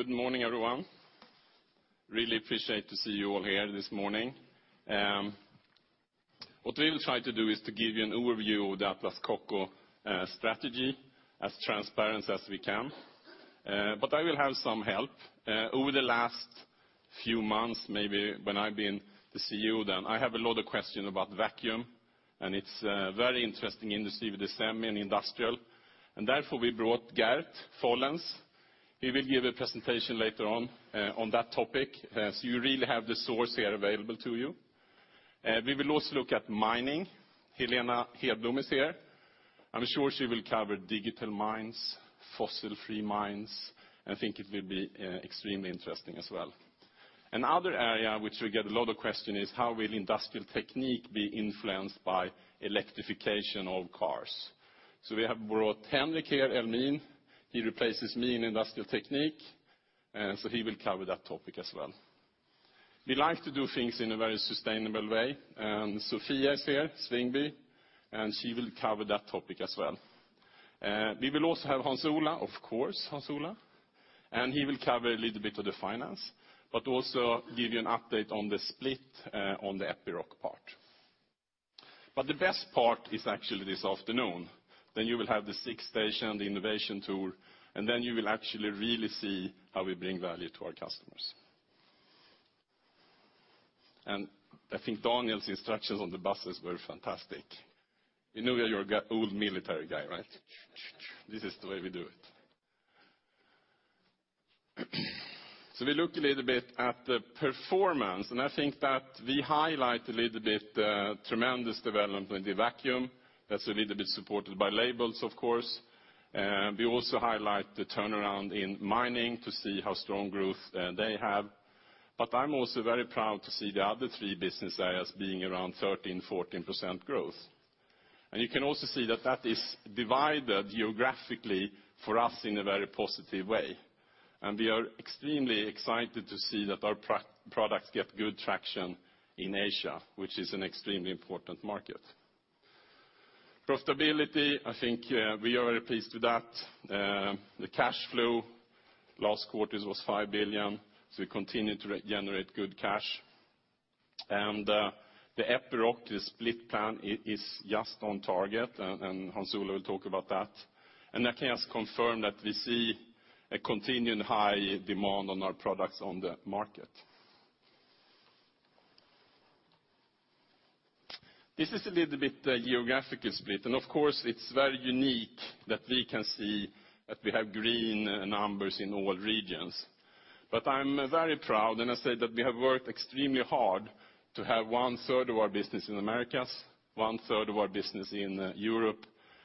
Good morning, everyone. Really appreciate to see you all here this morning. What we will try to do is to give you an overview of the Atlas Copco strategy, as transparent as we can. I will have some help. Over the last few months, maybe, when I've been the CEO, I have a lot of questions about Vacuum, and it's a very interesting industry with the semi and Industrial. Therefore, we brought Geert Follens. He will give a presentation later on that topic. You really have the source here available to you. We will also look at Mining. Helena Hedblom is here. I'm sure she will cover digital mines, fossil-free mines, and I think it will be extremely interesting as well. Another area which we get a lot of questions is how will Industrial Technique be influenced by electrification of cars. We have brought Henrik here, Elmin. He replaces me in Industrial Technique, he will cover that topic as well. We like to do things in a very sustainable way, Sofia is here, Svingby, she will cover that topic as well. We will also have Hans Ola, of course, Hans Ola, he will cover a little bit of the finance, but also give you an update on the split on the Epiroc part. The best part is actually this afternoon, you will have the six station, the innovation tour, you will actually really see how we bring value to our customers. I think Daniel's instructions on the buses were fantastic. We know you're a old military guy, right? This is the way we do it. We look a little bit at the performance, I think that we highlight a little bit the tremendous development with the Vacuum, that's a little bit supported by Leybold, of course. We also highlight the turnaround in Mining to see how strong growth they have. I'm also very proud to see the other three business areas being around 13, 14% growth. You can also see that that is divided geographically for us in a very positive way. We are extremely excited to see that our products get good traction in Asia, which is an extremely important market. Profitability, I think, we are very pleased with that. The cash flow last quarter was 5 billion, we continue to generate good cash. The Epiroc, the split plan, is just on target, Hans Ola will talk about that. I can just confirm that we see a continuing high demand on our products on the market. This is a little bit geographic split. Of course, it's very unique that we can see that we have green numbers in all regions. I'm very proud, I said that we have worked extremely hard to have one third of our business in Americas, one third of our business in Europe,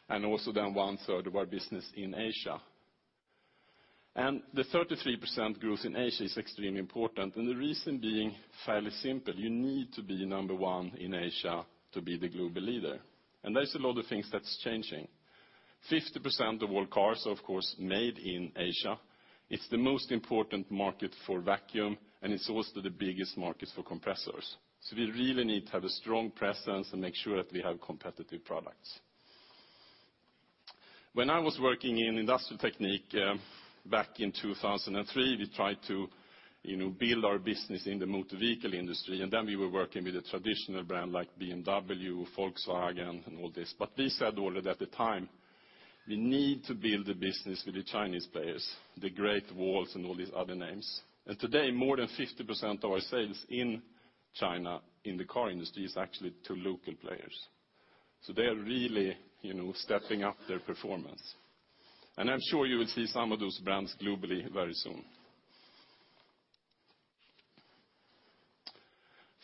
also one third of our business in Asia. The 33% growth in Asia is extremely important, the reason being fairly simple, you need to be number one in Asia to be the global leader. There's a lot of things that's changing. 50% of all cars, of course, made in Asia. It's the most important market for Vacuum, it's also the biggest market for Compressors. We really need to have a strong presence and make sure that we have competitive products. When I was working in Industrial Technique back in 2003, we tried to build our business in the motor vehicle industry, we were working with a traditional brand like BMW, Volkswagen and all this. We said already at the time, we need to build a business with the Chinese players, the Great Walls and all these other names. Today, more than 50% of our sales in China, in the car industry, is actually to local players. They are really stepping up their performance. I'm sure you will see some of those brands globally very soon.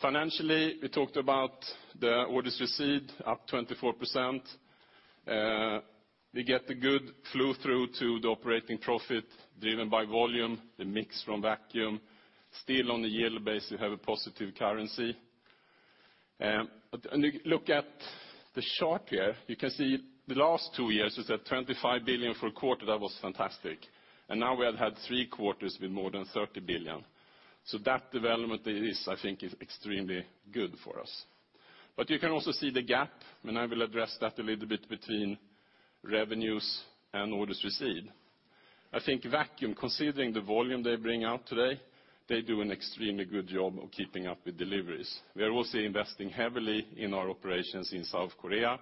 Financially, we talked about the orders received, up 24%. We get the good flow-through to the operating profit driven by volume, the mix from Vacuum. Still on a year base, we have a positive currency. When you look at the chart here, you can see the last two years was at 25 billion for a quarter. That was fantastic. Now we have had three quarters with more than 30 billion. That development is, I think, extremely good for us. You can also see the gap, and I will address that a little bit between revenues and orders received. I think Vacuum, considering the volume they bring out today, they do an extremely good job of keeping up with deliveries. We are also investing heavily in our operations in South Korea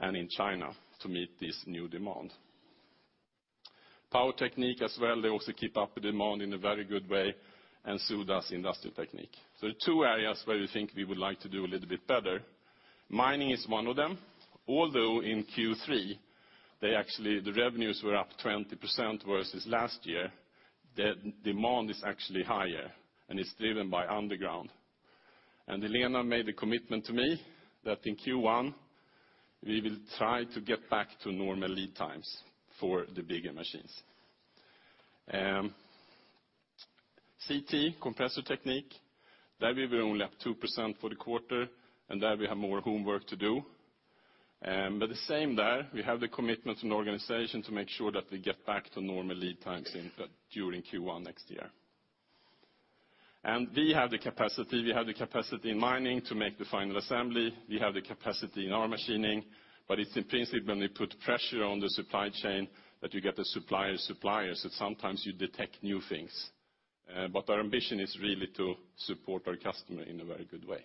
and in China to meet this new demand. Power Technique as well, they also keep up with demand in a very good way, and so does Industrial Technique. Two areas where we think we would like to do a little bit better. Mining is one of them. Although in Q3, the revenues were up 20% versus last year, the demand is actually higher, and it's driven by underground. Helena made a commitment to me that in Q1, we will try to get back to normal lead times for the bigger machines. CT, Compressor Technique, there we were only up 2% for the quarter, there we have more homework to do. The same there, we have the commitment from the organization to make sure that we get back to normal lead times during Q1 next year. We have the capacity in Mining to make the final assembly. We have the capacity in our machining, it's in principle, when we put pressure on the supply chain that you get the supplier's suppliers, that sometimes you detect new things. Our ambition is really to support our customer in a very good way.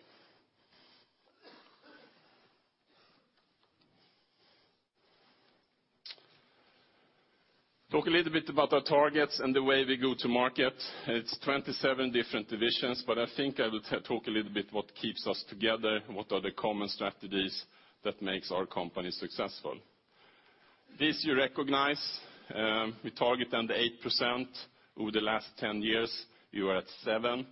Talk a little bit about our targets and the way we go to market, it's 27 different divisions, I think I will talk a little bit what keeps us together, what are the common strategies that makes our company successful. This you recognize, we target under 8%. Over the last 10 years, we were at 7%.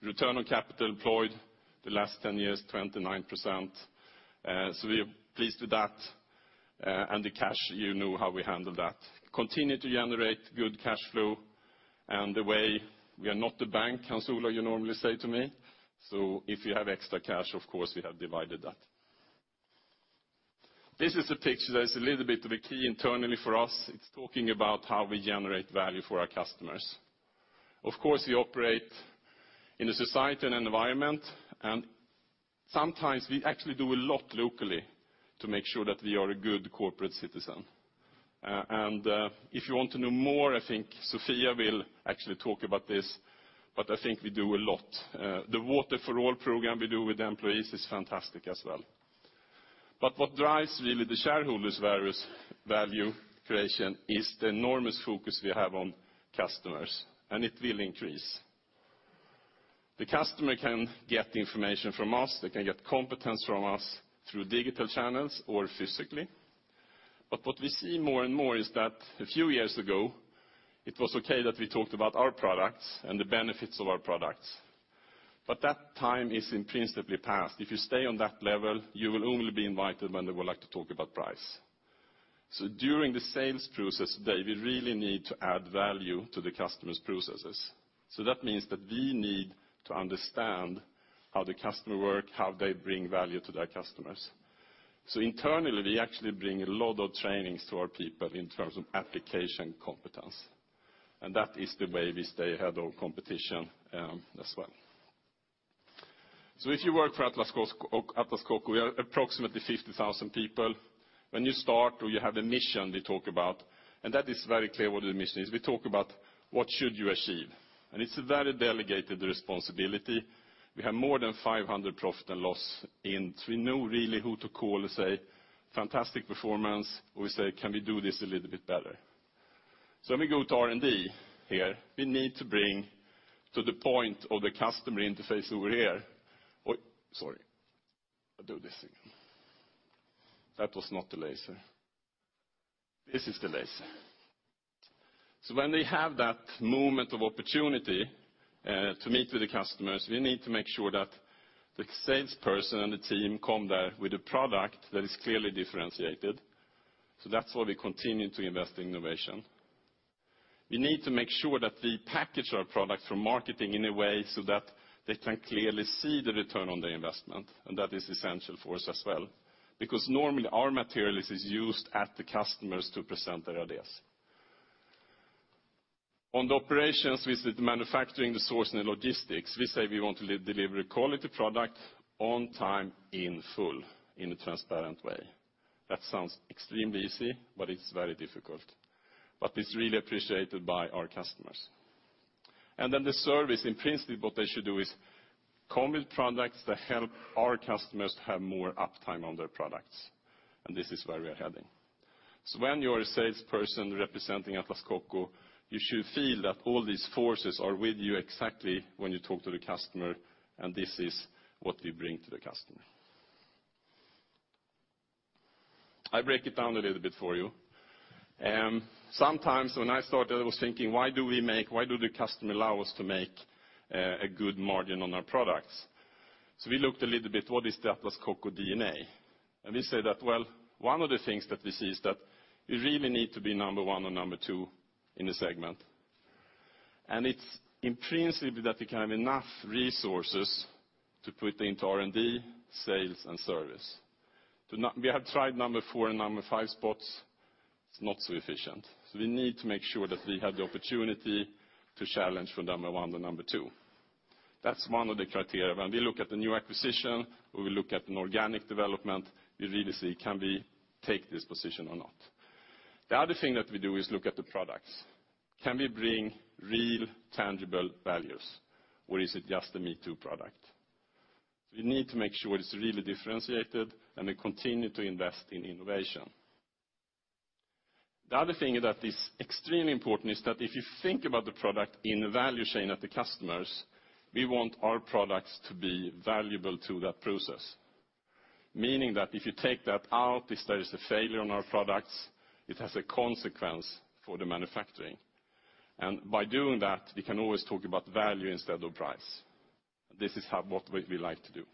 Return on capital employed the last 10 years, 29%, we are pleased with that. The cash, you know how we handle that. Continue to generate good cash flow. The way we are not a bank, Hans Ola, you normally say to me. If you have extra cash, of course, we have divided that. This is a picture that is a little bit of a key internally for us. It's talking about how we generate value for our customers. Of course, we operate in a society and environment, and sometimes we actually do a lot locally to make sure that we are a good corporate citizen. If you want to know more, I think Sofia will actually talk about this, but I think we do a lot. The Water for All program we do with the employees is fantastic as well. What drives really the shareholders value creation is the enormous focus we have on customers, and it will increase. The customer can get information from us, they can get competence from us through digital channels or physically. What we see more and more is that a few years ago, it was okay that we talked about our products and the benefits of our products. That time is in principle passed. If you stay on that level, you will only be invited when they would like to talk about price. During the sales process day, we really need to add value to the customer's processes. That means that we need to understand how the customer work, how they bring value to their customers. Internally, we actually bring a lot of trainings to our people in terms of application competence, and that is the way we stay ahead of competition as well. If you work for Atlas Copco, we are approximately 50,000 people. When you start, or you have a mission we talk about. That is very clear what the mission is. We talk about what should you achieve, and it's a very delegated responsibility. We have more than 500 profit and loss, and we know really who to call to say, "Fantastic performance." We say, "Can we do this a little bit better?" Let me go to R&D here. We need to bring to the point of the customer interface over here. Sorry, I'll do this again. That was not the laser. This is the laser. When we have that moment of opportunity to meet with the customers, we need to make sure that the salesperson and the team come there with a product that is clearly differentiated. That's why we continue to invest in innovation. We need to make sure that we package our products from marketing in a way so that they can clearly see the return on their investment. That is essential for us as well. Normally, our material is used at the customers to present their ideas. On the operations with the manufacturing, the source, and the logistics, we say we want to deliver a quality product on time, in full, in a transparent way. That sounds extremely easy, but it's very difficult. It's really appreciated by our customers. Then the service, in principle, what they should do is come with products that help our customers to have more uptime on their products. This is where we are heading. When you are a salesperson representing Atlas Copco, you should feel that all these forces are with you exactly when you talk to the customer, and this is what we bring to the customer. I break it down a little bit for you. Sometimes when I started, I was thinking, "Why do the customer allow us to make a good margin on our products?" We looked a little bit, what is the Atlas Copco DNA? We say that, well, one of the things that we see is that we really need to be number 1 or number 2 in the segment. It's principally that we can have enough resources to put into R&D, sales, and service. We have tried number 4 and number 5 spots, it's not so efficient. We need to make sure that we have the opportunity to challenge for number 1 and number 2. That's one of the criteria. When we look at the new acquisition, or we look at an organic development, we really see, can we take this position or not? The other thing that we do is look at the products. Can we bring real tangible values, or is it just a me-too product? We need to make sure it's really differentiated, we continue to invest in innovation. The other thing that is extremely important is that if you think about the product in the value chain at the customers, we want our products to be valuable to that process. Meaning that if you take that out, if there is a failure on our products, it has a consequence for the manufacturing. By doing that, we can always talk about value instead of price. This is what we like to do.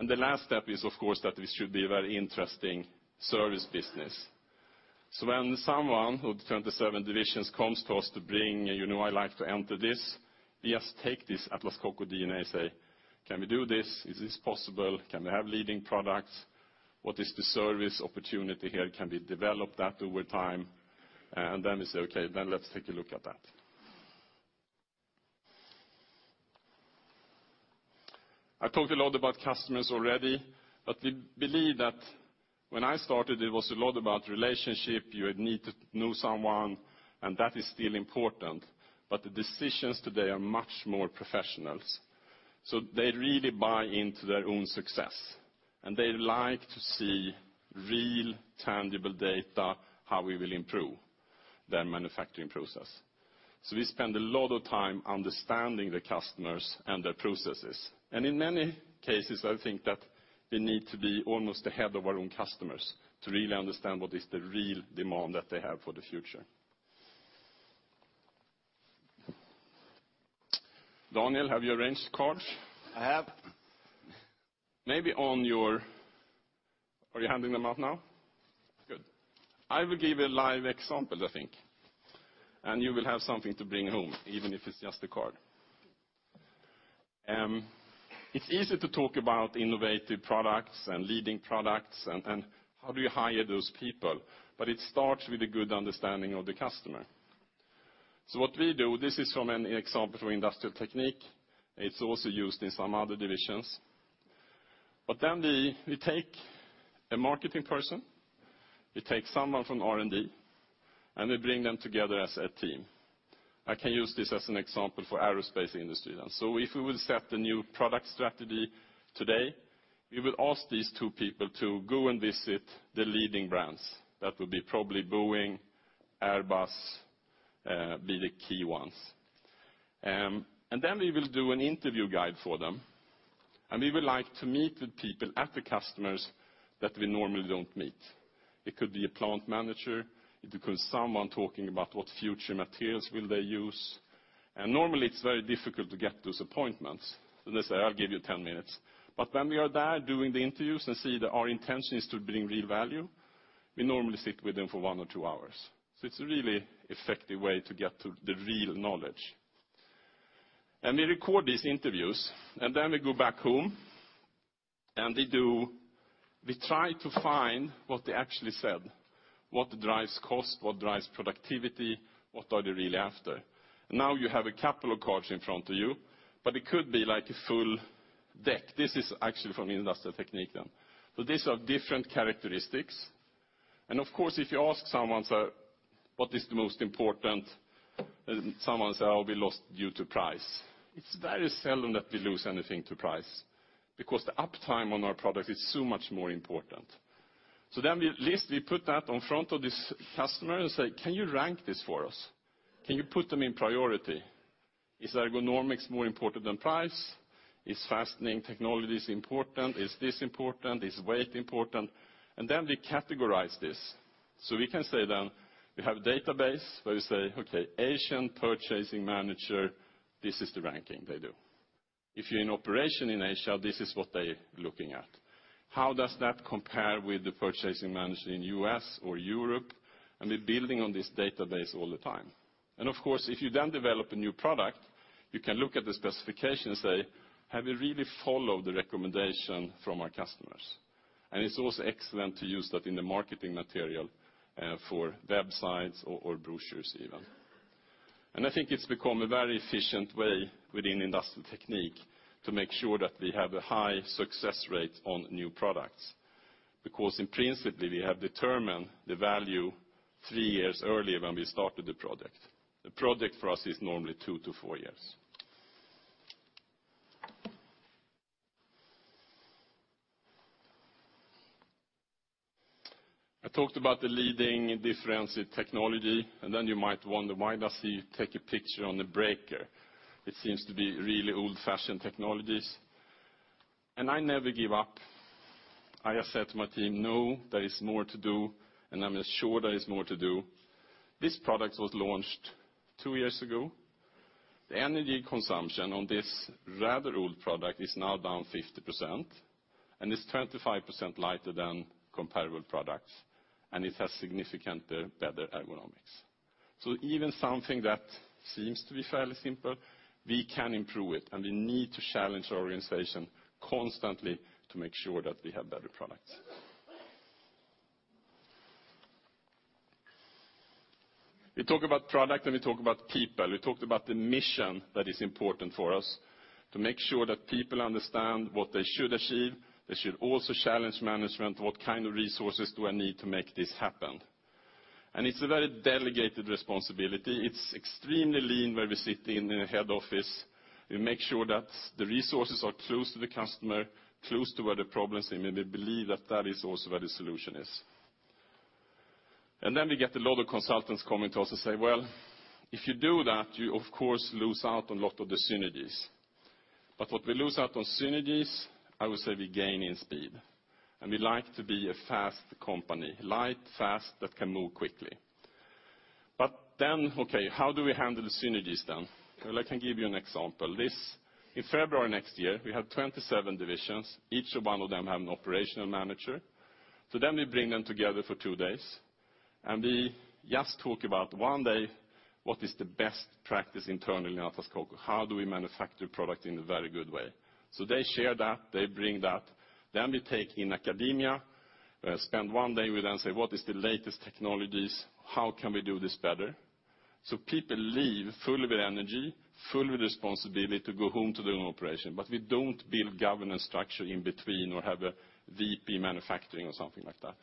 The last step is of course, that we should be a very interesting service business. When someone who, 27 divisions comes to us to bring, I like to enter this, we just take this Atlas Copco DNA say, "Can we do this? Is this possible? Can we have leading products?" What is the service opportunity here? Can we develop that over time? Then we say, "Okay, then let's take a look at that." I talked a lot about customers already, but we believe that when I started, it was a lot about relationship. You need to know someone, and that is still important, but the decisions today are much more professionals. They really buy into their own success, and they like to see real tangible data, how we will improve their manufacturing process. We spend a lot of time understanding the customers and their processes. In many cases, I think that we need to be almost ahead of our own customers to really understand what is the real demand that they have for the future. Daniel, have you arranged cards? I have. Maybe on your Are you handing them out now? Good. I will give a live example, I think, and you will have something to bring home, even if it's just a card. It's easy to talk about innovative products and leading products and how do you hire those people, but it starts with a good understanding of the customer. What we do, this is from an example from Industrial Technique. It's also used in some other divisions. We take a marketing person, we take someone from R&D, and we bring them together as a team. I can use this as an example for aerospace industry. If we will set the new product strategy today, we will ask these two people to go and visit the leading brands. That would be probably Boeing, Airbus, be the key ones. We will do an interview guide for them, and we would like to meet the people at the customers that we normally don't meet. It could be a plant manager. It could be someone talking about what future materials will they use. Normally, it's very difficult to get those appointments, and they say, "I'll give you 10 minutes." When we are there doing the interviews and see that our intention is to bring real value, we normally sit with them for one or two hours. It's a really effective way to get to the real knowledge. We record these interviews, and we go back home, and we try to find what they actually said, what drives cost, what drives productivity, what are they really after. You have a couple of cards in front of you, it could be like a full deck. This is actually from Industrial Technique. These are different characteristics. Of course, if you ask someone, what is the most important? Someone say, "Oh, we lost due to price." It's very seldom that we lose anything to price because the uptime on our product is so much more important. We list, we put that in front of this customer and say, "Can you rank this for us? Can you put them in priority? Is ergonomics more important than price? Is fastening technologies important? Is this important? Is weight important?" We categorize this. We can say we have a database where we say, okay, Asian purchasing manager, this is the ranking they do. If you're in operation in Asia, this is what they're looking at. How does that compare with the purchasing manager in U.S. or Europe? We're building on this database all the time. Of course, if you then develop a new product, you can look at the specification and say, have you really followed the recommendation from our customers? It's also excellent to use that in the marketing material for websites or brochures even. I think it's become a very efficient way within Industrial Technique to make sure that we have a high success rate on new products because in principally, we have determined the value three years earlier when we started the project. The project for us is normally two to four years. I talked about the leading difference in technology, then you might wonder, why does he take a picture on the breaker? It seems to be really old-fashioned technologies. I never give up. I have said to my team, "No, there is more to do," and I'm sure there is more to do. This product was launched two years ago. The energy consumption on this rather old product is now down 50% and is 25% lighter than comparable products, and it has significantly better ergonomics. Even something that seems to be fairly simple, we can improve it, and we need to challenge our organization constantly to make sure that we have better products. We talk about product, and we talk about people. We talked about the mission that is important for us to make sure that people understand what they should achieve. They should also challenge management, what kind of resources do I need to make this happen. It's a very delegated responsibility. It's extremely lean where we sit in the head office. We make sure that the resources are close to the customer, close to where the problems seem, and we believe that that is also where the solution is. Then we get a lot of consultants coming to us and say, "Well, if you do that, you of course lose out on a lot of the synergies." What we lose out on synergies, I would say we gain in speed, and we like to be a fast company, light, fast, that can move quickly. Okay, how do we handle the synergies then? Well, I can give you an example. In February next year, we have 27 divisions. Each one of them have an operational manager. We bring them together for two days. We just talk about one day, what is the best practice internally in Atlas Copco? How do we manufacture product in a very good way? They share that, they bring that. We take in academia, spend one day, we then say, "What is the latest technologies? How can we do this better?" People leave full with energy, full with responsibility to go home to their own operation. We don't build governance structure in between or have a VP manufacturing or something like that.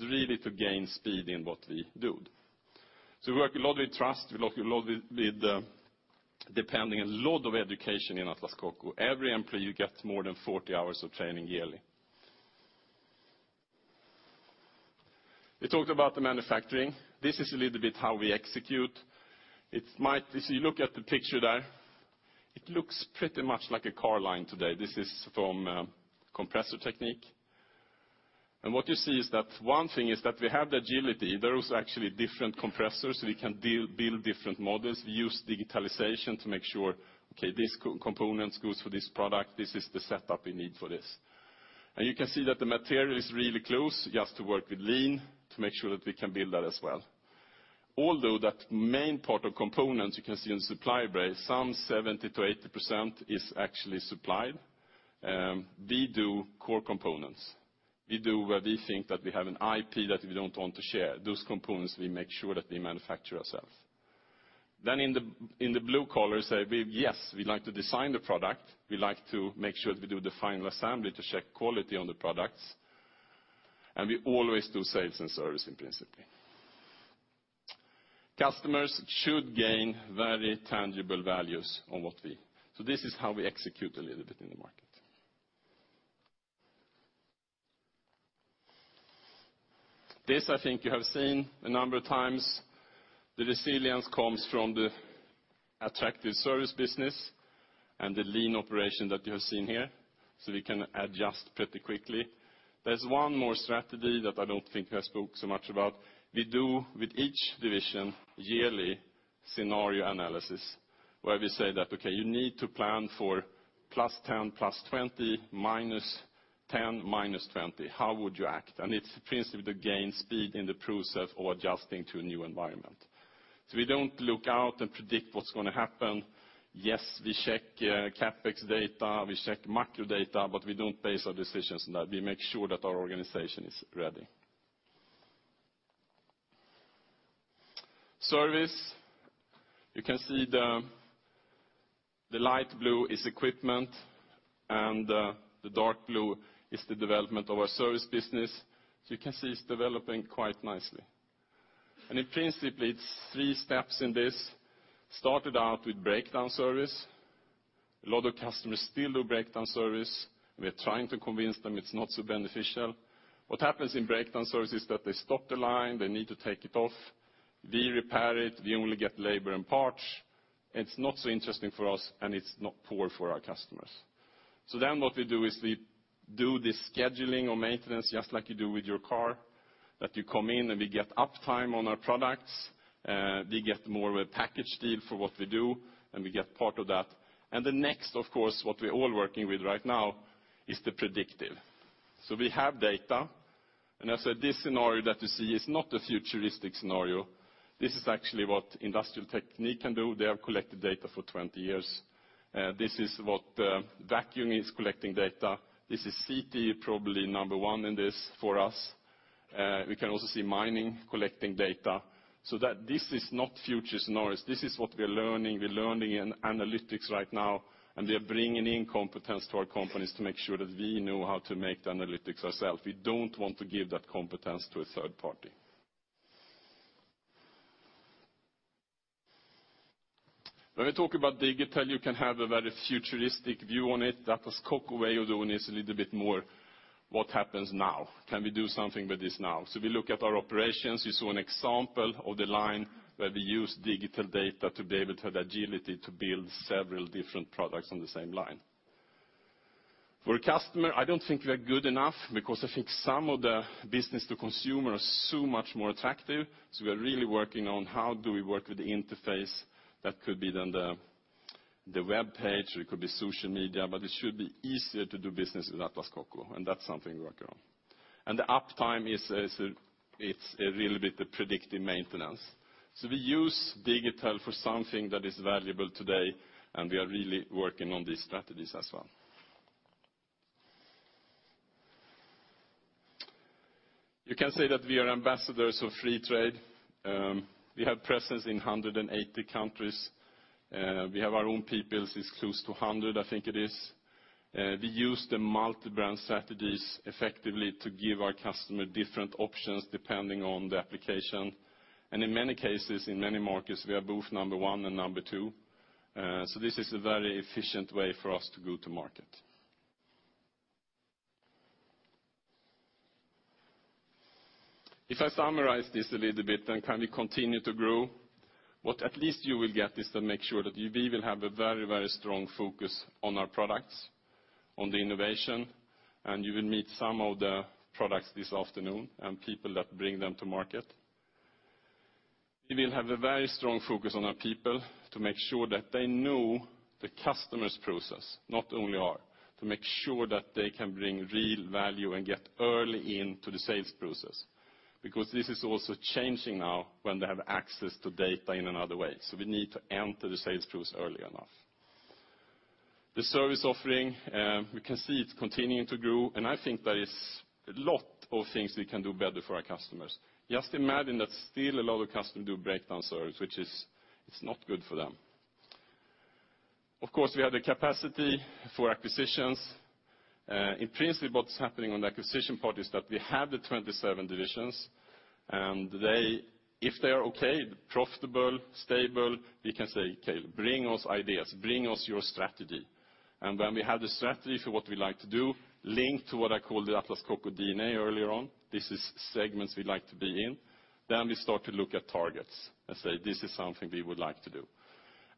Really to gain speed in what we do. We work a lot with trust, a lot with depending, a lot of education in Atlas Copco. Every employee you get more than 40 hours of training yearly. We talked about the manufacturing. This is a little bit how we execute. If you look at the picture there, it looks pretty much like a car line today. This is from Compressor Technique. What you see is that one thing is that we have the agility. There is actually different compressors. We can build different models. We use digitalization to make sure, okay, this component goes for this product. This is the setup we need for this. You can see that the material is really close, we have to work with lean to make sure that we can build that as well. Although that main part of components you can see in supply base, some 70%-80% is actually supplied. We do core components. We do where we think that we have an IP that we don't want to share. Those components, we make sure that we manufacture ourselves. In the blue color, say we, yes, we like to design the product. We like to make sure that we do the final assembly to check quality on the products. We always do sales and service in principally. Customers should gain very tangible values on what we. This is how we execute a little bit in the market. This, I think you have seen a number of times. The resilience comes from the attractive service business and the lean operation that you have seen here. We can adjust pretty quickly. There's one more strategy that I don't think I spoke so much about. We do with each division yearly scenario analysis, where we say that, "Okay, you need to plan for +10, +20, -10, -20. How would you act?" It's principally to gain speed in the process of adjusting to a new environment. We don't look out and predict what's going to happen. Yes, we check CapEx data, we check macro data, but we don't base our decisions on that. We make sure that our organization is ready. Service, you can see the light blue is equipment and the dark blue is the development of our service business. You can see it's developing quite nicely. In principally, it's three steps in this. Started out with breakdown service. A lot of customers still do breakdown service. We are trying to convince them it's not so beneficial. What happens in breakdown service is that they stop the line, they need to take it off. We repair it. We only get labor and parts. It's not so interesting for us, and it's not poor for our customers. What we do is we do the scheduling or maintenance, just like you do with your car, that you come in and we get uptime on our products. We get more of a package deal for what we do, and we get part of that. The next, of course, what we're all working with right now is the predictive. We have data, and I said, this scenario that you see is not a futuristic scenario. This is actually what Industrial Technique can do. They have collected data for 20 years. This is what Vacuum is collecting data. This is CT, probably number one in this for us. We can also see Mining, collecting data, so that this is not future scenarios. This is what we are learning. We're learning in analytics right now, and we are bringing in competence to our companies to make sure that we know how to make the analytics ourself. We don't want to give that competence to a third party. When we talk about digital, you can have a very futuristic view on it. Atlas Copco way of doing is a little bit more, what happens now? Can we do something with this now? We look at our operations. You saw an example of the line where we use digital data to be able to have agility to build several different products on the same line. For a customer, I don't think we are good enough because I think some of the business to consumer are so much more attractive. We are really working on how do we work with the interface. That could be then the webpage, or it could be social media, but it should be easier to do business with Atlas Copco, and that's something we're working on. The uptime is, it's a little bit the predictive maintenance. We use digital for something that is valuable today, and we are really working on these strategies as well. You can say that we are ambassadors of free trade. We have presence in 180 countries. We have our own people, is close to 100, I think it is. We use the multi-brand strategies effectively to give our customer different options depending on the application. In many cases, in many markets, we are both number one and number two. This is a very efficient way for us to go to market. If I summarize this a little bit, can we continue to grow? What at least you will get is to make sure that we will have a very strong focus on our products, on the innovation, and you will meet some of the products this afternoon and people that bring them to market. We will have a very strong focus on our people to make sure that they know the customer's process, not only ours, to make sure that they can bring real value and get early into the sales process, because this is also changing now when they have access to data in another way. We need to enter the sales process early enough. The service offering we can see it's continuing to grow, and I think there is a lot of things we can do better for our customers. Just imagine that still a lot of customers do breakdown service, which is not good for them. Of course, we have the capacity for acquisitions. In principle, what's happening on the acquisition part is that we have the 27 divisions, and if they are okay, profitable, stable, we can say, "Okay, bring us ideas, bring us your strategy." When we have the strategy for what we like to do, linked to what I called the Atlas Copco DNA earlier on, this is segments we like to be in, we start to look at targets and say, "This is something we would like to do."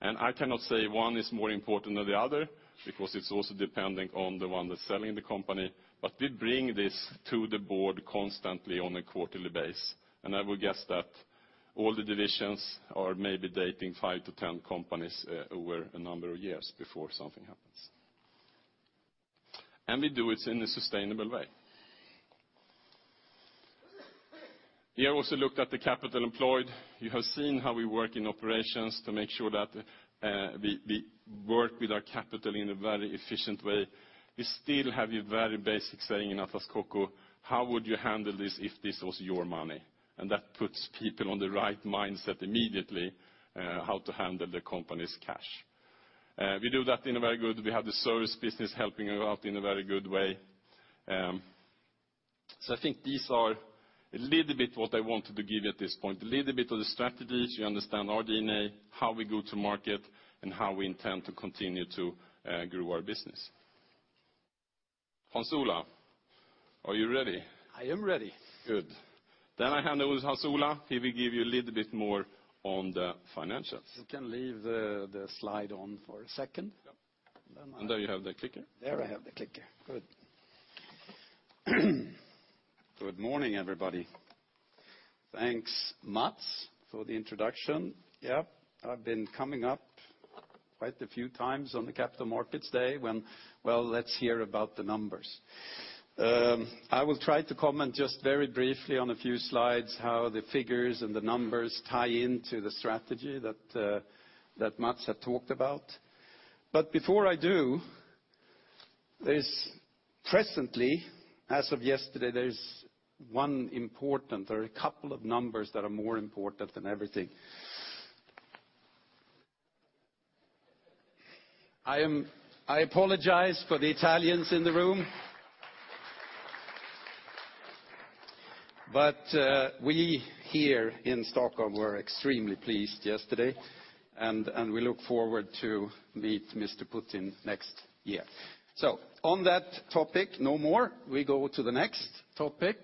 I cannot say one is more important than the other, because it's also dependent on the one that's selling the company, but we bring this to the board constantly on a quarterly basis. I would guess that all the divisions are maybe dating 5-10 companies over a number of years before something happens. We do it in a sustainable way. We have also looked at the capital employed. You have seen how we work in operations to make sure that we work with our capital in a very efficient way. We still have a very basic saying in Atlas Copco, how would you handle this if this was your money? That puts people on the right mindset immediately how to handle the company's cash. We have the service business helping out in a very good way. I think these are a little bit what I wanted to give at this point, a little bit of the strategies, you understand our DNA, how we go to market, and how we intend to continue to grow our business. Hans Ola, are you ready? I am ready. Good. I hand over to Hans Ola. He will give you a little bit more on the financials. You can leave the slide on for a second. Yep. Then I- there you have the clicker. There I have the clicker. Good. Good morning, everybody. Thanks, Mats, for the introduction. Yeah, I've been coming up quite a few times on the Capital Markets Day when, well, let's hear about the numbers. I will try to comment just very briefly on a few slides how the figures and the numbers tie into the strategy that Mats had talked about. Before I do, presently, as of yesterday, there is one important or a couple of numbers that are more important than everything. I apologize for the Italians in the room. We here in Stockholm were extremely pleased yesterday, and we look forward to meet Mr. Putin next year. On that topic no more. We go to the next topic,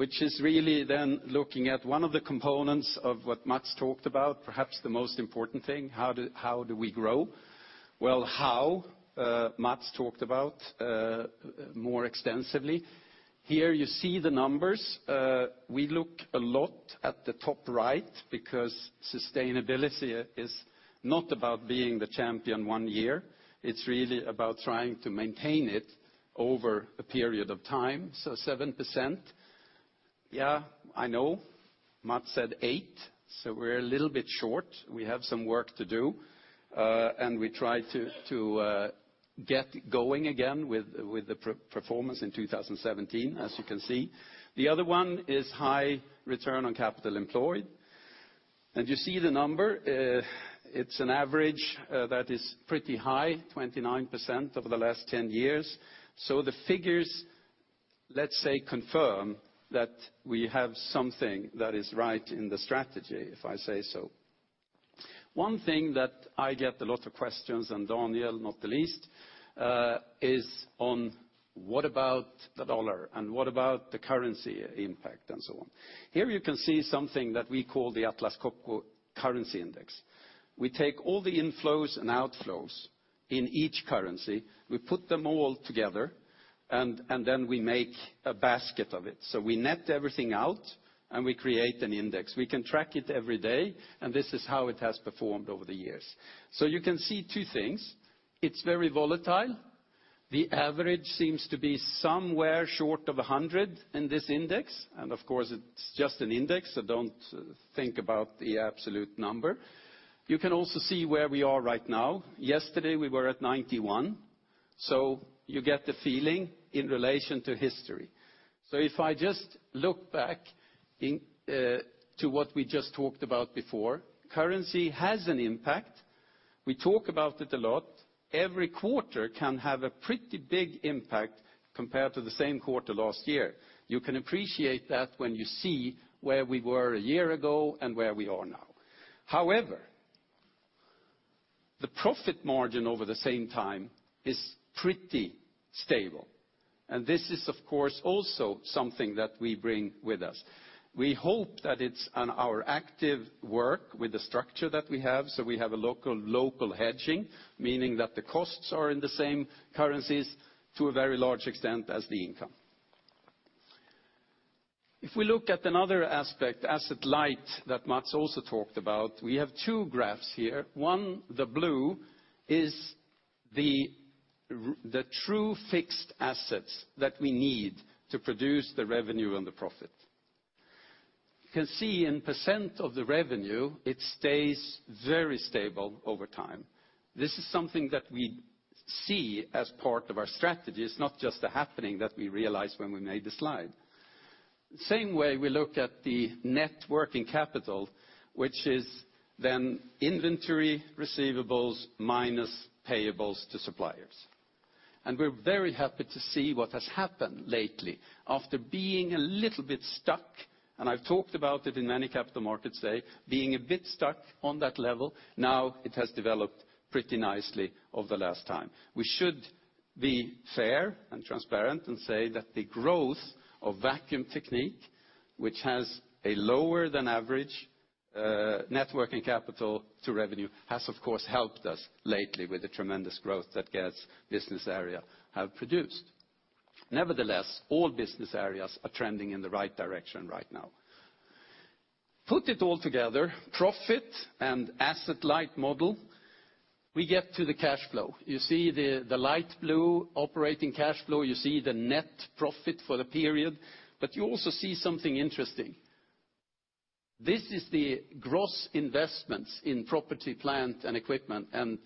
which is really then looking at one of the components of what Mats talked about, perhaps the most important thing, how do we grow? Well, how Mats talked about more extensively. Here you see the numbers. We look a lot at the top right because sustainability is not about being the champion one year. It's really about trying to maintain it over a period of time. 7%. Yeah, I know, Mats said eight, so we're a little bit short. We have some work to do. We try to get going again with the performance in 2017, as you can see. The other one is high return on capital employed. You see the number it's an average that is pretty high, 29% over the last 10 years. The figures, let's say, confirm that we have something that is right in the strategy, if I say so. One thing that I get a lot of questions, Daniel not the least is on what about the SEK and what about the currency impact and so on. Here you can see something that we call the Atlas Copco currency index. We take all the inflows and outflows in each currency, we put them all together, and then we make a basket of it. We net everything out, and we create an index. We can track it every day, and this is how it has performed over the years. You can see two things. It is very volatile. The average seems to be somewhere short of 100 in this index. Of course, it is just an index, so don't think about the absolute number. You can also see where we are right now. Yesterday, we were at 91, so you get the feeling in relation to history. If I just look back to what we just talked about before, currency has an impact. We talk about it a lot. Every quarter can have a pretty big impact compared to the same quarter last year. You can appreciate that when you see where we were a year ago and where we are now. However, the profit margin over the same time is pretty stable. This is, of course, also something that we bring with us. We hope that it is our active work with the structure that we have. We have a local hedging, meaning that the costs are in the same currencies to a very large extent as the income. If we look at another aspect, asset light, that Mats also talked about, we have two graphs here. One, the blue is the true fixed assets that we need to produce the revenue and the profit. You can see in % of the revenue, it stays very stable over time. This is something that we see as part of our strategy. It is not just a happening that we realized when we made the slide. Same way we looked at the net working capital, which is then inventory receivables minus payables to suppliers. We are very happy to see what has happened lately after being a little bit stuck, and I have talked about it in many Capital Markets Day, being a bit stuck on that level. Now it has developed pretty nicely over the last time. We should be fair and transparent and say that the growth of Vacuum Technique, which has a lower than average net working capital to revenue, has, of course, helped us lately with the tremendous growth that Geert's business area have produced. Nevertheless, all business areas are trending in the right direction right now. Put it all together, profit and asset light model, we get to the cash flow. You see the light blue operating cash flow. You see the net profit for the period, but you also see something interesting. This is the gross investments in property, plant, and equipment, and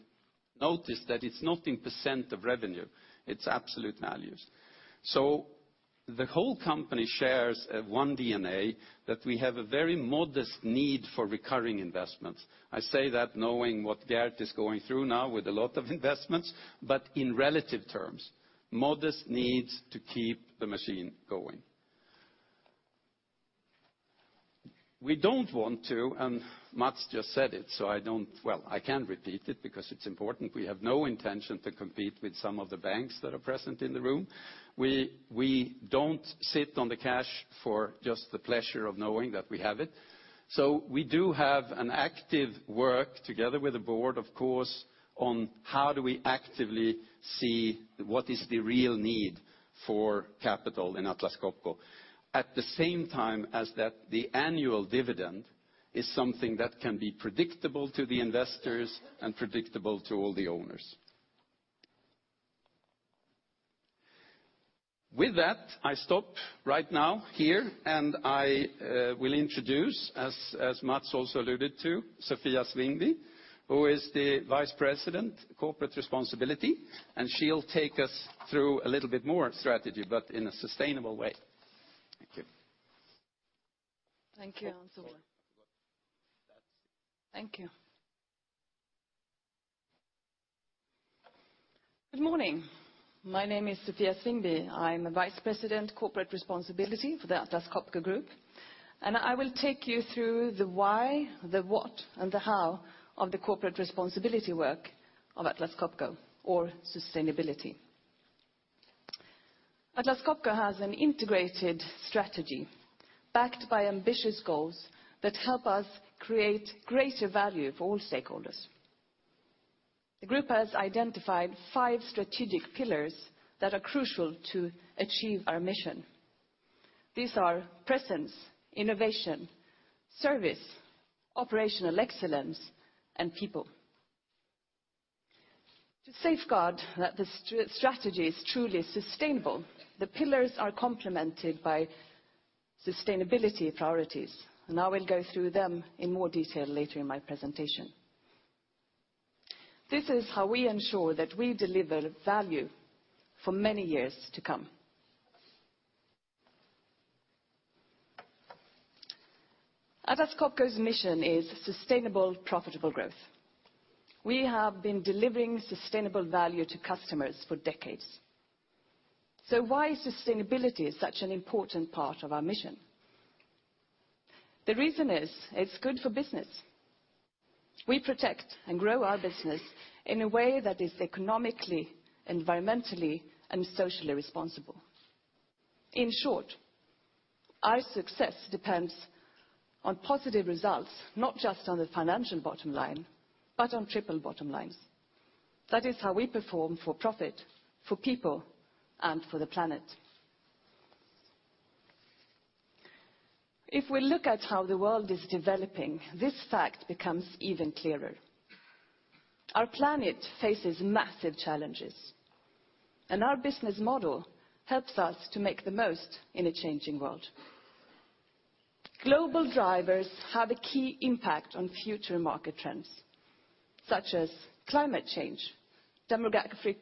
notice that it is not in % of revenue, it is absolute values. The whole company shares one DNA that we have a very modest need for recurring investments. I say that knowing what Geert is going through now with a lot of investments, but in relative terms, modest needs to keep the machine going. We don't want to, and Mats just said it, I can repeat it because it's important. We have no intention to compete with some of the banks that are present in the room. We don't sit on the cash for just the pleasure of knowing that we have it. We do have an active work together with the board, of course, on how do we actively see what is the real need for capital in Atlas Copco? At the same time as that, the annual dividend is something that can be predictable to the investors and predictable to all the owners. With that, I stop right now here. I will introduce, as Mats also alluded to, Sofia Svingby, who is the Vice President, Corporate Responsibility. She'll take us through a little bit more strategy, but in a sustainable way. Thank you. Thank you, Hans Ola. Thank you. Good morning. My name is Sofia Svingby. I'm the Vice President, Corporate Responsibility for the Atlas Copco Group. I will take you through the why, the what, and the how of the corporate responsibility work of Atlas Copco or sustainability. Atlas Copco has an integrated strategy backed by ambitious goals that help us create greater value for all stakeholders. The group has identified five strategic pillars that are crucial to achieve our mission. These are presence, innovation, service, operational excellence, and people. To safeguard that the strategy is truly sustainable, the pillars are complemented by sustainability priorities. I will go through them in more detail later in my presentation. This is how we ensure that we deliver value for many years to come. Atlas Copco's mission is sustainable, profitable growth. We have been delivering sustainable value to customers for decades. Why is sustainability such an important part of our mission? The reason is it's good for business. We protect and grow our business in a way that is economically, environmentally, and socially responsible. In short, our success depends on positive results, not just on the financial bottom line, but on triple bottom lines. That is how we perform for profit, for people, and for the planet. If we look at how the world is developing, this fact becomes even clearer. Our planet faces massive challenges. Our business model helps us to make the most in a changing world. Global drivers have a key impact on future market trends, such as climate change, demographic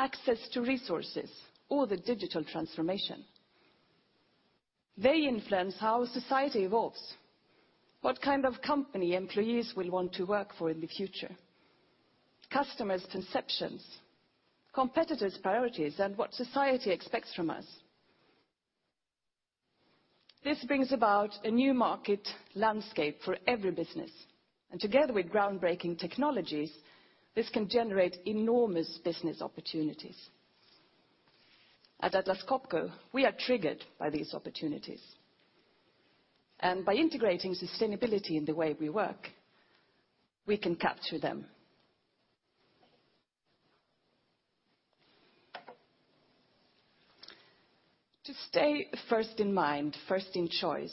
shifts, access to resources, or the digital transformation. They influence how society evolves, what kind of company employees will want to work for in the future, customers' conceptions, competitors' priorities, and what society expects from us. This brings about a new market landscape for every business, and together with groundbreaking technologies, this can generate enormous business opportunities. At Atlas Copco, we are triggered by these opportunities, and by integrating sustainability in the way we work, we can capture them. To stay first in mind, first in choice,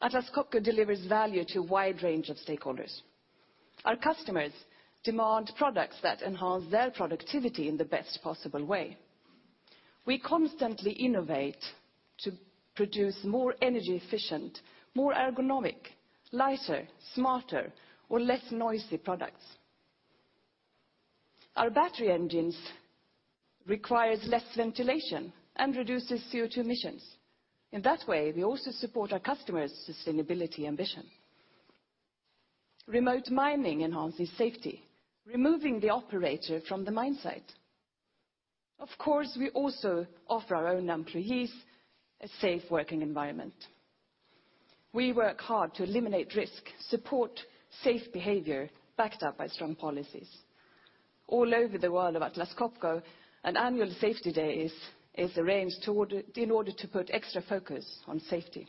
Atlas Copco delivers value to a wide range of stakeholders. Our customers demand products that enhance their productivity in the best possible way. We constantly innovate to produce more energy efficient, more ergonomic, lighter, smarter, or less noisy products. Our battery engines requires less ventilation and reduces CO2 emissions. In that way, we also support our customers' sustainability ambition. Remote mining enhances safety, removing the operator from the mine site. Of course, we also offer our own employees a safe working environment. We work hard to eliminate risk, support safe behavior, backed up by strong policies. All over the world of Atlas Copco, an annual safety day is arranged in order to put extra focus on safety.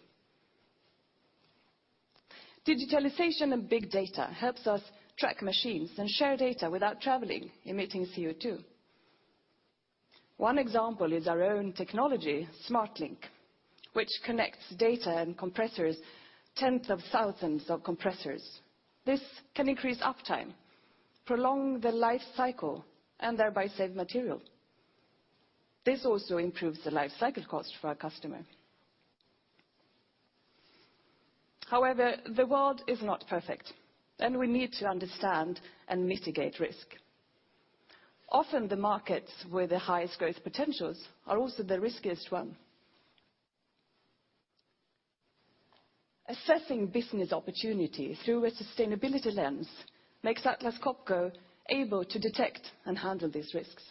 Digitalization and big data helps us track machines and share data without traveling, emitting CO2. One example is our own technology, SMARTLINK, which connects data and compressors, tens of thousands of compressors. This can increase uptime, prolong the life cycle, and thereby save material. This also improves the life cycle cost for our customer. However, the world is not perfect, and we need to understand and mitigate risk. Often, the markets with the highest growth potentials are also the riskiest one. Assessing business opportunity through a sustainability lens makes Atlas Copco able to detect and handle these risks.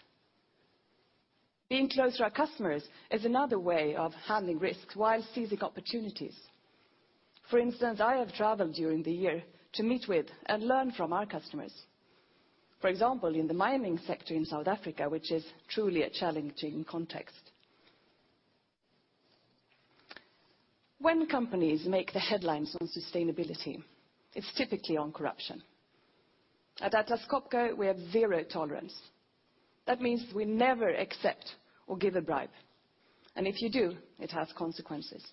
Being close to our customers is another way of handling risks while seizing opportunities. For instance, I have traveled during the year to meet with and learn from our customers. For example, in the mining sector in South Africa, which is truly a challenging context. When companies make the headlines on sustainability, it is typically on corruption. At Atlas Copco, we have zero tolerance. That means we never accept or give a bribe, and if you do, it has consequences.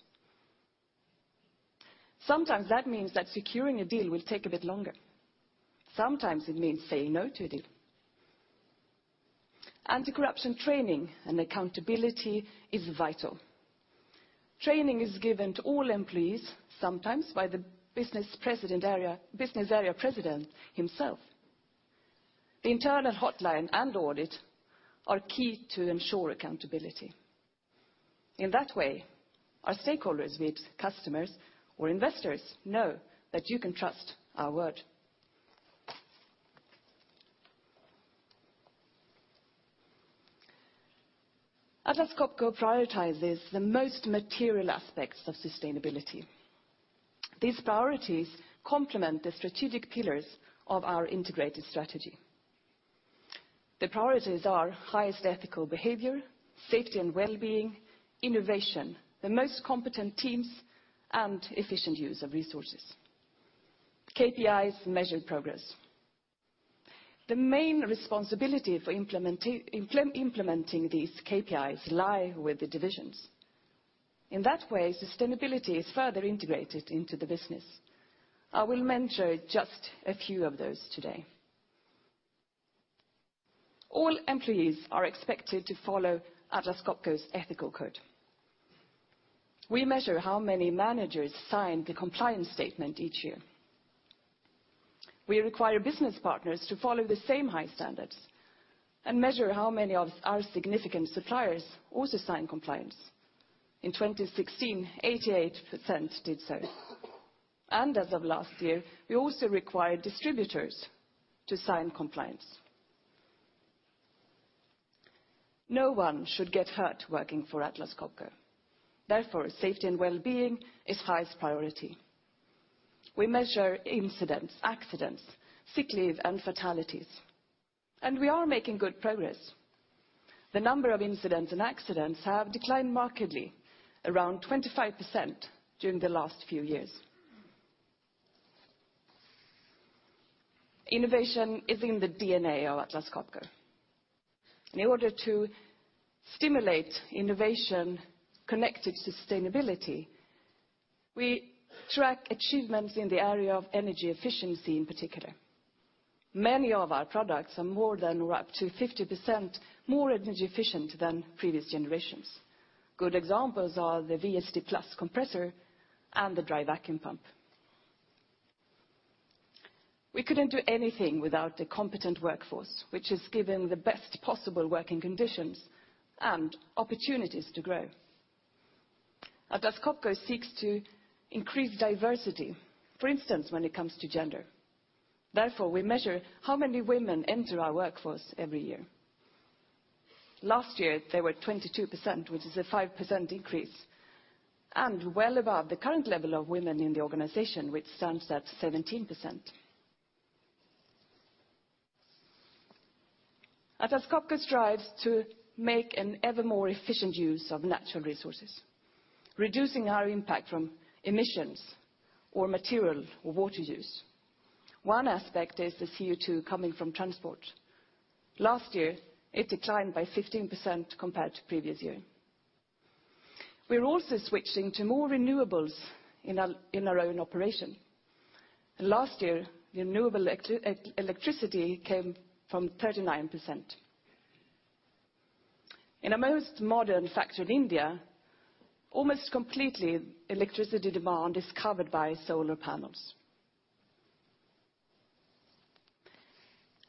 Sometimes that means that securing a deal will take a bit longer. Sometimes it means saying no to a deal. Anti-corruption training and accountability is vital. Training is given to all employees, sometimes by the Business Area President himself. The internal hotline and audit are key to ensure accountability. In that way, our stakeholders, be it customers or investors, know that you can trust our word. Atlas Copco prioritizes the most material aspects of sustainability. These priorities complement the strategic pillars of our integrated strategy. The priorities are highest ethical behavior, safety and wellbeing, innovation, the most competent teams, and efficient use of resources. KPIs measure progress. The main responsibility for implementing these KPIs lie with the divisions. In that way, sustainability is further integrated into the business. I will mention just a few of those today. All employees are expected to follow Atlas Copco's ethical code. We measure how many managers sign the compliance statement each year. We require business partners to follow the same high standards and measure how many of our significant suppliers also sign compliance. In 2016, 88% did so. As of last year, we also required distributors to sign compliance. No one should get hurt working for Atlas Copco. Therefore, safety and wellbeing is highest priority. We measure incidents, accidents, sick leave, and fatalities, and we are making good progress. The number of incidents and accidents have declined markedly, around 25% during the last few years. Innovation is in the DNA of Atlas Copco. In order to stimulate innovation-connected sustainability, we track achievements in the area of energy efficiency in particular. Many of our products are more than or up to 50% more energy efficient than previous generations. Good examples are the VSD+ compressor and the dry vacuum pump. We couldn't do anything without the competent workforce, which is given the best possible working conditions and opportunities to grow. Atlas Copco seeks to increase diversity, for instance, when it comes to gender. We measure how many women enter our workforce every year. Last year, they were 22%, which is a 5% increase, and well above the current level of women in the organization, which stands at 17%. Atlas Copco strives to make an ever more efficient use of natural resources, reducing our impact from emissions or material or water use. One aspect is the CO2 coming from transport. Last year, it declined by 15% compared to previous year. Also switching to more renewables in our own operation. Last year, renewable electricity came from 39%. In our most modern factory in India, almost completely electricity demand is covered by solar panels.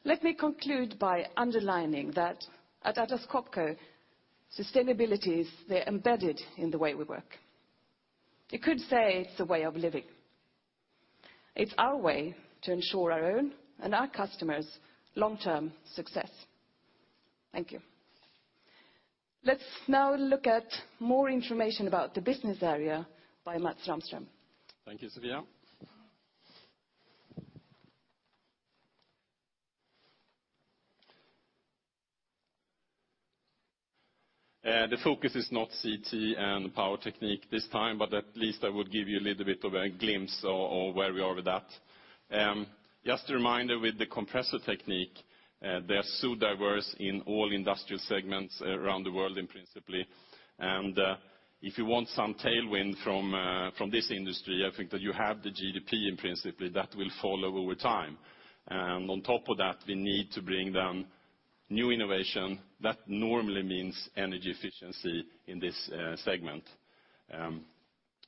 Let me conclude by underlining that at Atlas Copco, sustainability is embedded in the way we work. You could say it's a way of living. It's our way to ensure our own and our customers' long-term success. Thank you. Let's now look at more information about the business area by Mats Rahmström. Thank you, Sofia. The focus is not CT and Power Technique this time. At least I would give you a little bit of a glimpse of where we are with that. Just a reminder, with the Compressor Technique, they are so diverse in all industrial segments around the world, in principle. If you want some tailwind from this industry, I think that you have the GDP, in principle, that will follow over time. On top of that, we need to bring down new innovation. That normally means energy efficiency in this segment.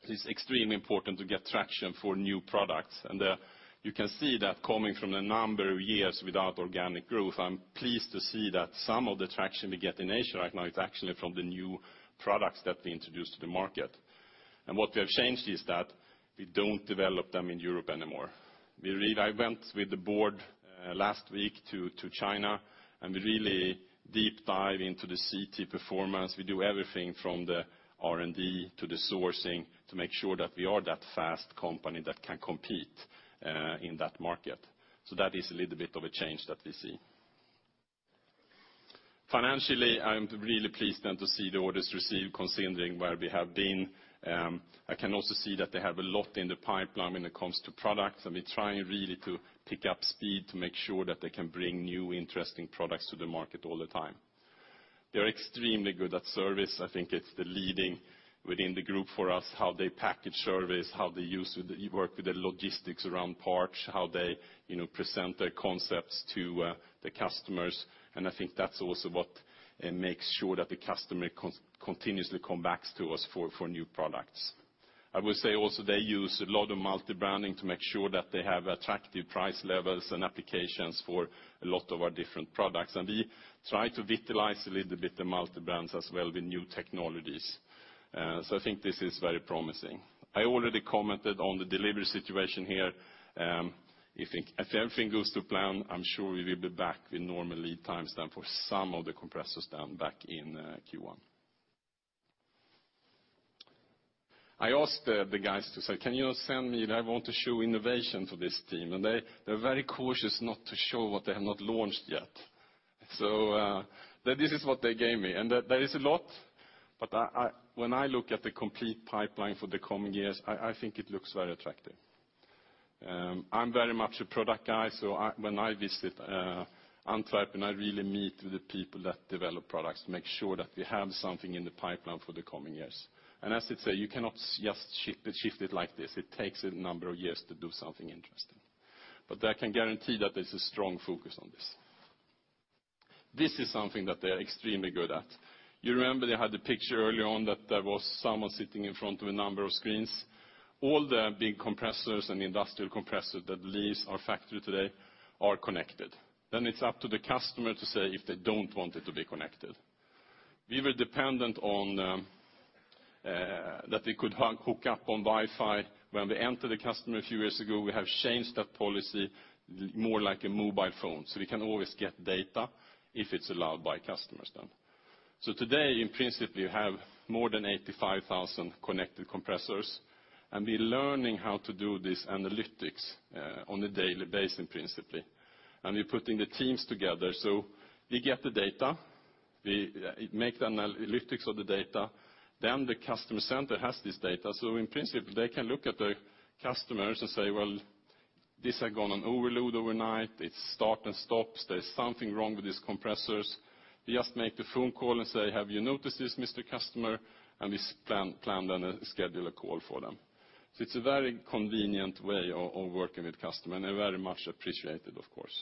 It's extremely important to get traction for new products. You can see that coming from the number of years without organic growth, I'm pleased to see that some of the traction we get in Asia right now is actually from the new products that we introduced to the market. What we have changed is that we don't develop them in Europe anymore. I went with the board last week to China. We really deep dive into the CT performance. We do everything from the R&D to the sourcing to make sure that we are that fast company that can compete in that market. That is a little bit of a change that we see. Financially, I'm really pleased to see the orders received considering where we have been. I can also see that they have a lot in the pipeline when it comes to products. We're trying really to pick up speed to make sure that they can bring new, interesting products to the market all the time. They're extremely good at service. I think it's the leading within the group for us, how they package service, how they work with the logistics around parts, how they present their concepts to the customers. I think that's also what makes sure that the customer continuously come back to us for new products. I would say also they use a lot of multi-branding to make sure that they have attractive price levels and applications for a lot of our different products. We try to vitalize a little bit the multi-brands as well with new technologies. I think this is very promising. I already commented on the delivery situation here. If everything goes to plan, I'm sure we will be back with normal lead times for some of the compressors back in Q1. I asked the guys to say, "I want to show innovation for this team." They're very cautious not to show what they have not launched yet. This is what they gave me. There is a lot. When I look at the complete pipeline for the coming years, I think it looks very attractive. I'm very much a product guy. When I visit Antwerp, I really meet with the people that develop products, make sure that we have something in the pipeline for the coming years. As I say, you cannot just shift it like this. It takes a number of years to do something interesting. I can guarantee that there's a strong focus on this. This is something that they are extremely good at. You remember they had the picture early on that there was someone sitting in front of a number of screens. All the big compressors and industrial compressors that leaves our factory today are connected. It's up to the customer to say if they don't want it to be connected. We were dependent on that they could hook up on Wi-Fi when we enter the customer a few years ago. We have changed that policy more like a mobile phone. We can always get data if it's allowed by customers. Today, in principle, you have more than 85,000 connected compressors. We're learning how to do this analytics on a daily basis, in principle. We're putting the teams together. We get the data. We make the analytics of the data. The customer center has this data. In principle, they can look at the customers and say, "Well, this had gone on overload overnight. It start and stops. There's something wrong with these compressors." We just make the phone call and say, "Have you noticed this, Mr. Customer?" We plan then a scheduler call for them. It's a very convenient way of working with customer, and they very much appreciate it, of course.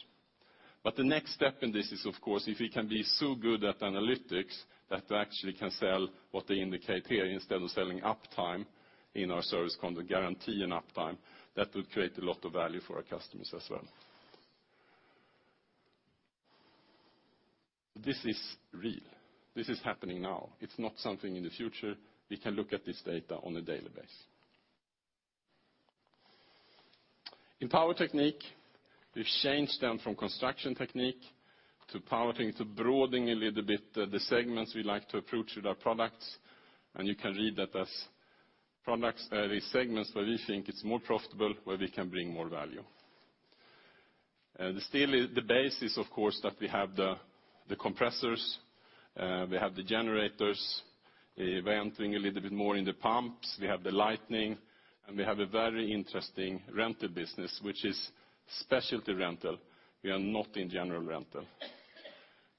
The next step in this is, of course, if we can be so good at analytics that we actually can sell what they indicate here, instead of selling uptime in our service guarantee and uptime, that would create a lot of value for our customers as well. This is real. This is happening now. It's not something in the future. We can look at this data on a daily basis. In Power Technique, we've changed then from Construction Technique to Power Technique, to broadening a little bit the segments we like to approach with our products, and you can read that as products, the segments where we think it's more profitable, where we can bring more value. Still the base is, of course, that we have the compressors, we have the generators, we are entering a little bit more in the pumps, we have the lighting, and we have a very interesting rental business, which is specialty rental. We are not in general rental.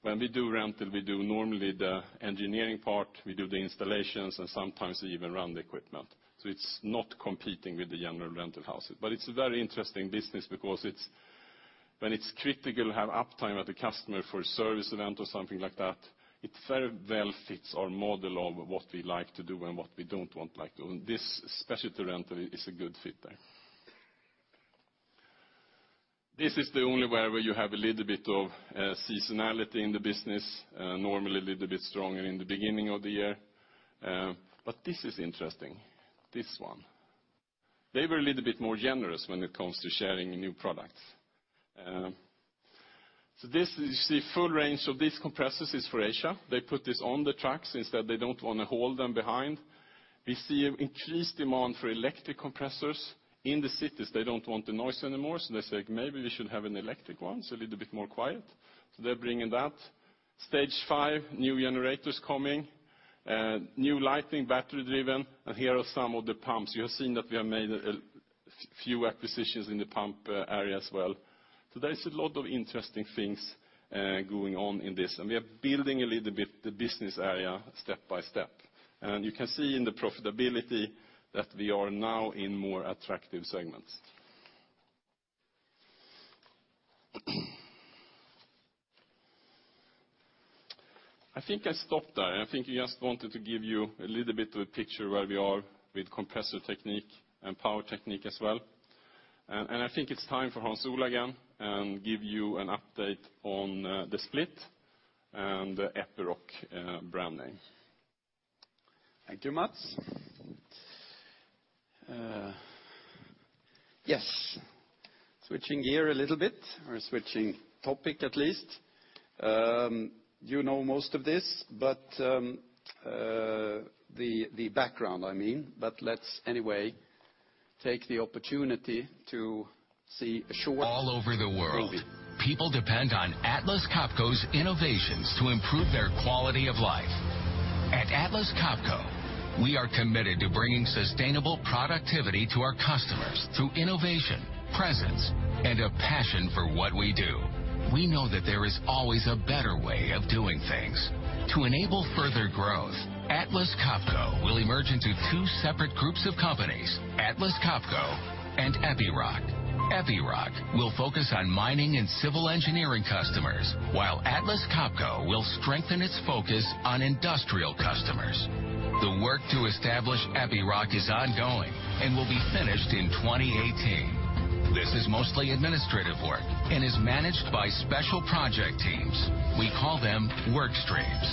When we do rental, we do normally the engineering part. We do the installations and sometimes even run the equipment. It's not competing with the general rental houses. It's a very interesting business because when it's critical to have uptime at the customer for service event or something like that, it very well fits our model of what we like to do and what we don't want like doing. This specialty rental is a good fit there. This is the only way where you have a little bit of seasonality in the business, normally a little bit stronger in the beginning of the year. This is interesting, this one. They were a little bit more generous when it comes to sharing new products. This is the full range of these compressors is for Asia. They put this on the trucks instead, they don't want to haul them behind. We see an increased demand for electric compressors. In the cities, they don't want the noise anymore, they say, "Maybe we should have an electric one, it's a little bit more quiet." They're bringing that. Stage V, new generators coming, new lighting, battery driven, and here are some of the pumps. You have seen that we have made a few acquisitions in the pump area as well. There is a lot of interesting things going on in this, and we are building a little bit the business area step by step. You can see in the profitability that we are now in more attractive segments. I think I stop there. I think I just wanted to give you a little bit of a picture where we are with Compressor Technique and Power Technique as well. I think it's time for Hans Ola again, and give you an update on the split and the Epiroc brand name. Thank you, Mats. Yes. Switching gear a little bit, or switching topic at least. You know most of this, the background, I mean. Let's anyway take the opportunity to see a short movie. All over the world, people depend on Atlas Copco's innovations to improve their quality of life. At Atlas Copco, we are committed to bringing sustainable productivity to our customers through innovation, presence, and a passion for what we do. We know that there is always a better way of doing things. To enable further growth, Atlas Copco will emerge into two separate groups of companies: Atlas Copco and Epiroc. Epiroc will focus on mining and civil engineering customers, while Atlas Copco will strengthen its focus on industrial customers. The work to establish Epiroc is ongoing and will be finished in 2018. This is mostly administrative work and is managed by special project teams. We call them work streams.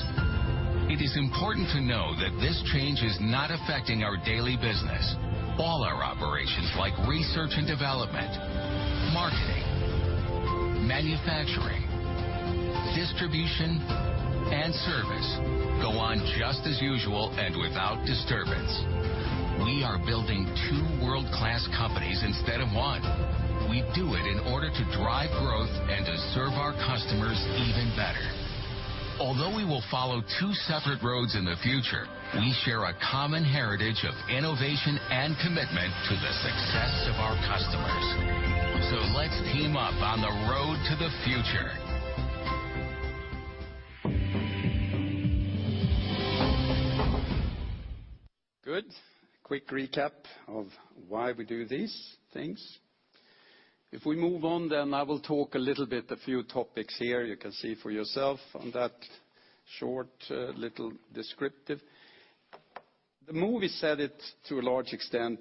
It is important to know that this change is not affecting our daily business. All our operations, like research and development, marketing, manufacturing, distribution, and service go on just as usual and without disturbance. We are building two world-class companies instead of one. We do it in order to drive growth and to serve our customers even better. Although we will follow two separate roads in the future, we share a common heritage of innovation and commitment to the success of our customers. Let's team up on the road to the future. Good. Quick recap of why we do these things. We move on, I will talk a little bit, a few topics here you can see for yourself on that short, little descriptive. The movie said it to a large extent,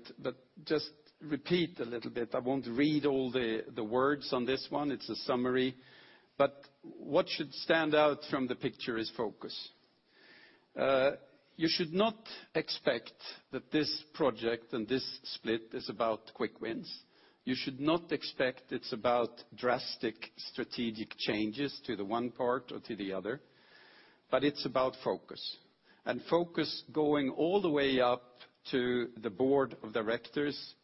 just repeat a little bit. I won't read all the words on this one. It's a summary, what should stand out from the picture is focus. You should not expect that this project and this split is about quick wins. You should not expect it's about drastic strategic changes to the one part or to the other, but it's about focus. Focus going all the way up to the board of directors,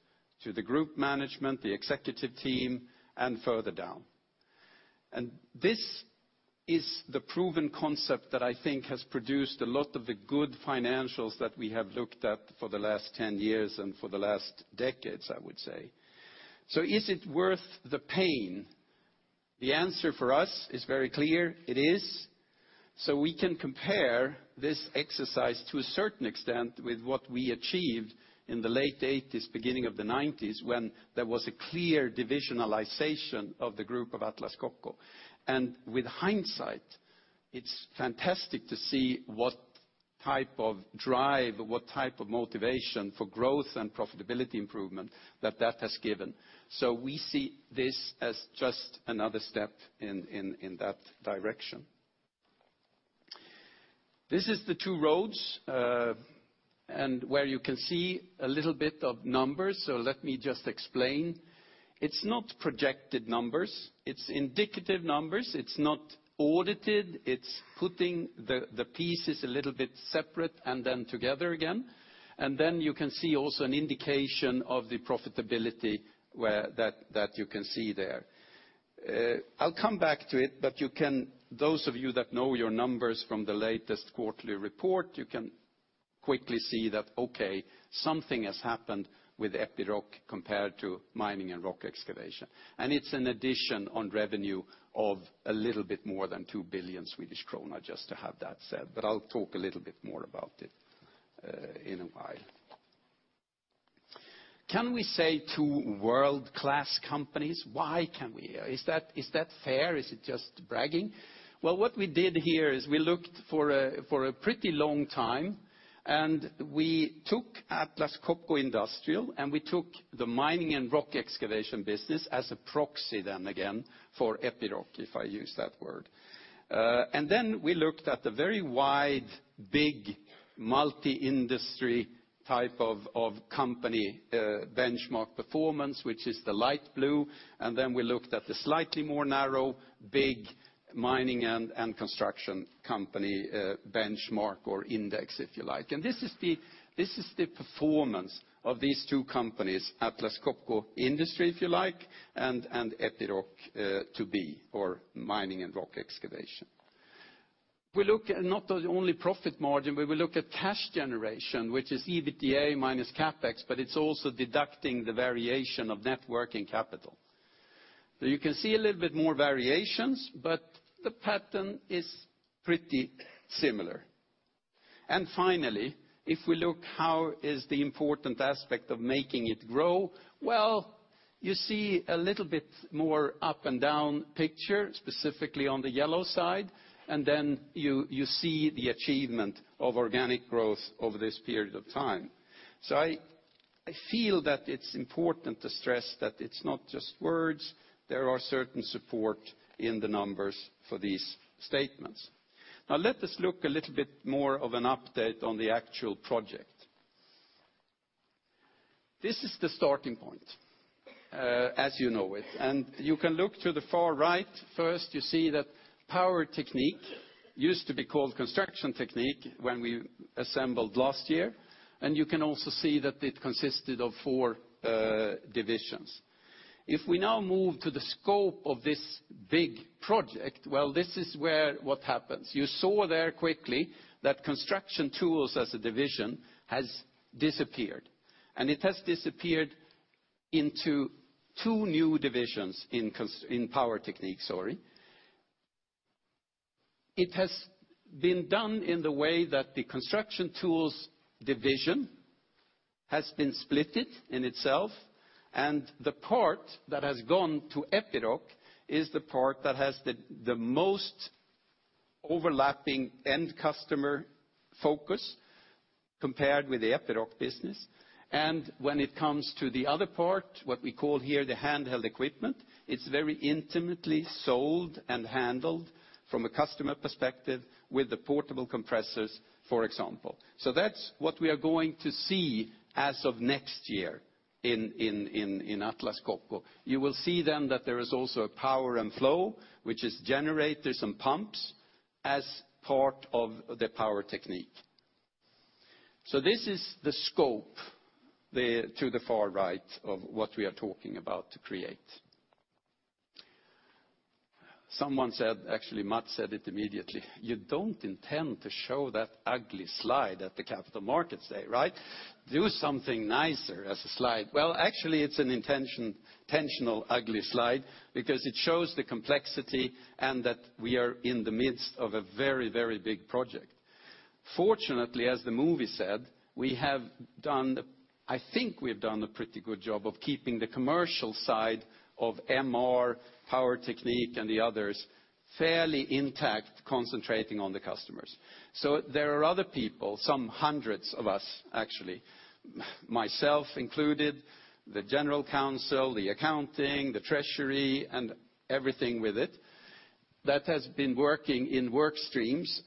to the group management, the executive team, and further down. This is the proven concept that I think has produced a lot of the good financials that we have looked at for the last 10 years and for the last decades, I would say. Is it worth the pain? The answer for us is very clear. It is. We can compare this exercise to a certain extent with what we achieved in the late '80s, beginning of the '90s, when there was a clear divisionalization of the group of Atlas Copco. With hindsight, it's fantastic to see what type of drive, what type of motivation for growth and profitability improvement that that has given. We see this as just another step in that direction. This is the two roads, where you can see a little bit of numbers. Let me just explain. It's not projected numbers. It's indicative numbers. It's not audited. It's putting the pieces a little bit separate together again. You can see also an indication of the profitability that you can see there. I'll come back to it, those of you that know your numbers from the latest quarterly report, you can quickly see that, okay, something has happened with Epiroc compared to Mining and Rock Excavation. It's an addition on revenue of a little bit more than 2 billion Swedish kronor, just to have that said. I'll talk a little bit more about it in a while. Can we say two world-class companies? Why can we? Is that fair? Is it just bragging? What we did here is we looked for a pretty long time, we took Atlas Copco Industrial, we took the Mining and Rock Excavation business as a proxy then again, for Epiroc, if I use that word. We looked at the very wide, big, multi-industry type of company benchmark performance, which is the light blue. We looked at the slightly more narrow, big mining and construction company benchmark or index, if you like. This is the performance of these two companies, Atlas Copco Industry, if you like, Epiroc to be, or Mining and Rock Excavation. We look not only profit margin, we look at cash generation, which is EBITDA minus CapEx, it's also deducting the variation of net working capital. You can see a little bit more variations, the pattern is pretty similar. Finally, if we look how is the important aspect of making it grow, you see a little bit more up-and-down picture, specifically on the yellow side, you see the achievement of organic growth over this period of time. I feel that it's important to stress that it's not just words. There are certain support in the numbers for these statements. Let us look a little bit more of an update on the actual project. This is the starting point, as you know it. You can look to the far right. First, you see that Power Technique used to be called Construction Technique when we assembled last year. You can also see that it consisted of four divisions. If we now move to the scope of this big project, this is where what happens. You saw there quickly that Construction Tools as a division has disappeared. It has disappeared into two new divisions in Power Technique, sorry. It has been done in the way that the Construction Tools division has been splitted in itself, the part that has gone to Epiroc is the part that has the most overlapping end customer focus compared with the Epiroc business. When it comes to the other part, what we call here the handheld equipment, it's very intimately sold and handled from a customer perspective with the portable compressors, for example. That's what we are going to see as of next year in Atlas Copco. You will see that there is also a Power and Flow, which is generators and pumps, as part of the Power Technique. This is the scope to the far right of what we are talking about to create. Someone said, Mats said it immediately, "You don't intend to show that ugly slide at the Capital Markets Day, right? Do something nicer as a slide." It's an intentional ugly slide because it shows the complexity and that we are in the midst of a very big project. Fortunately, as the movie said, I think we've done a pretty good job of keeping the commercial side of MR, Power Technique, and the others fairly intact, concentrating on the customers. There are other people, some hundreds of us, myself included, the general counsel, the accounting, the treasury, and everything with it, that has been working in work streams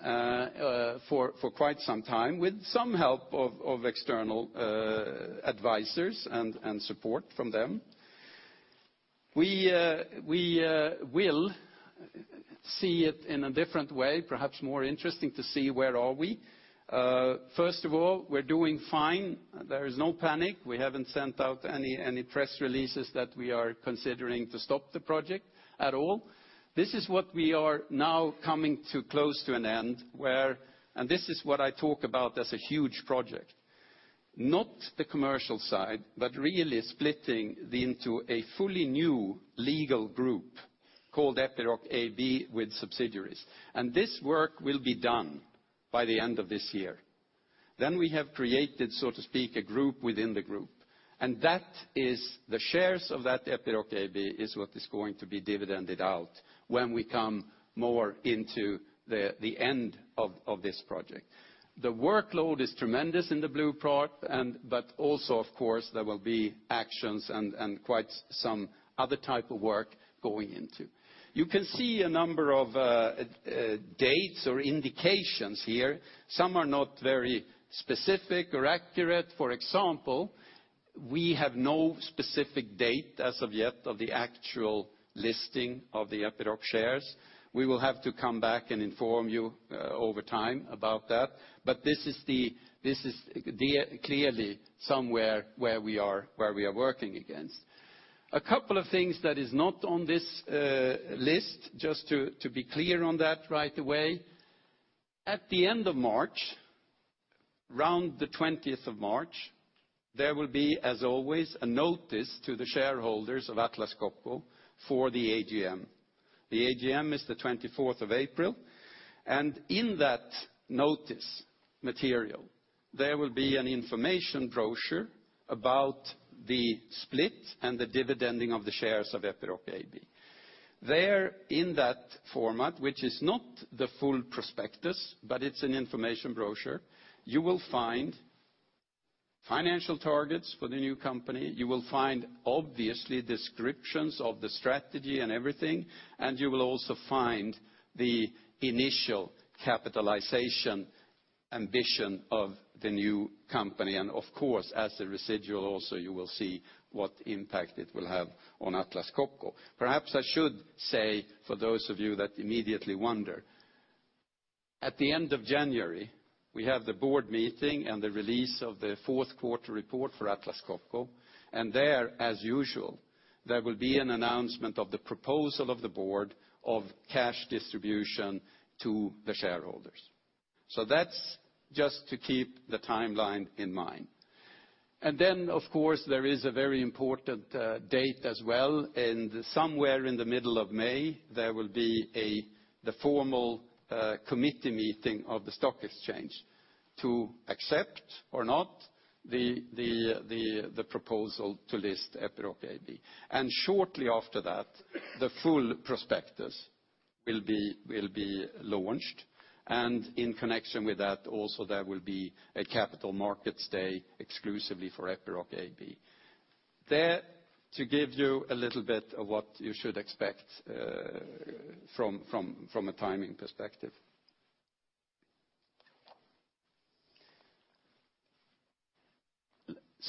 for quite some time with some help of external advisors and support from them. We will see it in a different way, perhaps more interesting to see where are we. First of all, we're doing fine. There is no panic. We haven't sent out any press releases that we are considering to stop the project at all. This is what we are now coming to close to an end where, this is what I talk about as a huge project, not the commercial side, but really splitting into a fully new legal group called Epiroc AB with subsidiaries. This work will be done by the end of this year. We have created, so to speak, a group within the group. The shares of that Epiroc AB is what is going to be dividended out when we come more into the end of this project. The workload is tremendous in the blue part, also, of course, there will be actions and quite some other type of work going into. You can see a number of dates or indications here. Some are not very specific or accurate. For example, we have no specific date as of yet of the actual listing of the Epiroc shares. We will have to come back and inform you over time about that. This is clearly somewhere where we are working against. A couple of things that is not on this list, just to be clear on that right away. At the end of March, around the 20th of March, there will be, as always, a notice to the shareholders of Atlas Copco for the AGM. The AGM is the 24th of April, in that notice material, there will be an information brochure about the split and the dividending of the shares of Epiroc AB. There, in that format, which is not the full prospectus, it's an information brochure, you will find financial targets for the new company, you will find, obviously, descriptions of the strategy and everything, you will also find the initial capitalization ambition of the new company. Of course, as a residual also, you will see what impact it will have on Atlas Copco. Perhaps I should say, for those of you that immediately wonder, at the end of January, we have the board meeting and the release of the fourth quarter report for Atlas Copco, there, as usual, there will be an announcement of the proposal of the board of cash distribution to the shareholders. That's just to keep the timeline in mind. Then, of course, there is a very important date as well, somewhere in the middle of May, there will be the formal committee meeting of the stock exchange to accept or not the proposal to list Epiroc AB. Shortly after that, the full prospectus will be launched. In connection with that, also there will be a capital markets day exclusively for Epiroc AB. There, to give you a little bit of what you should expect from a timing perspective.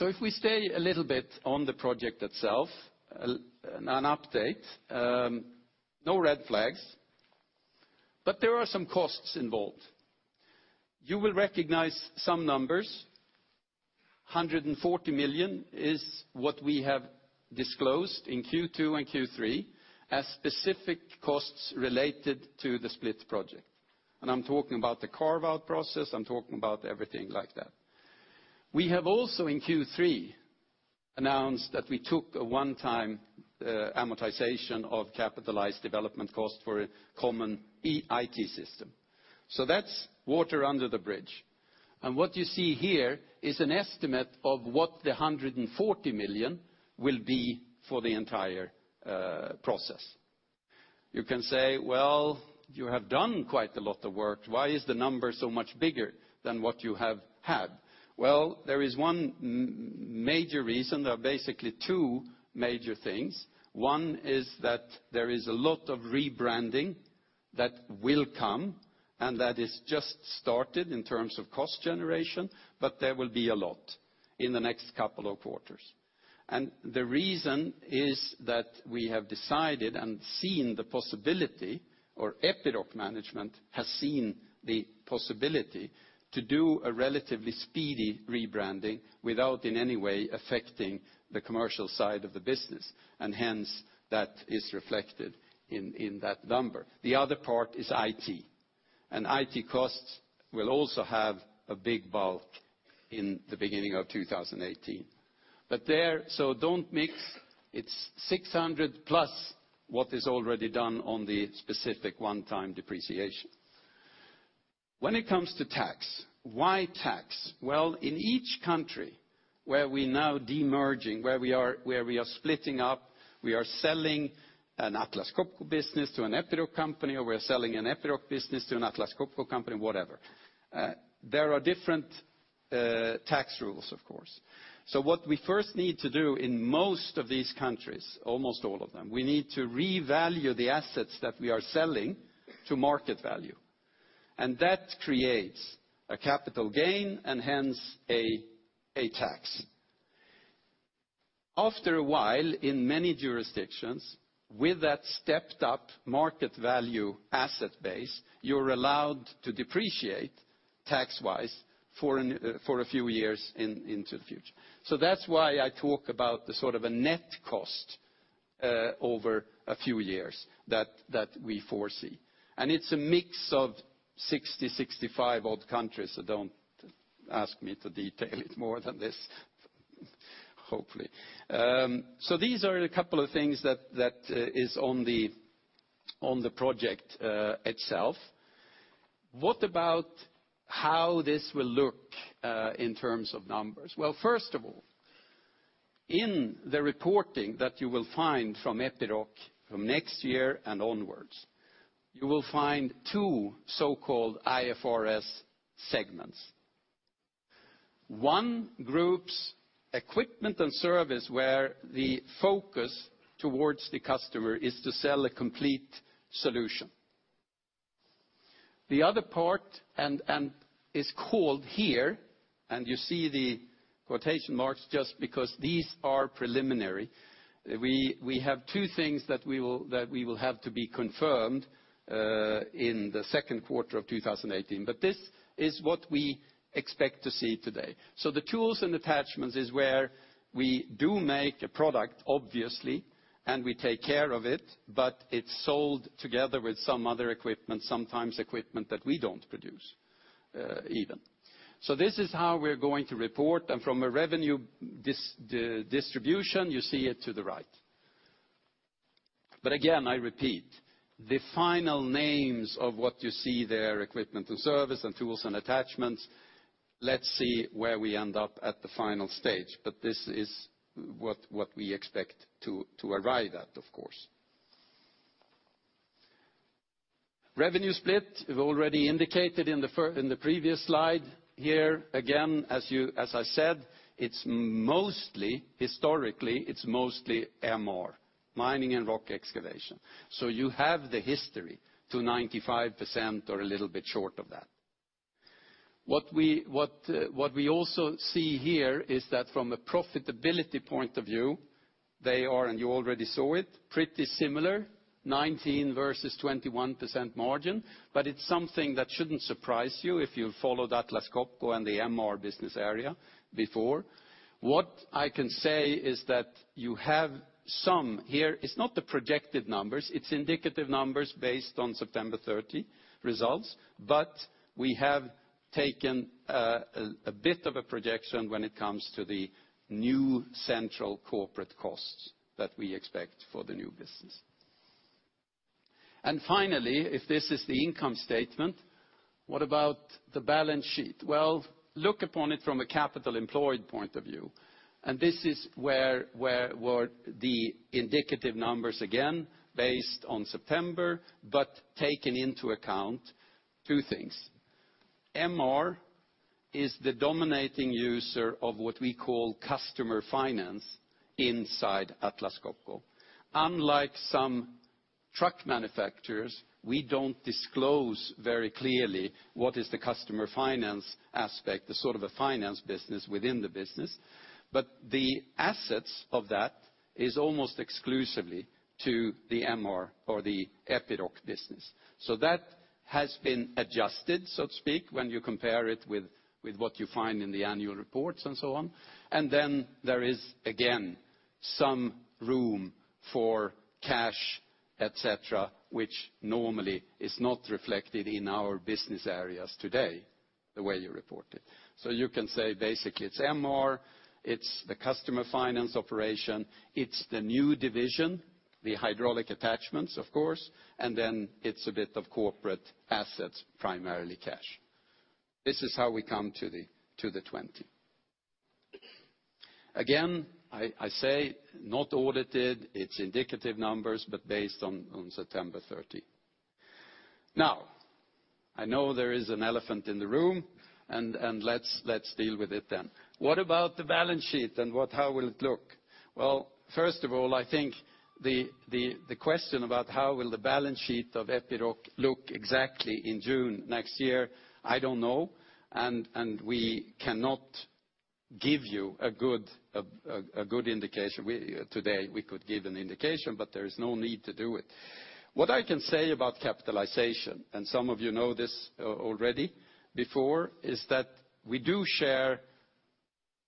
If we stay a little bit on the project itself, an update. No red flags, there are some costs involved. You will recognize some numbers. 140 million is what we have disclosed in Q2 and Q3 as specific costs related to the split project. I'm talking about the carve-out process, I'm talking about everything like that. We have also, in Q3, announced that we took a one-time amortization of capitalized development cost for a common IT system. That's water under the bridge. What you see here is an estimate of what the 140 million will be for the entire process. You can say, "Well, you have done quite a lot of work. Why is the number so much bigger than what you have had?" Well, there is one major reason. There are basically two major things. One is that there is a lot of rebranding that will come, that has just started in terms of cost generation, there will be a lot in the next couple of quarters. The reason is that we have decided and seen the possibility, or Epiroc management has seen the possibility, to do a relatively speedy rebranding without in any way affecting the commercial side of the business, and hence that is reflected in that number. The other part is IT. IT costs will also have a big bulk in the beginning of 2018. Don't mix, it's 600 plus what is already done on the specific one-time depreciation. When it comes to tax, why tax? In each country where we're now demerging, where we are splitting up, we are selling an Atlas Copco business to an Epiroc company, or we're selling an Epiroc business to an Atlas Copco company, whatever. There are different tax rules, of course. What we first need to do in most of these countries, almost all of them, we need to revalue the assets that we are selling to market value. That creates a capital gain and hence a tax. After a while, in many jurisdictions, with that stepped-up market value asset base, you're allowed to depreciate tax-wise for a few years into the future. That's why I talk about the sort of a net cost over a few years that we foresee. It's a mix of 60, 65 odd countries, don't ask me to detail it more than this, hopefully. These are a couple of things that is on the project itself. What about how this will look in terms of numbers? First of all, in the reporting that you will find from Epiroc from next year and onwards, you will find two so-called IFRS segments. One group's Equipment and Service where the focus towards the customer is to sell a complete solution. The other part is called here, and you see the quotation marks just because these are preliminary. We have two things that we will have to be confirmed in the second quarter of 2018, but this is what we expect to see today. The tools and attachments is where we do make a product, obviously, and we take care of it, but it's sold together with some other equipment, sometimes equipment that we don't produce even. This is how we're going to report, from a revenue distribution, you see it to the right. Again, I repeat, the final names of what you see there, equipment and service and tools and attachments, let's see where we end up at the final stage. This is what we expect to arrive at, of course. Revenue split, we've already indicated in the previous slide. Here, again, as I said, historically, it's mostly MR, Mining and Rock Excavation. You have the history to 95% or a little bit short of that. What we also see here is that from a profitability point of view, they are, and you already saw it, pretty similar, 19% versus 21% margin, but it's something that shouldn't surprise you if you followed Atlas Copco and the MR business area before. What I can say is that you have some here. It's not the projected numbers. It's indicative numbers based on September 30 results. We have taken a bit of a projection when it comes to the new central corporate costs that we expect for the new business. Finally, if this is the income statement, what about the balance sheet? Look upon it from a capital employed point of view. This is where the indicative numbers, again, based on September, but taking into account two things. MR is the dominating user of what we call customer finance inside Atlas Copco. Unlike some truck manufacturers, we don't disclose very clearly what is the customer finance aspect, the sort of a finance business within the business. The assets of that is almost exclusively to the MR or the Epiroc business. That has been adjusted, so to speak, when you compare it with what you find in the annual reports and so on. There is, again, some room for cash, et cetera, which normally is not reflected in our business areas today, the way you report it. You can say basically it's MR, it's the customer finance operation, it's the new division, the hydraulic attachments, of course, and then it's a bit of corporate assets, primarily cash. This is how we come to the 20. Again, I say not audited, it's indicative numbers, but based on September 30. I know there is an elephant in the room, and let's deal with it then. What about the balance sheet and how will it look? First of all, I think the question about how will the balance sheet of Epiroc look exactly in June next year, I don't know, and we cannot give you a good indication. Today we could give an indication, but there is no need to do it. What I can say about capitalization, and some of you know this already before, is that we do share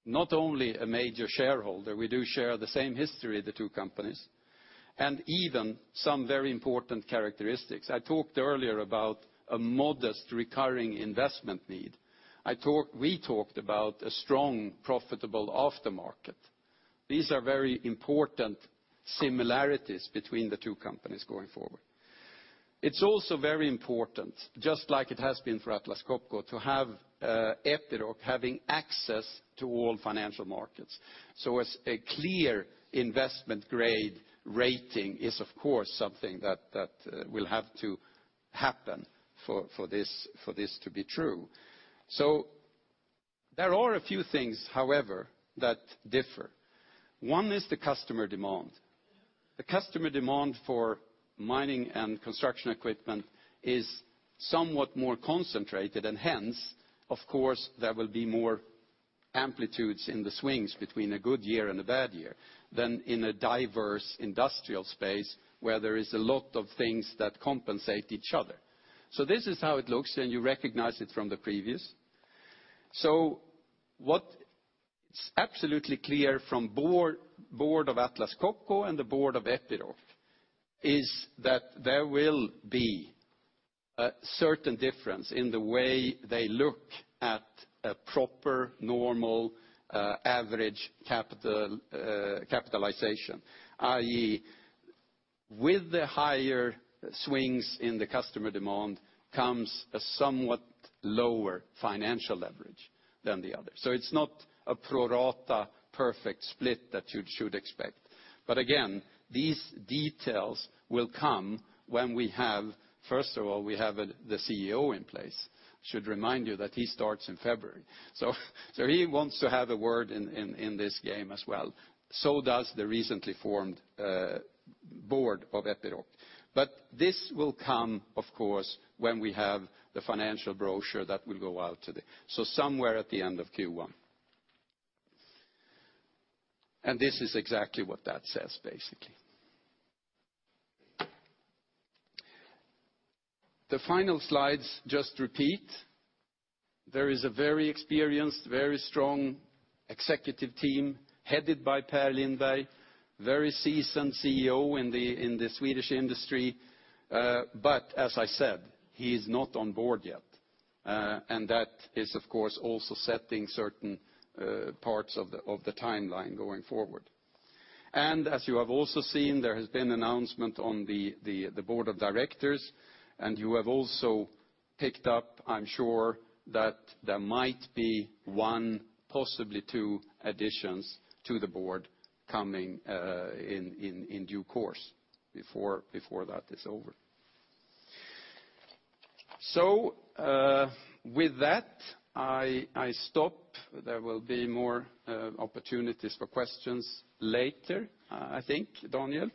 not only a major shareholder, we do share the same history of the two companies, and even some very important characteristics. I talked earlier about a modest recurring investment need. We talked about a strong, profitable aftermarket. These are very important similarities between the two companies going forward. It's also very important, just like it has been for Atlas Copco, to have Epiroc having access to all financial markets. A clear investment grade rating is, of course, something that will have to happen for this to be true. There are a few things, however, that differ. One is the customer demand. The customer demand for mining and construction equipment is somewhat more concentrated, and hence, of course, there will be more amplitudes in the swings between a good year and a bad year than in a diverse industrial space where there is a lot of things that compensate each other. This is how it looks, and you recognize it from the previous. What's absolutely clear from board of Atlas Copco and the board of Epiroc is that there will be a certain difference in the way they look at a proper, normal, average capitalization, i.e., with the higher swings in the customer demand comes a somewhat lower financial leverage than the other. It's not a pro rata perfect split that you should expect. Again, these details will come when we have, first of all, we have the CEO in place. Should remind you that he starts in February. He wants to have a word in this game as well. So does the recently formed board of Epiroc. This will come, of course, when we have the financial brochure that will go out today. Somewhere at the end of Q1. This is exactly what that says, basically. The final slides just repeat. There is a very experienced, very strong Executive team headed by Per Lindberg, very seasoned CEO in the Swedish industry. As I said, he is not on board yet. That is, of course, also setting certain parts of the timeline going forward. As you have also seen, there has been announcement on the board of directors, and you have also picked up, I am sure, that there might be one, possibly two additions to the board coming in due course before that is over. With that, I stop. There will be more opportunities for questions later, I think, Daniel.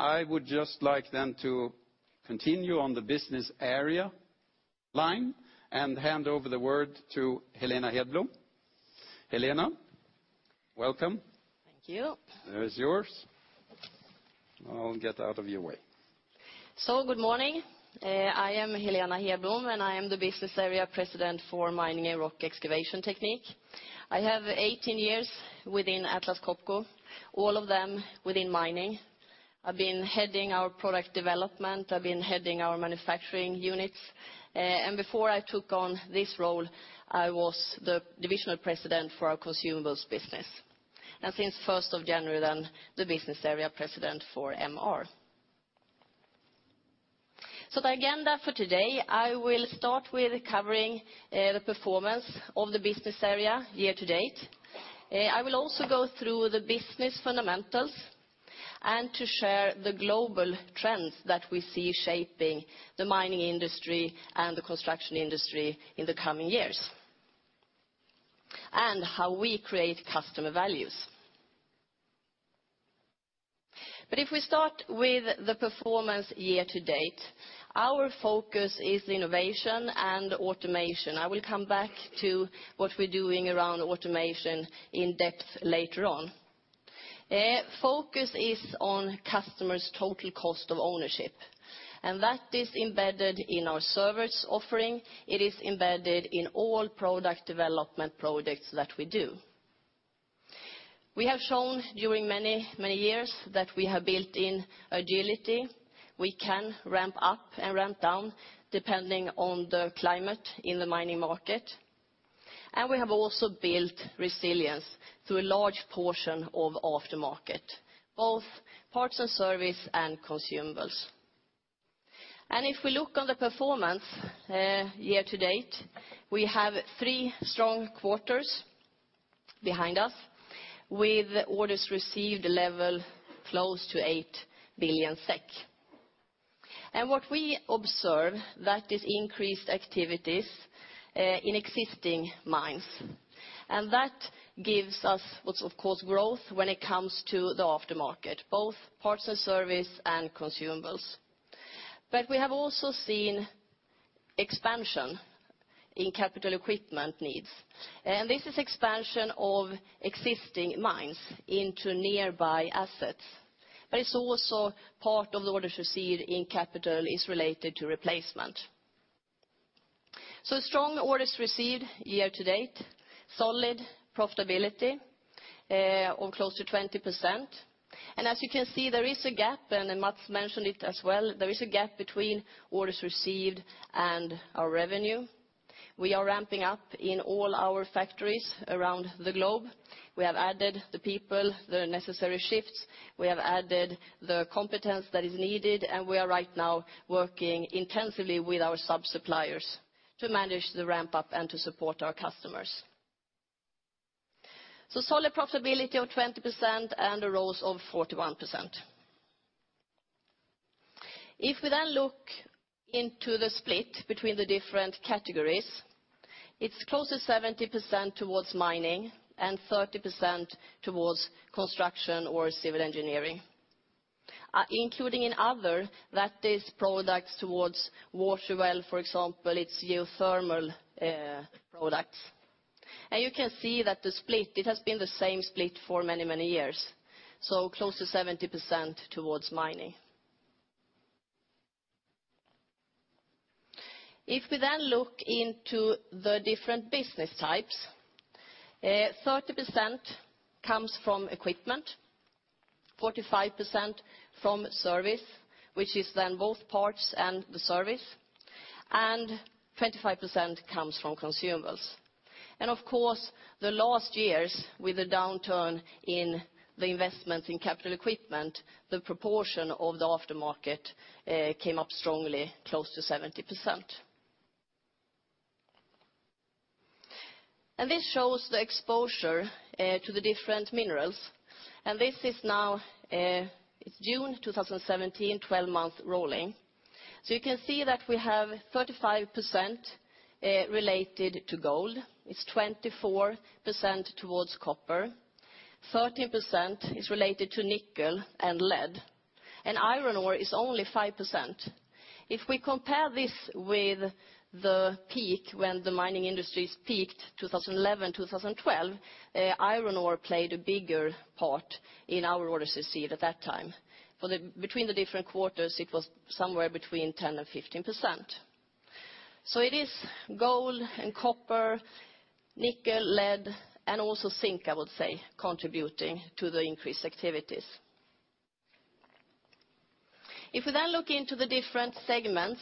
I would just like then to continue on the business area line and hand over the word to Helena Hedblom. Helena, welcome. Thank you. The floor is yours. I will get out of your way. Good morning. I am Helena Hedblom. I am the business area president for Mining and Rock Excavation Technique. I have 18 years within Atlas Copco, all of them within mining. I have been heading our product development, I have been heading our manufacturing units. Before I took on this role, I was the divisional president for our consumables business. Since 1st of January, the business area president for MR. The agenda for today, I will start with covering the performance of the business area year to date. I will also go through the business fundamentals and to share the global trends that we see shaping the mining industry and the construction industry in the coming years, and how we create customer values. If we start with the performance year to date, our focus is innovation and automation. I will come back to what we are doing around automation in depth later on. Focus is on customers' total cost of ownership. That is embedded in our service offering. It is embedded in all product development projects that we do. We have shown during many years that we have built in agility. We can ramp up and ramp down depending on the climate in the mining market. We have also built resilience through a large portion of aftermarket, both parts and service, and consumables. If we look on the performance year to date, we have three strong quarters behind us, with orders received level close to 8 billion SEK. What we observe, that is increased activities in existing mines. That gives us, of course, growth when it comes to the aftermarket, both parts and service, and consumables. We have also seen expansion in capital equipment needs. This is expansion of existing mines into nearby assets. It is also part of the orders received in capital is related to replacement. Strong orders received year to date, solid profitability of close to 20%. As you can see, there is a gap. Mats mentioned it as well. There is a gap between orders received and our revenue. We are ramping up in all our factories around the globe. We have added the people, the necessary shifts. We have added the competence that is needed. We are right now working intensively with our sub-suppliers to manage the ramp-up and to support our customers. Solid profitability of 20% and a growth of 41%. If we look into the split between the different categories, it's close to 70% towards mining and 30% towards construction or civil engineering. Including in other, that is products towards water well, for example, it's geothermal products. You can see that the split, it has been the same split for many years. Close to 70% towards mining. If we look into the different business types, 30% comes from equipment, 45% from service, which is both parts and the service, and 25% comes from consumables. Of course, the last years, with the downturn in the investment in capital equipment, the proportion of the aftermarket came up strongly close to 70%. This shows the exposure to the different minerals. This is now, it's June 2017, 12 months rolling. You can see that we have 35% related to gold. It's 24% towards copper. 13% is related to nickel and lead. Iron ore is only 5%. If we compare this with the peak when the mining industries peaked 2011, 2012, iron ore played a bigger part in our orders received at that time. Between the different quarters, it was somewhere between 10%-15%. It is gold, copper, nickel, lead, and also zinc, I would say, contributing to the increased activities. If we look into the different segments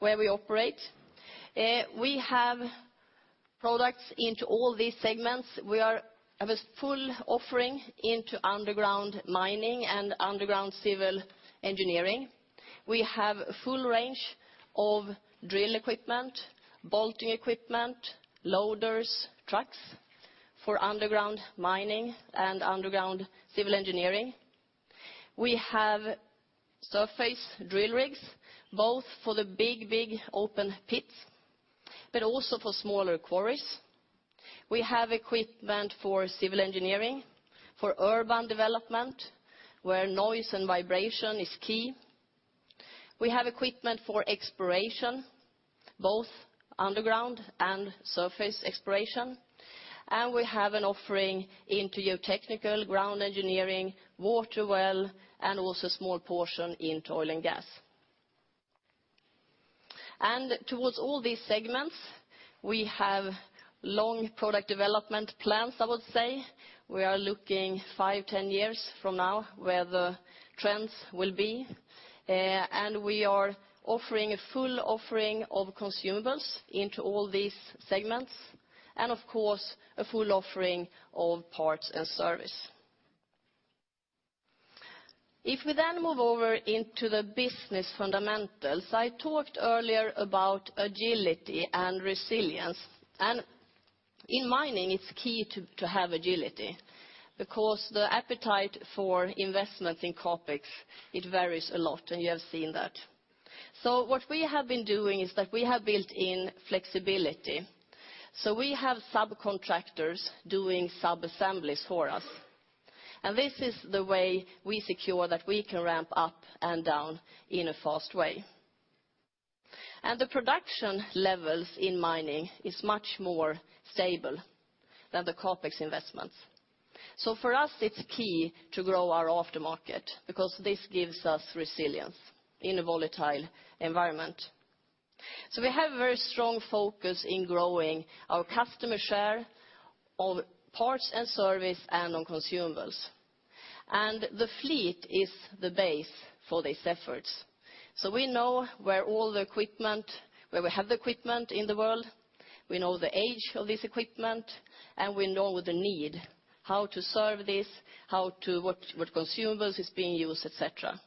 where we operate, we have products into all these segments. We have a full offering into underground mining and underground civil engineering. We have a full range of drill equipment, bolting equipment, loaders, trucks for underground mining and underground civil engineering. We have surface drill rigs, both for the big open pits, but also for smaller quarries. We have equipment for civil engineering, for urban development, where noise and vibration is key. We have equipment for exploration, both underground and surface exploration, and we have an offering into geotechnical ground engineering, water well, and also a small portion into oil and gas. Towards all these segments, we have long product development plans, I would say. We are looking five, 10 years from now where the trends will be. We are offering a full offering of consumables into all these segments. Of course, a full offering of parts and service. If we move over into the business fundamentals, I talked earlier about agility and resilience. In mining, it's key to have agility because the appetite for investment in CapEx, it varies a lot, and you have seen that. What we have been doing is that we have built in flexibility. We have subcontractors doing subassemblies for us. This is the way we secure that we can ramp up and down in a fast way. The production levels in mining is much more stable than the CapEx investments. For us, it's key to grow our aftermarket because this gives us resilience in a volatile environment. We have a very strong focus in growing our customer share of parts and service and on consumables. The fleet is the base for these efforts. We know where we have the equipment in the world, we know the age of this equipment, and we know the need, how to serve this, what consumables is being used, et cetera.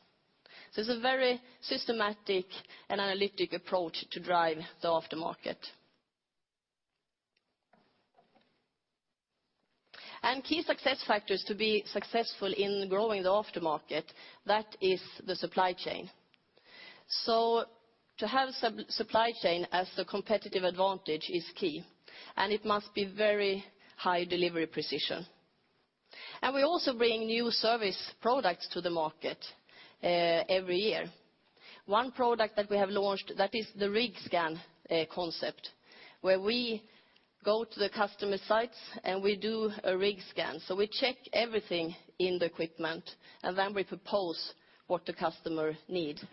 It's a very systematic and analytic approach to drive the aftermarket. Key success factors to be successful in growing the aftermarket, that is the supply chain. To have supply chain as the competitive advantage is key, and it must be very high delivery precision. We also bring new service products to the market every year. One product that we have launched, that is the RigScan concept, where we go to the customer sites and we do a RigScan. We check everything in the equipment, and then we propose what the customer needs.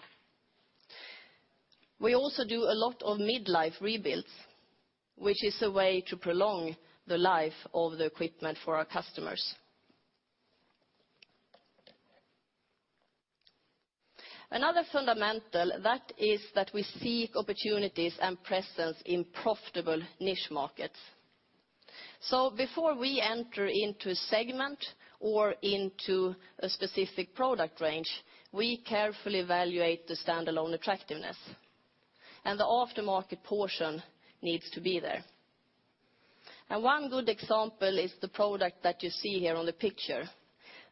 We also do a lot of mid-life rebuilds, which is a way to prolong the life of the equipment for our customers. Another fundamental, that is that we seek opportunities and presence in profitable niche markets. Before we enter into a segment or into a specific product range, we carefully evaluate the standalone attractiveness, and the aftermarket portion needs to be there. One good example is the product that you see here on the picture.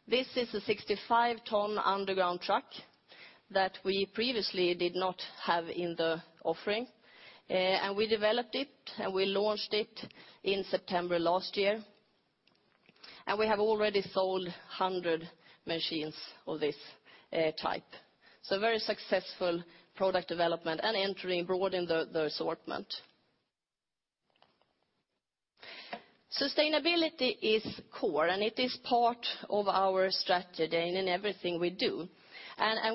This is a 65-ton underground truck that we previously did not have in the offering. We developed it, we launched it in September last year, we have already sold 100 machines of this type. Very successful product development and entry in broadening the assortment. Sustainability is core. It is part of our strategy and in everything we do.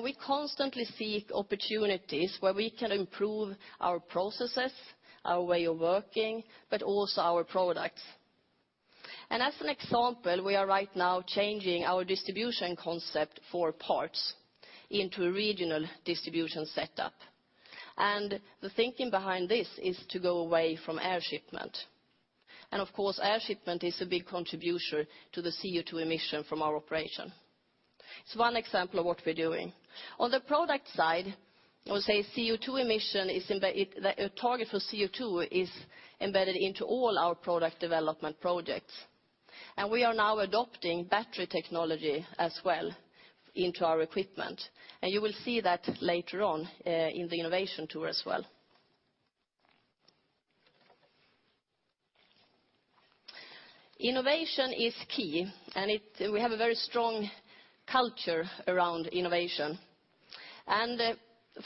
We constantly seek opportunities where we can improve our processes, our way of working, but also our products. As an example, we are right now changing our distribution concept for parts into a regional distribution setup. The thinking behind this is to go away from air shipment. Of course, air shipment is a big contribution to the CO2 emission from our operation. It's one example of what we're doing. On the product side, the target for CO2 is embedded into all our product development projects, we are now adopting battery technology as well into our equipment. You will see that later on in the innovation tour as well. Innovation is key, we have a very strong culture around innovation.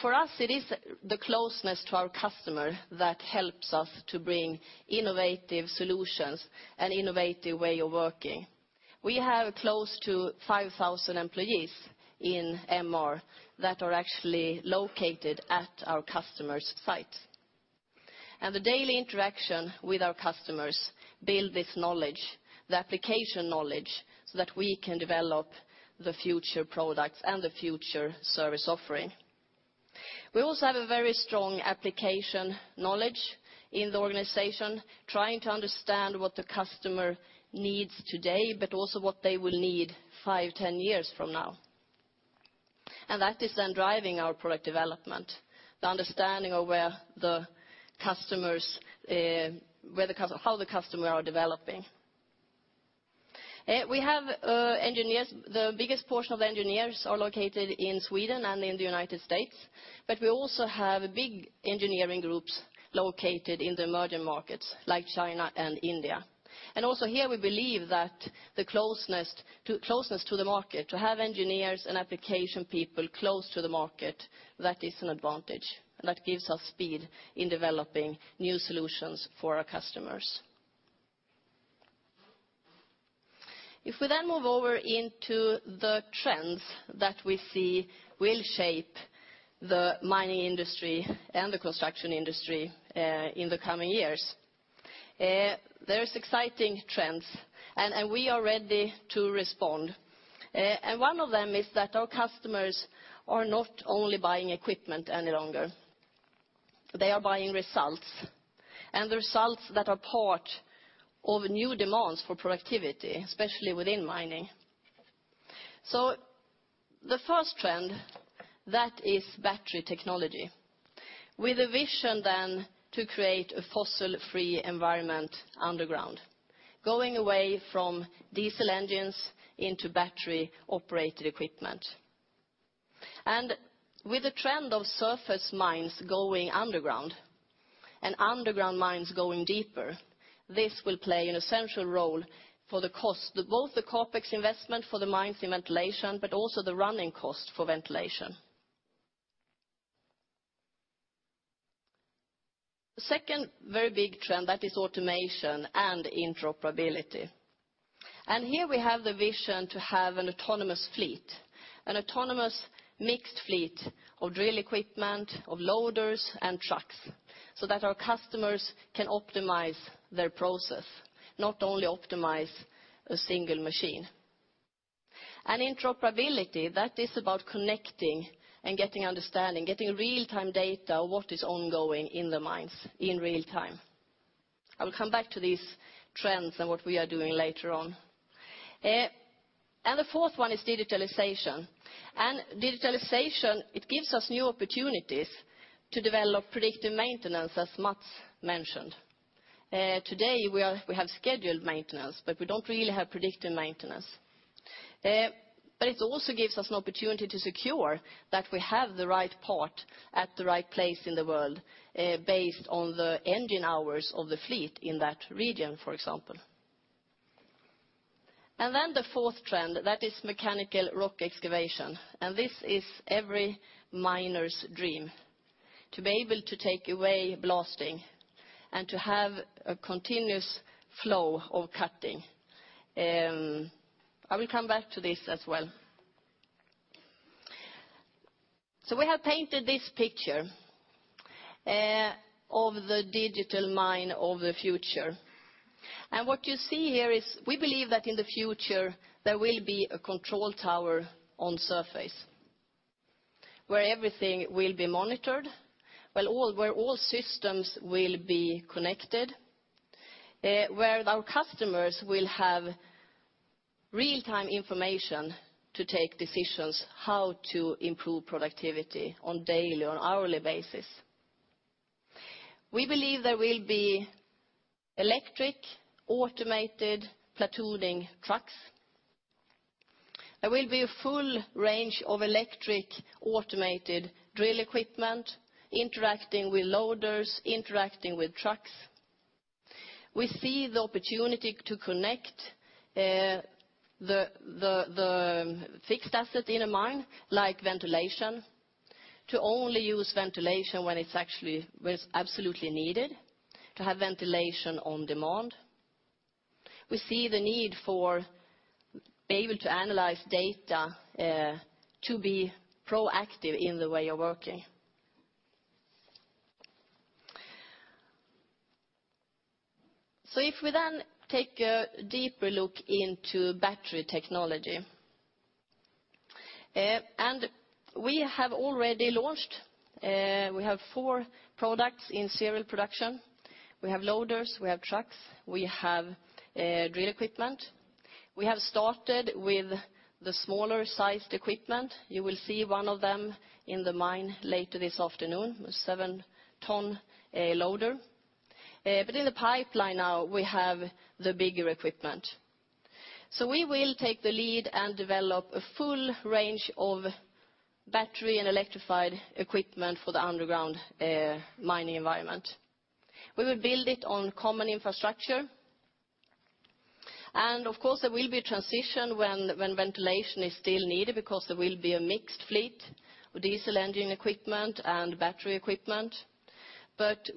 For us, it is the closeness to our customer that helps us to bring innovative solutions and innovative way of working. We have close to 5,000 employees in MR that are actually located at our customers' sites. The daily interaction with our customers build this knowledge, the application knowledge, so that we can develop the future products and the future service offering. We also have a very strong application knowledge in the organization, trying to understand what the customer needs today, but also what they will need five, 10 years from now. That is then driving our product development, the understanding of how the customer are developing. The biggest portion of the engineers are located in Sweden and in the U.S., but we also have big engineering groups located in the emerging markets like China and India. Also here we believe that the closeness to the market, to have engineers and application people close to the market, that is an advantage that gives us speed in developing new solutions for our customers. If we move over into the trends that we see will shape the mining industry and the construction industry in the coming years. There are exciting trends. We are ready to respond. One of them is that our customers are not only buying equipment any longer. They are buying results. The results that are part of new demands for productivity, especially within mining. The first trend is battery technology. With a vision to create a fossil-free environment underground, going away from diesel engines into battery-operated equipment. With the trend of surface mines going underground and underground mines going deeper, this will play an essential role for the cost, both the CapEx investment for the mines in ventilation, but also the running cost for ventilation. The second very big trend is automation and interoperability. Here we have the vision to have an autonomous fleet, an autonomous mixed fleet of drill equipment, of loaders, and trucks, so that our customers can optimize their process, not only optimize a single machine. Interoperability is about connecting and getting understanding, getting real-time data of what is ongoing in the mines in real time. I will come back to these trends and what we are doing later on. The fourth one is digitalization. Digitalization, it gives us new opportunities to develop predictive maintenance, as Mats mentioned. Today we have scheduled maintenance, we don't really have predictive maintenance. It also gives us an opportunity to secure that we have the right part at the right place in the world based on the engine hours of the fleet in that region, for example. The fourth trend, that is mechanical rock excavation. This is every miner's dream, to be able to take away blasting and to have a continuous flow of cutting. I will come back to this as well. We have painted this picture of the digital mine of the future. What you see here is we believe that in the future, there will be a control tower on surface where everything will be monitored, where all systems will be connected, where our customers will have real-time information to take decisions how to improve productivity on daily, on hourly basis. We believe there will be electric automated platooning trucks. There will be a full range of electric automated drill equipment interacting with loaders, interacting with trucks. We see the opportunity to connect the fixed asset in a mine, like ventilation, to only use ventilation when it's absolutely needed, to have ventilation on demand. We see the need for being able to analyze data to be proactive in the way of working. If we then take a deeper look into battery technology. We have already launched. We have four products in serial production. We have loaders, we have trucks, we have drill equipment. We have started with the smaller sized equipment. You will see one of them in the mine later this afternoon, a seven-ton loader. In the pipeline now, we have the bigger equipment. We will take the lead and develop a full range of battery and electrified equipment for the underground mining environment. We will build it on common infrastructure. Of course, there will be a transition when ventilation is still needed because there will be a mixed fleet of diesel engine equipment and battery equipment.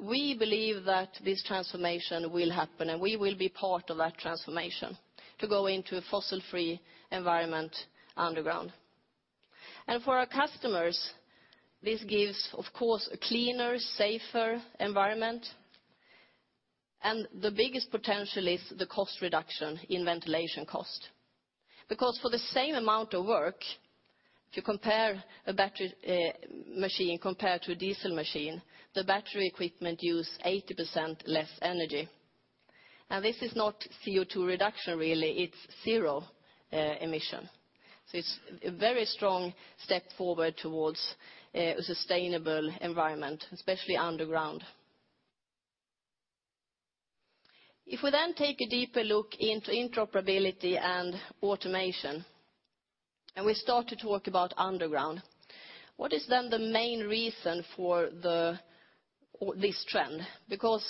We believe that this transformation will happen, and we will be part of that transformation to go into a fossil-free environment underground. For our customers, this gives, of course, a cleaner, safer environment. The biggest potential is the cost reduction in ventilation cost. Because for the same amount of work, if you compare a battery machine compared to a diesel machine, the battery equipment uses 80% less energy. This is not CO2 reduction really, it's zero emission. It's a very strong step forward towards a sustainable environment, especially underground. If we then take a deeper look into interoperability and automation, we start to talk about underground, what is then the main reason for this trend? Because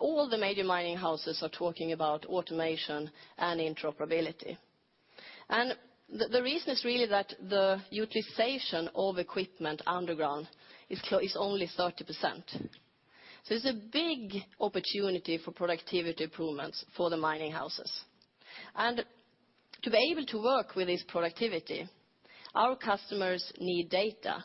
all the major mining houses are talking about automation and interoperability. The reason is really that the utilization of equipment underground is only 30%. There's a big opportunity for productivity improvements for the mining houses. To be able to work with this productivity, our customers need data,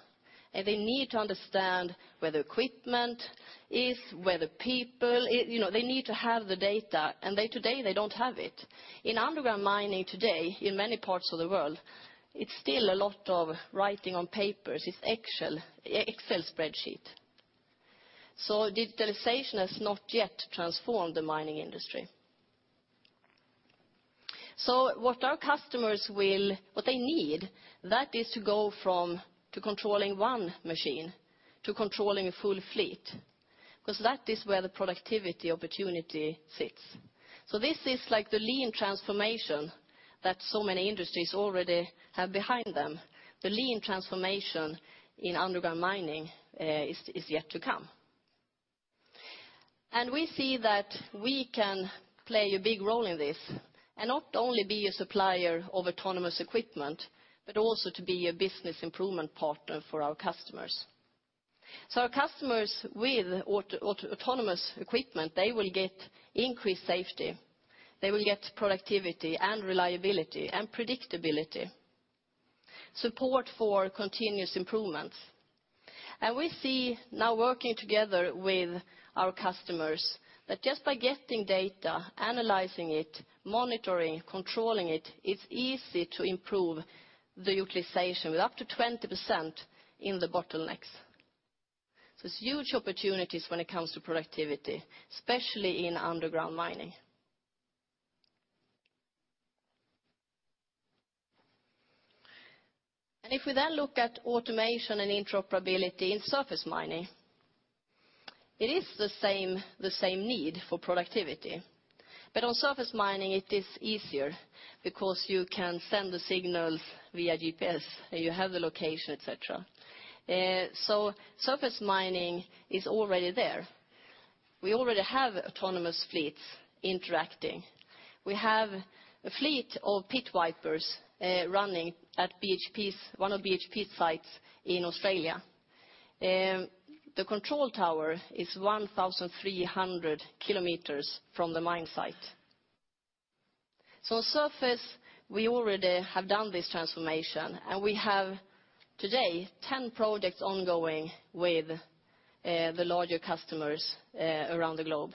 and they need to understand where the equipment is, where the people are. They need to have the data, and today they don't have it. In underground mining today in many parts of the world, it's still a lot of writing on papers. It's Excel spreadsheets. Digitalization has not yet transformed the mining industry. What our customers need, that is to go from controlling one machine to controlling a full fleet. Because that is where the productivity opportunity sits. This is like the lean transformation that so many industries already have behind them. The lean transformation in underground mining is yet to come. We see that we can play a big role in this and not only be a supplier of autonomous equipment, but also to be a business improvement partner for our customers. Our customers with autonomous equipment, they will get increased safety. They will get productivity and reliability and predictability, support for continuous improvements. We see now working together with our customers that just by getting data, analyzing it, monitoring, controlling it's easy to improve the utilization with up to 20% in the bottlenecks. It's huge opportunities when it comes to productivity, especially in underground mining. If we then look at automation and interoperability in surface mining, it is the same need for productivity. On surface mining, it is easier because you can send the signals via GPS, and you have the location, et cetera. Surface mining is already there. We already have autonomous fleets interacting. We have a fleet of Pit Vipers running at one of BHP's sites in Australia. The control tower is 1,300 kilometers from the mine site. On surface, we already have done this transformation, and we have today 10 projects ongoing with the larger customers around the globe.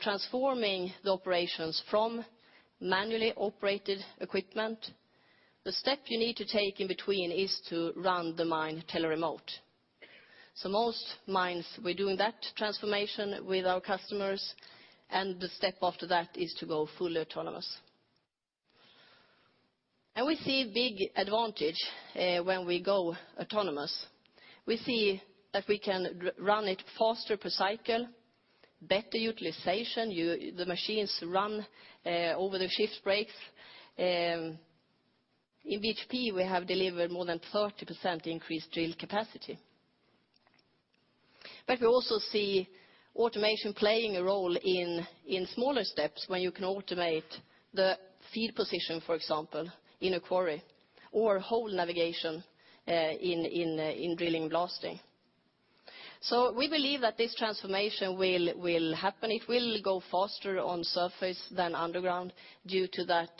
Transforming the operations from manually operated equipment, the step you need to take in between is to run the mine tele-remote. Most mines, we're doing that transformation with our customers, and the step after that is to go fully autonomous. We see big advantage when we go autonomous. We see that we can run it faster per cycle, better utilization. The machines run over the shift breaks. In BHP, we have delivered more than 30% increased drill capacity. We also see automation playing a role in smaller steps when you can automate the field position, for example, in a quarry or whole navigation in drilling blasting. We believe that this transformation will happen. It will go faster on surface than underground due to that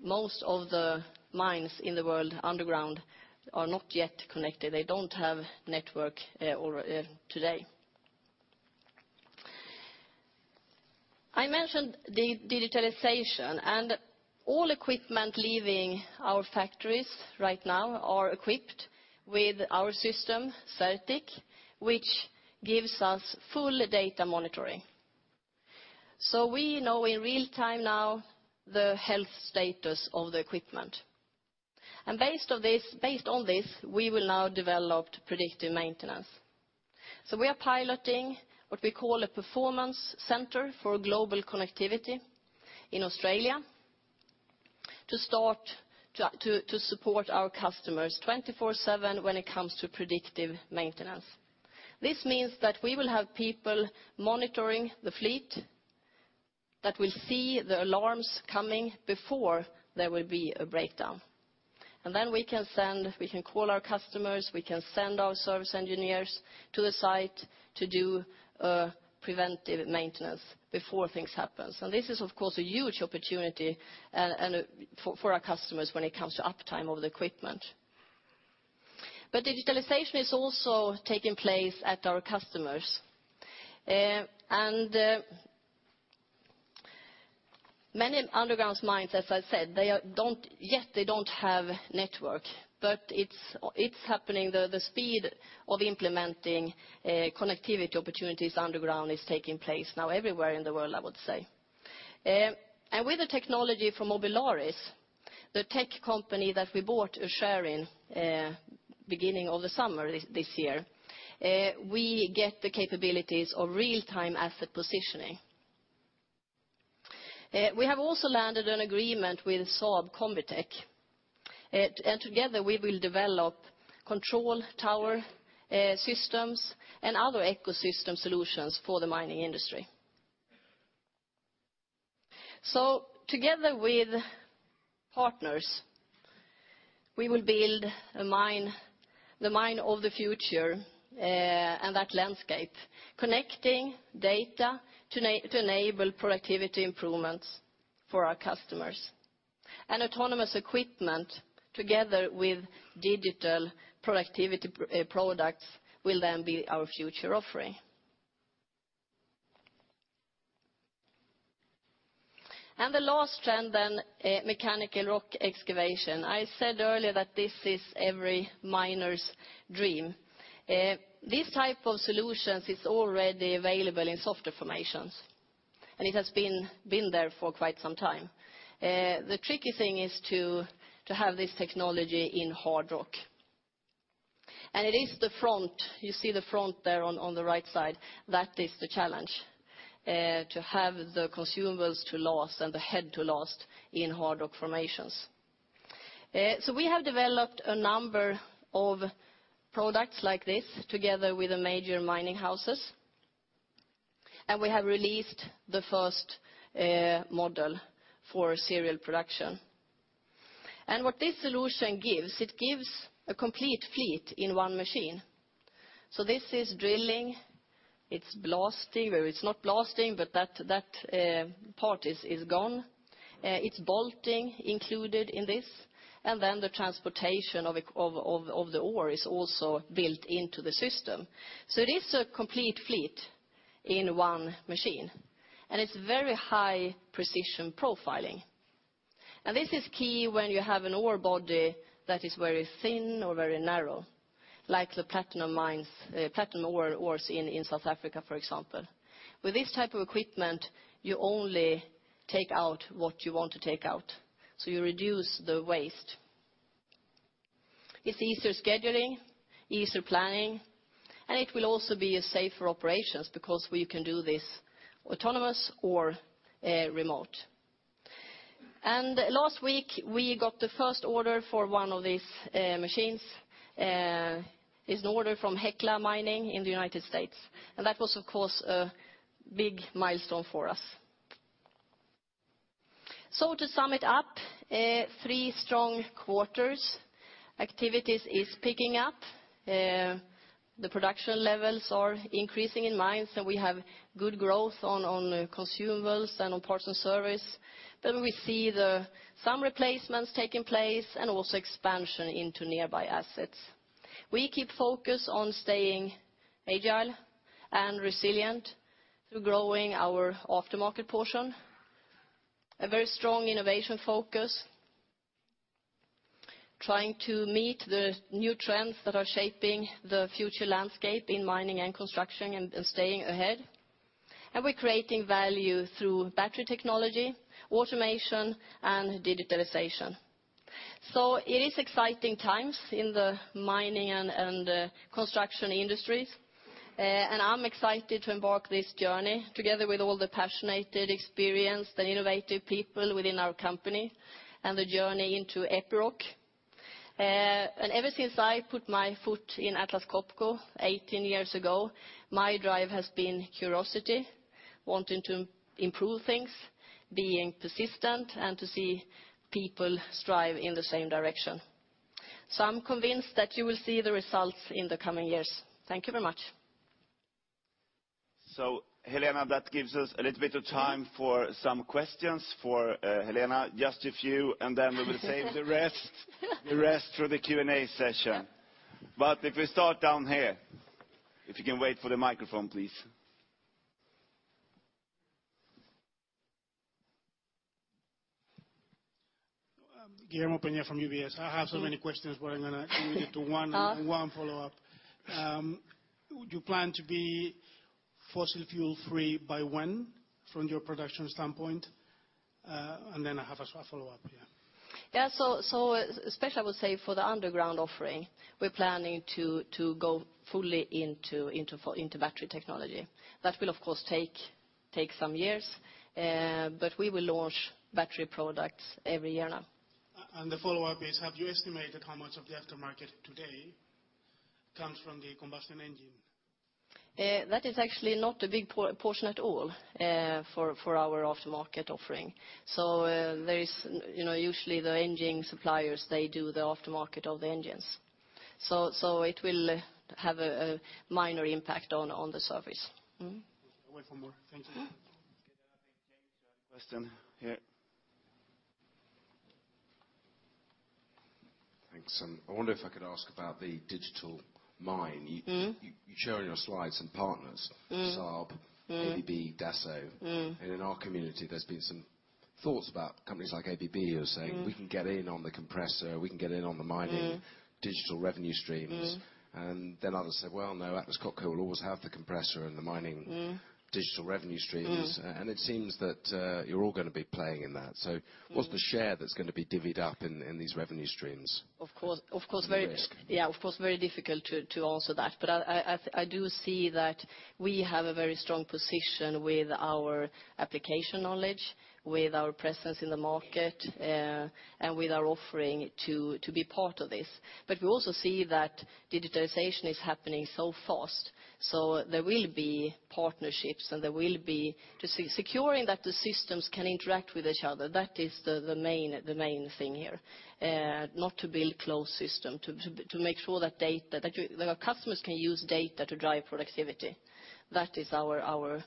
most of the mines in the world underground are not yet connected. They don't have network today. I mentioned the digitalization and all equipment leaving our factories right now are equipped with our system, Certiq, which gives us full data monitoring. We know in real time now the health status of the equipment. Based on this, we will now develop predictive maintenance. We are piloting what we call a performance center for global connectivity in Australia to start to support our customers 24/7 when it comes to predictive maintenance. This means that we will have people monitoring the fleet. We see the alarms coming before there will be a breakdown. Then we can call our customers, we can send our service engineers to the site to do preventive maintenance before things happen. This is, of course, a huge opportunity for our customers when it comes to uptime of the equipment. Digitalization is also taking place at our customers. Many underground mines, as I said, they don't yet have network, but it's happening. The speed of implementing connectivity opportunities underground is taking place now everywhere in the world, I would say. With the technology from Mobilaris, the tech company that we bought a share in beginning of the summer this year, we get the capabilities of real-time asset positioning. We have also landed an agreement with Saab Combitech. Together we will develop control tower systems and other ecosystem solutions for the mining industry. Together with partners, we will build the mine of the future, and that landscape, connecting data to enable productivity improvements for our customers. Autonomous equipment together with digital productivity products will then be our future offering. The last trend then, mechanical rock excavation. I said earlier that this is every miner's dream. This type of solution is already available in softer formations, it has been there for quite some time. The tricky thing is to have this technology in hard rock. It is the front, you see the front there on the right side. That is the challenge, to have the consumables to last and the head to last in hard rock formations. We have developed a number of products like this together with the major mining houses, we have released the first model for serial production. What this solution gives, it gives a complete fleet in one machine. This is drilling. It's blasting. Well, it's not blasting, but that part is gone. It's bolting included in this, the transportation of the ore is also built into the system. It is a complete fleet in one machine, and it's very high-precision profiling. This is key when you have an ore body that is very thin or very narrow, like the platinum ores in South Africa, for example. With this type of equipment, you only take out what you want to take out, so you reduce the waste. It's easier scheduling, easier planning, it will also be a safer operation because we can do this autonomous or remote. Last week, we got the first order for one of these machines. It's an order from Hecla Mining in the U.S. That was, of course, a big milestone for us. To sum it up, three strong quarters. Activity is picking up. The production levels are increasing in mines, we have good growth on consumables and on parts and service. We see some replacements taking place and also expansion into nearby assets. We keep focus on staying agile and resilient through growing our aftermarket portion. A very strong innovation focus, trying to meet the new trends that are shaping the future landscape in mining and construction, and staying ahead. We're creating value through battery technology, automation, and digitalization. It is exciting times in the mining and construction industries. I'm excited to embark this journey together with all the passionated, experienced, and innovative people within our company, and the journey into Epiroc. Ever since I put my foot in Atlas Copco 18 years ago, my drive has been curiosity, wanting to improve things, being persistent, and to see people strive in the same direction. I'm convinced that you will see the results in the coming years. Thank you very much. Helena, that gives us a little bit of time for some questions for Helena. Just a few, then we will save the rest for the Q&A session. If we start down here. If you can wait for the microphone, please. Guillermo Pena from UBS. I have so many questions, but I'm going to limit it to one. One follow-up. Do you plan to be fossil fuel-free by when, from your production standpoint? I have a follow-up, yeah. Yeah. Especially, I would say, for the underground offering, we're planning to go fully into battery technology. That will, of course, take some years, but we will launch battery products every year now. The follow-up is, have you estimated how much of the aftermarket today comes from the combustion engine? That is actually not a big portion at all for our aftermarket offering. Usually, the engine suppliers do the aftermarket of the engines. It will have a minor impact on the service. I'll wait for more. Thank you. Okay. I think James has a question here. Thanks. I wonder if I could ask about the digital mine. You show on your slides some partners. Saab- ABB, Dassault. In our community, there's been some thoughts about companies like ABB who are saying- we can get in on the compressor, we can get in on the mining-. digital revenue streams. Others say, well, no, Atlas Copco will always have the compressor and the mining-. digital revenue streams. It seems that you're all going to be playing in that. What's the share that's going to be divvied up in these revenue streams? Of course. Very difficult to answer that, but I do see that we have a very strong position with our application knowledge, with our presence in the market, and with our offering to be part of this. We also see that digitization is happening so fast. There will be partnerships, and there will be securing that the systems can interact with each other, that is the main thing here. Not to build closed system, to make sure that our customers can use data to drive productivity. That is our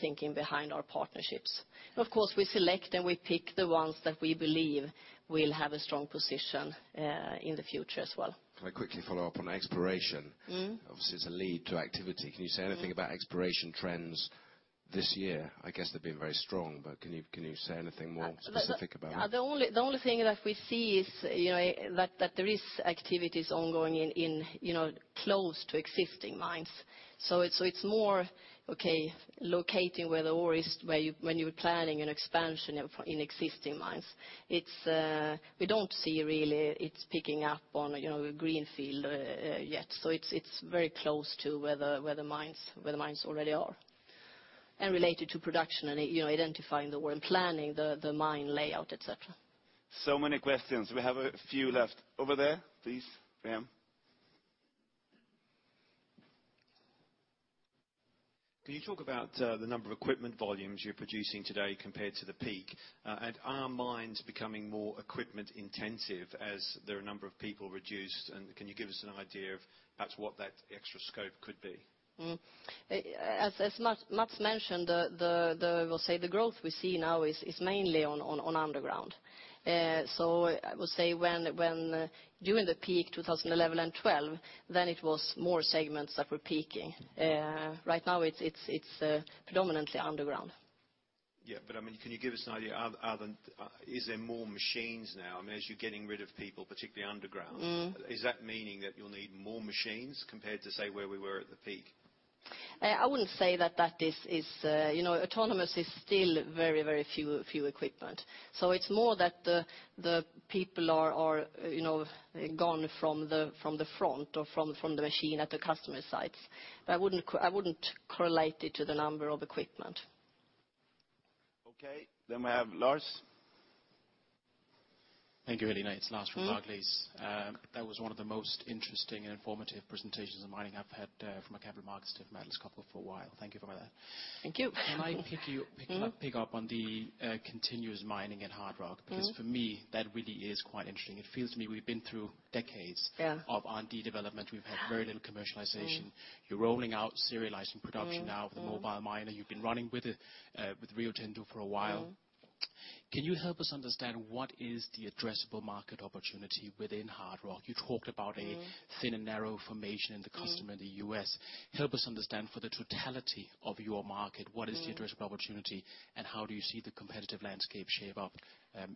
thinking behind our partnerships. Of course, we select and we pick the ones that we believe will have a strong position in the future as well. Can I quickly follow up on exploration? Obviously, it's a lead to activity. Can you say anything about exploration trends this year? I guess they've been very strong, but can you say anything more specific about that? The only thing that we see is that there is activities ongoing in close to existing mines. It's more locating where the ore is when you're planning an expansion in existing mines. We don't see really it's picking up on greenfield yet. It's very close to where the mines already are, and related to production and identifying the ore, planning the mine layout, et cetera. Many questions. We have a few left. Over there, please, Graham. Can you talk about the number of equipment volumes you're producing today compared to the peak? Are mines becoming more equipment intensive as their number of people reduce, and can you give us an idea of perhaps what that extra scope could be? As Mats mentioned, I will say the growth we see now is mainly on underground. I will say when during the peak 2011 and 2012, then it was more segments that were peaking. Right now, it's predominantly underground. Can you give us an idea, is there more machines now? As you're getting rid of people, particularly underground- Is that meaning that you'll need more machines compared to, say, where we were at the peak? I wouldn't say that is. Autonomous is still very few equipment. It's more that the people are gone from the front or from the machine at the customer sites. I wouldn't correlate it to the number of equipment. Okay. We have Lars. Thank you, Helena. It's Lars from Barclays. That was one of the most interesting and informative presentations on mining I've had from a capital markets team at Atlas Copco for a while. Thank you for that. Thank you. Can I pick up on the continuous mining at hard rock? For me, that really is quite interesting. It feels to me we've been through decades- Yeah of R&D development. We've had very little commercialization. You're rolling out serializing production now- with the Mobile Miner. You've been running with it, with Rio Tinto for a while. Can you help us understand what is the addressable market opportunity within hard rock? You talked about. thin and narrow formation. in the customer in the U.S. Help us understand, for the totality of your market. What is the addressable opportunity, how do you see the competitive landscape shape up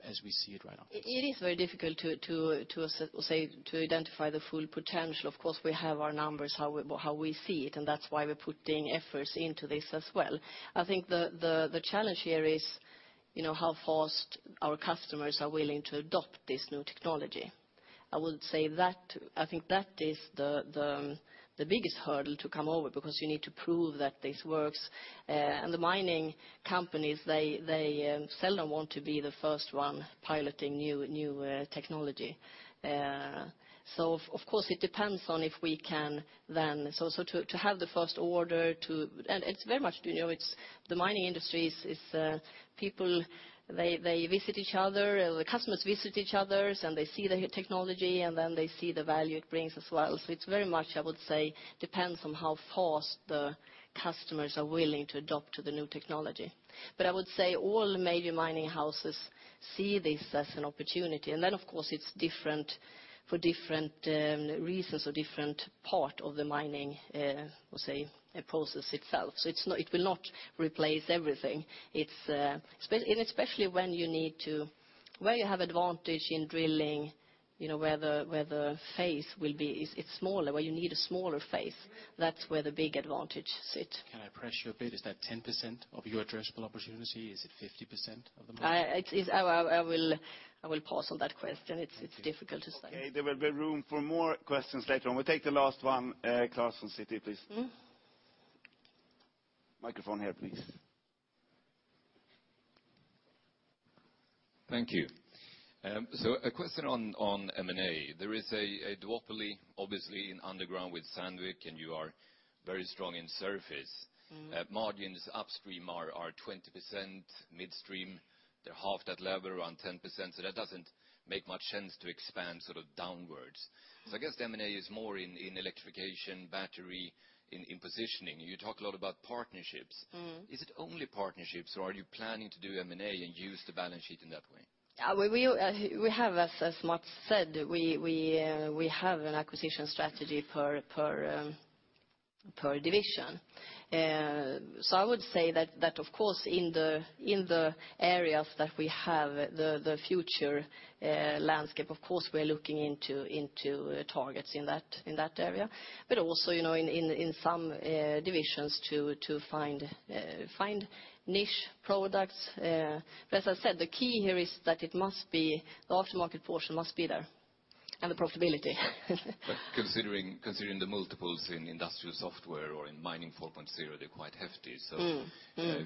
as we see it right now? It is very difficult to identify the full potential. Of course, we have our numbers, how we see it, and that's why we're putting efforts into this as well. I think the challenge here is how fast our customers are willing to adopt this new technology. I would say I think that is the biggest hurdle to come over, because you need to prove that this works. The mining companies, they seldom want to be the first one piloting new technology. Of course, it depends on if we can then have the first order. The mining industry is people, they visit each other, the customers visit each other, and they see the technology, and then they see the value it brings as well. It very much, I would say, depends on how fast the customers are willing to adopt to the new technology. I would say all major mining houses see this as an opportunity. Then, of course, it's different for different reasons or different part of the mining process itself. It will not replace everything. Especially where you have advantage in drilling, where the face will be, it's smaller, where you need a smaller face, that's where the big advantage sits. Can I press you a bit? Is that 10% of your addressable opportunity? Is it 50% of the market? I will parcel that question. Thank you. It's difficult to say. Okay. There will be room for more questions later on. We'll take the last one, Lars from Citi, please. Microphone here, please. Thank you. A question on M&A. There is a duopoly, obviously, in underground with Sandvik, and you are very strong in surface. Margins upstream are 20%, midstream, they're half that level, around 10%. That doesn't make much sense to expand downwards. I guess the M&A is more in electrification, battery, in positioning. You talk a lot about partnerships. Is it only partnerships or are you planning to do M&A and use the balance sheet in that way? As Mats said, we have an acquisition strategy per division. I would say that, of course, in the areas that we have the future landscape, of course, we are looking into targets in that area, but also in some divisions to find niche products. As I said, the key here is that the aftermarket portion must be there, and the profitability. Considering the multiples in industrial software or in Mining 4.0, they're quite hefty.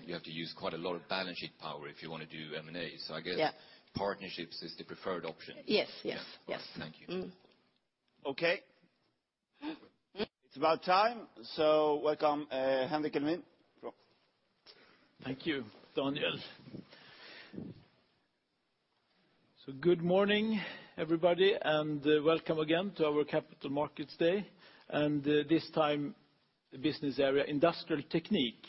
You have to use quite a lot of balance sheet power if you want to do M&A. Yeah. I guess partnerships is the preferred option. Yes. Thank you. It's about time. Welcome, Henrik Elmin. Thank you, Daniel. Good morning, everybody, welcome again to our Capital Markets Day, this time, the business area Industrial Technique.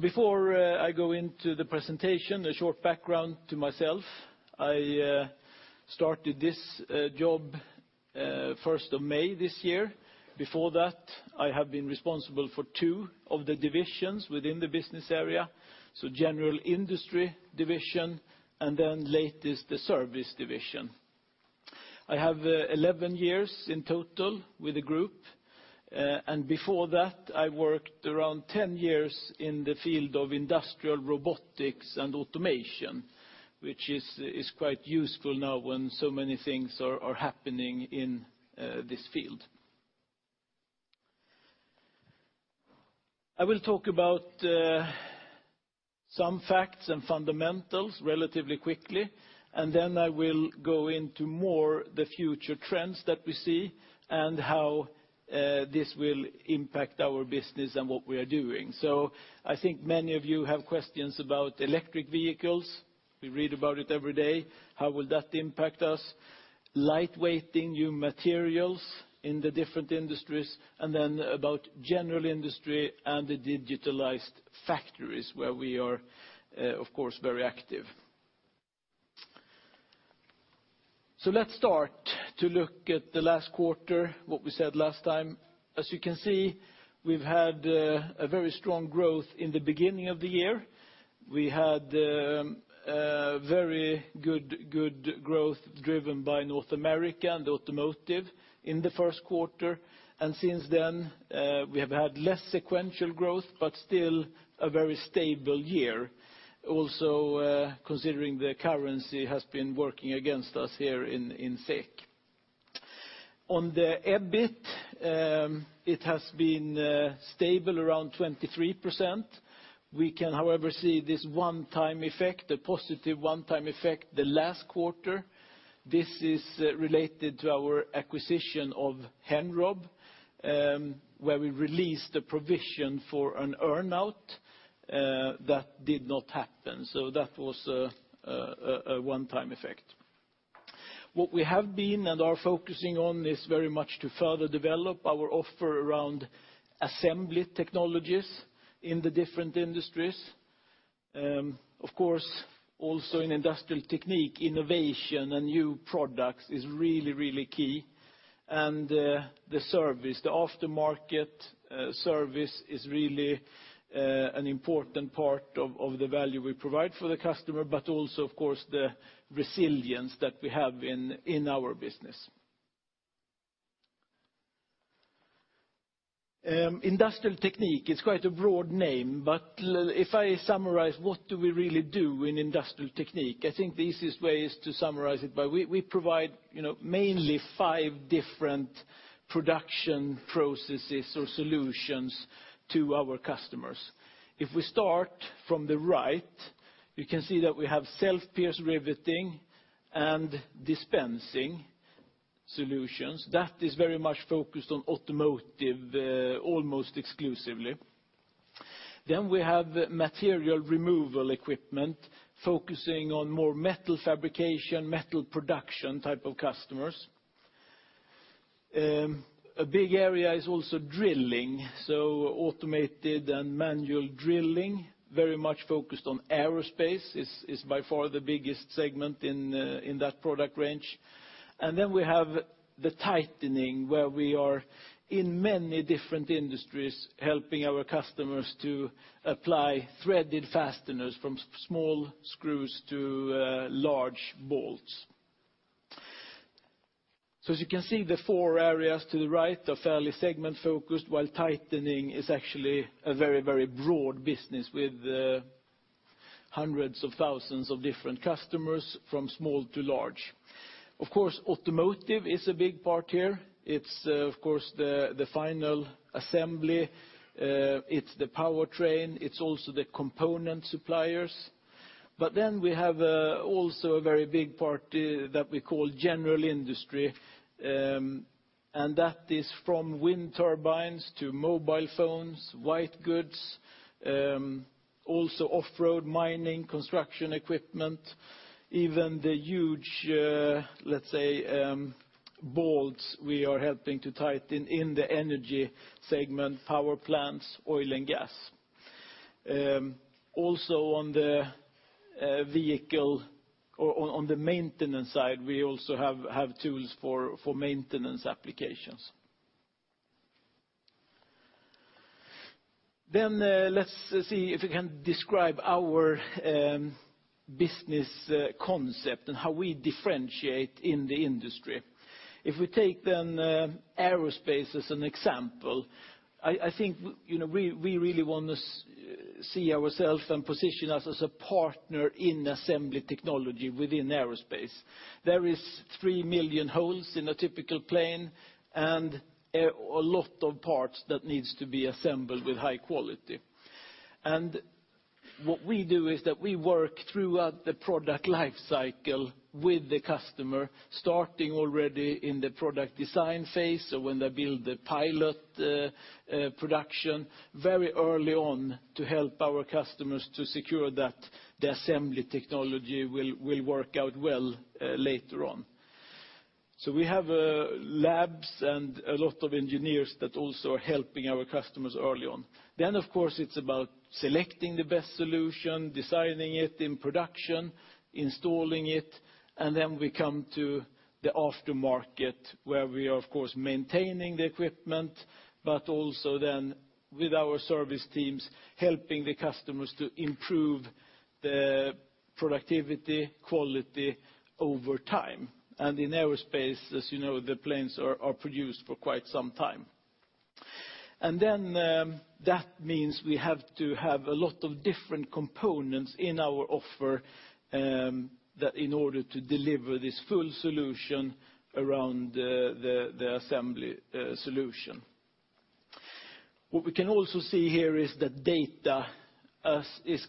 Before I go into the presentation, a short background to myself. I started this job 1st of May this year. Before that, I have been responsible for two of the divisions within the business area, General Industry division, then latest, the Service division. I have 11 years in total with the group. Before that, I worked around 10 years in the field of industrial robotics and automation, which is quite useful now when so many things are happening in this field. I will talk about some facts and fundamentals relatively quickly, then I will go into more the future trends that we see and how this will impact our business and what we are doing. I think many of you have questions about electric vehicles. We read about it every day. How will that impact us? Light-weighting new materials in the different industries, about general industry and the digitalized factories where we are, of course, very active. Let's start to look at the last quarter, what we said last time. As you can see, we've had a very strong growth in the beginning of the year. We had very good growth driven by North America and automotive in the first quarter. Since then, we have had less sequential growth, but still a very stable year. Also, considering the currency has been working against us here in SEK. On the EBIT, it has been stable around 23%. We can, however, see this one-time effect, the positive one-time effect the last quarter. This is related to our acquisition of Henrob, where we released a provision for an earn-out that did not happen. That was a one-time effect. What we have been and are focusing on is very much to further develop our offer around assembly technologies in the different industries. Of course, also in Industrial Technique, innovation and new products is really key. The service, the aftermarket service is really an important part of the value we provide for the customer, but also, of course, the resilience that we have in our business. Industrial Technique is quite a broad name, but if I summarize what do we really do in Industrial Technique, I think the easiest way is to summarize it by we provide mainly five different production processes or solutions to our customers. If we start from the right, you can see that we have self-pierce riveting and dispensing solutions. That is very much focused on automotive, almost exclusively. We have material removal equipment focusing on more metal fabrication, metal production type of customers. A big area is also drilling, so automated and manual drilling, very much focused on aerospace, is by far the biggest segment in that product range. We have the tightening where we are in many different industries, helping our customers to apply threaded fasteners from small screws to large bolts. As you can see, the four areas to the right are fairly segment-focused, while tightening is actually a very broad business with hundreds of thousands of different customers from small to large. Of course, automotive is a big part here. It's the final assembly, it's the powertrain, it's also the component suppliers. We have also a very big part that we call general industry, and that is from wind turbines to mobile phones, white goods, also off-road mining, construction equipment, even the huge bolts we are helping to tighten in the energy segment, power plants, oil and gas. Also on the maintenance side, we also have tools for maintenance applications. Let's see if we can describe our business concept and how we differentiate in the industry. If we take aerospace as an example, we really want to see ourself and position us as a partner in assembly technology within aerospace. There is 3 million holes in a typical plane and a lot of parts that needs to be assembled with high quality. What we do is that we work throughout the product life cycle with the customer, starting already in the product design phase or when they build the pilot production, very early on to help our customers to secure that the assembly technology will work out well later on. We have labs and a lot of engineers that also are helping our customers early on. Of course, it's about selecting the best solution, designing it in production, installing it, and then we come to the aftermarket, where we are maintaining the equipment, but also then with our service teams, helping the customers to improve the productivity quality over time. In aerospace, as you know, the planes are produced for quite some time. That means we have to have a lot of different components in our offer in order to deliver this full solution around the assembly solution. What we can also see here is that data is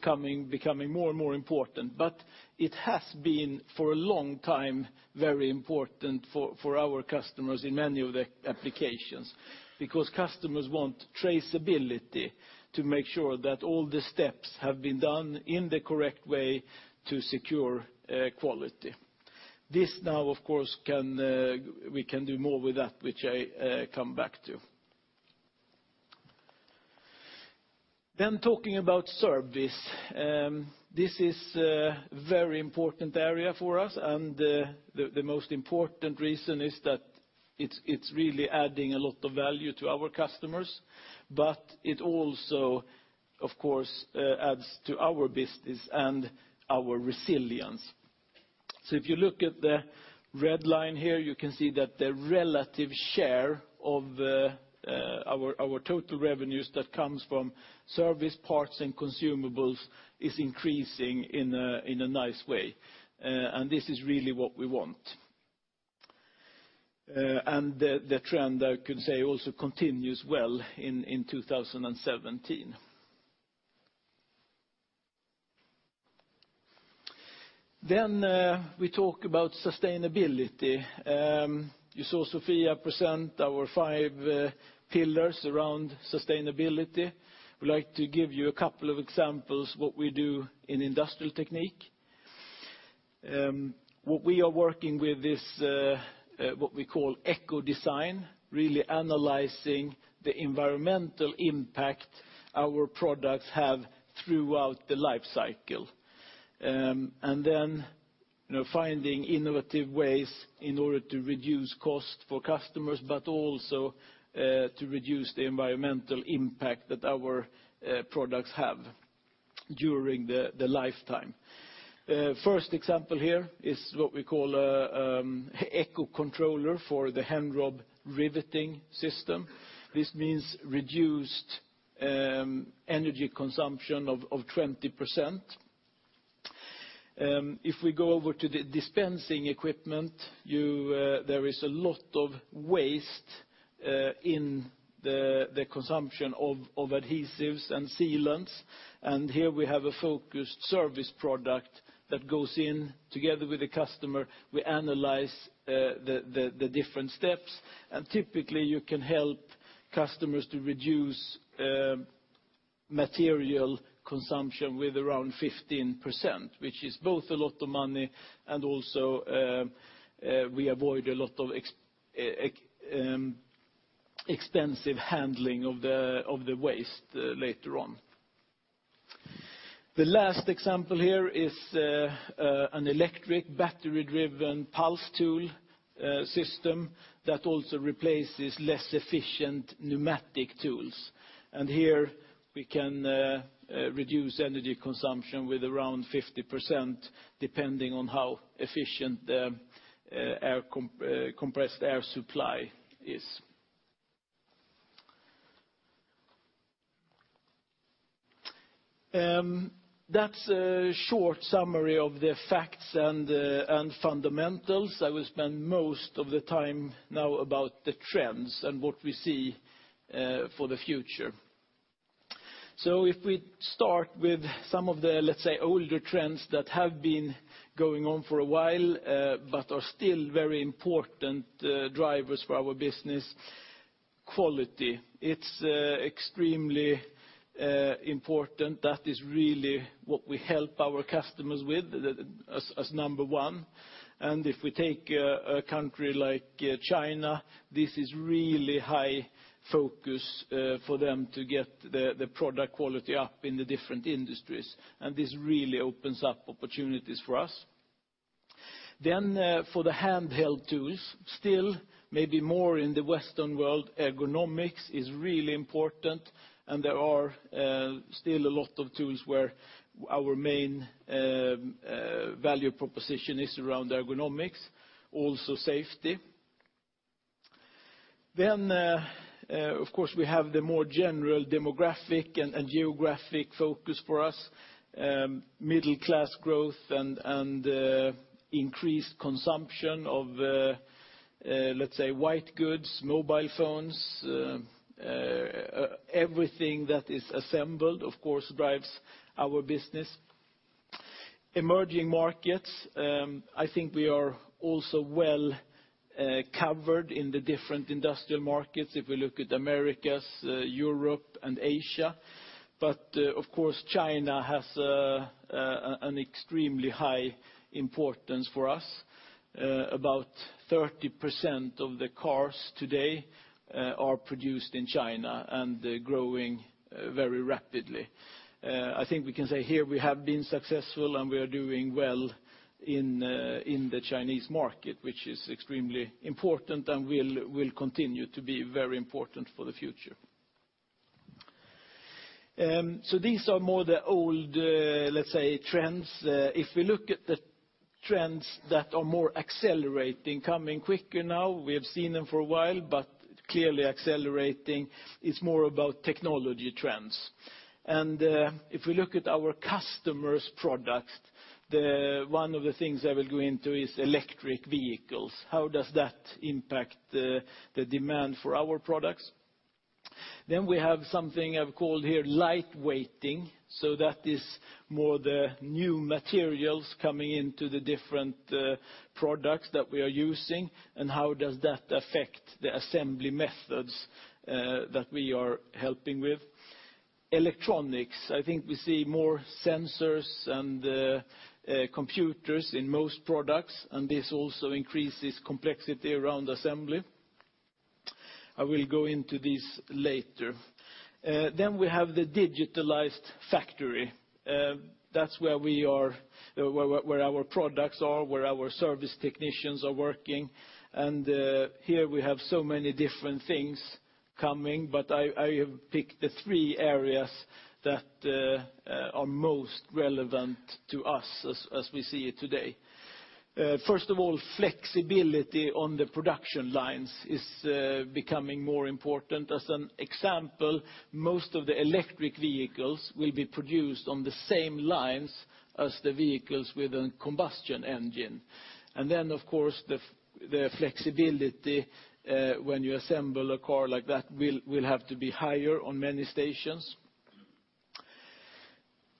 becoming more and more important, but it has been for a long time very important for our customers in many of the applications, because customers want traceability to make sure that all the steps have been done in the correct way to secure quality. This now, of course, we can do more with that, which I come back to. Talking about service. This is a very important area for us, and the most important reason is that it's really adding a lot of value to our customers, but it also, of course, adds to our business and our resilience. If you look at the red line here, you can see that the relative share of our total revenues that comes from service parts and consumables is increasing in a nice way, and this is really what we want. The trend, I could say, also continues well in 2017. We talk about sustainability. You saw Sofia present our five pillars around sustainability. I would like to give you a couple of examples what we do in Industrial Technique. What we are working with is what we call Ecodesign, really analyzing the environmental impact our products have throughout the life cycle. Finding innovative ways in order to reduce cost for customers, but also to reduce the environmental impact that our products have during the lifetime. First example here is what we call a eco controller for the Henrob riveting system. This means reduced energy consumption of 20%. We go over to the dispensing equipment, there is a lot of waste in the consumption of adhesives and sealants, here we have a focused service product that goes in together with the customer. We analyze the different steps, typically you can help customers to reduce material consumption with around 15%, which is both a lot of money, also we avoid a lot of expensive handling of the waste later on. The last example here is an electric battery-driven pulse tool system that also replaces less efficient pneumatic tools. Here we can reduce energy consumption with around 50%, depending on how efficient the compressed air supply is. That's a short summary of the facts and fundamentals. I will spend most of the time now about the trends and what we see for the future. If we start with some of the, let's say, older trends that have been going on for a while, but are still very important drivers for our business. Quality, it's extremely important. That is really what we help our customers with as number 1. If we take a country like China, this is really high focus for them to get the product quality up in the different industries. This really opens up opportunities for us. For the handheld tools, still maybe more in the Western world, ergonomics is really important, there are still a lot of tools where our main value proposition is around ergonomics, also safety. Of course, we have the more general demographic and geographic focus for us. Middle-class growth and increased consumption of, let's say, white goods, mobile phones, everything that is assembled, of course, drives our business. Emerging markets, I think we are also well-covered in the different industrial markets if we look at Americas, Europe, and Asia. Of course, China has an extremely high importance for us. About 30% of the cars today are produced in China and growing very rapidly. I think we can say here we have been successful, we are doing well in the Chinese market, which is extremely important and will continue to be very important for the future. These are more the old, let's say, trends. If we look at the trends that are more accelerating, coming quicker now, we have seen them for a while, but clearly accelerating is more about technology trends. If we look at our customers' products, one of the things I will go into is electric vehicles. How does that impact the demand for our products? We have something I've called here lightweighting. That is more the new materials coming into the different products that we are using. How does that affect the assembly methods that we are helping with? Electronics, I think we see more sensors and computers in most products, and this also increases complexity around assembly. I will go into this later. We have the digitalized factory. That's where our products are, where our service technicians are working. Here we have so many different things coming, but I have picked the three areas that are most relevant to us as we see it today. First of all, flexibility on the production lines is becoming more important. As an example, most of the electric vehicles will be produced on the same lines as the vehicles with a combustion engine. Of course, the flexibility when you assemble a car like that will have to be higher on many stations.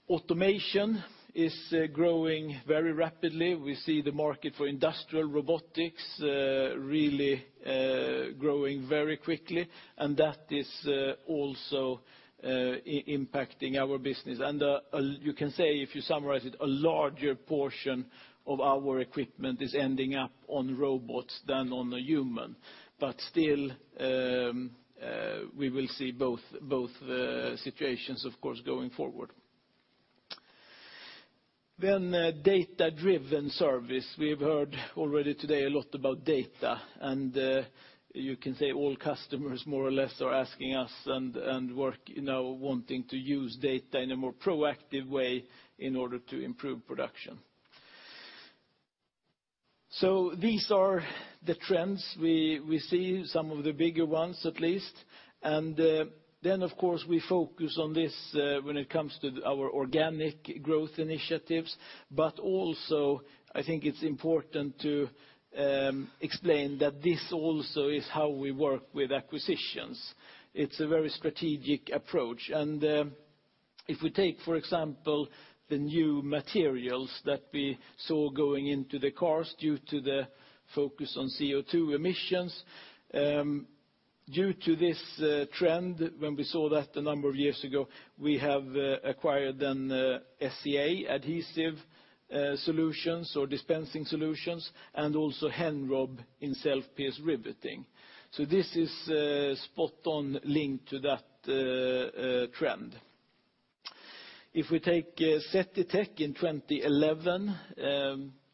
Automation is growing very rapidly. We see the market for industrial robotics really growing very quickly. That is also impacting our business. You can say, if you summarize it, a larger portion of our equipment is ending up on robots than on a human. Still, we will see both situations, of course, going forward. Data-driven service. We've heard already today a lot about data. You can say all customers more or less are asking us and work now wanting to use data in a more proactive way in order to improve production. These are the trends we see, some of the bigger ones at least. Of course, we focus on this when it comes to our organic growth initiatives. Also, I think it's important to explain that this also is how we work with acquisitions. It's a very strategic approach. If we take, for example, the new materials that we saw going into the cars due to the focus on CO2 emissions. Due to this trend, when we saw that a number of years ago, we have acquired then SCA Adhesive Solutions or dispensing solutions, and also Henrob in self-pierce riveting. This is spot on linked to that trend. If we take Seti-Tec in 2011,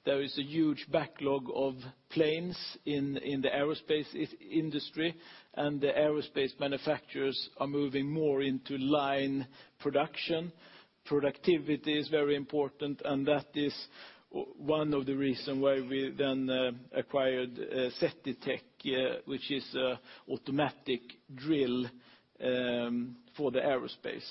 there is a huge backlog of planes in the aerospace industry. The aerospace manufacturers are moving more into line production. Productivity is very important. That is one of the reason why we then acquired Seti-Tec, which is an automatic drill for the aerospace.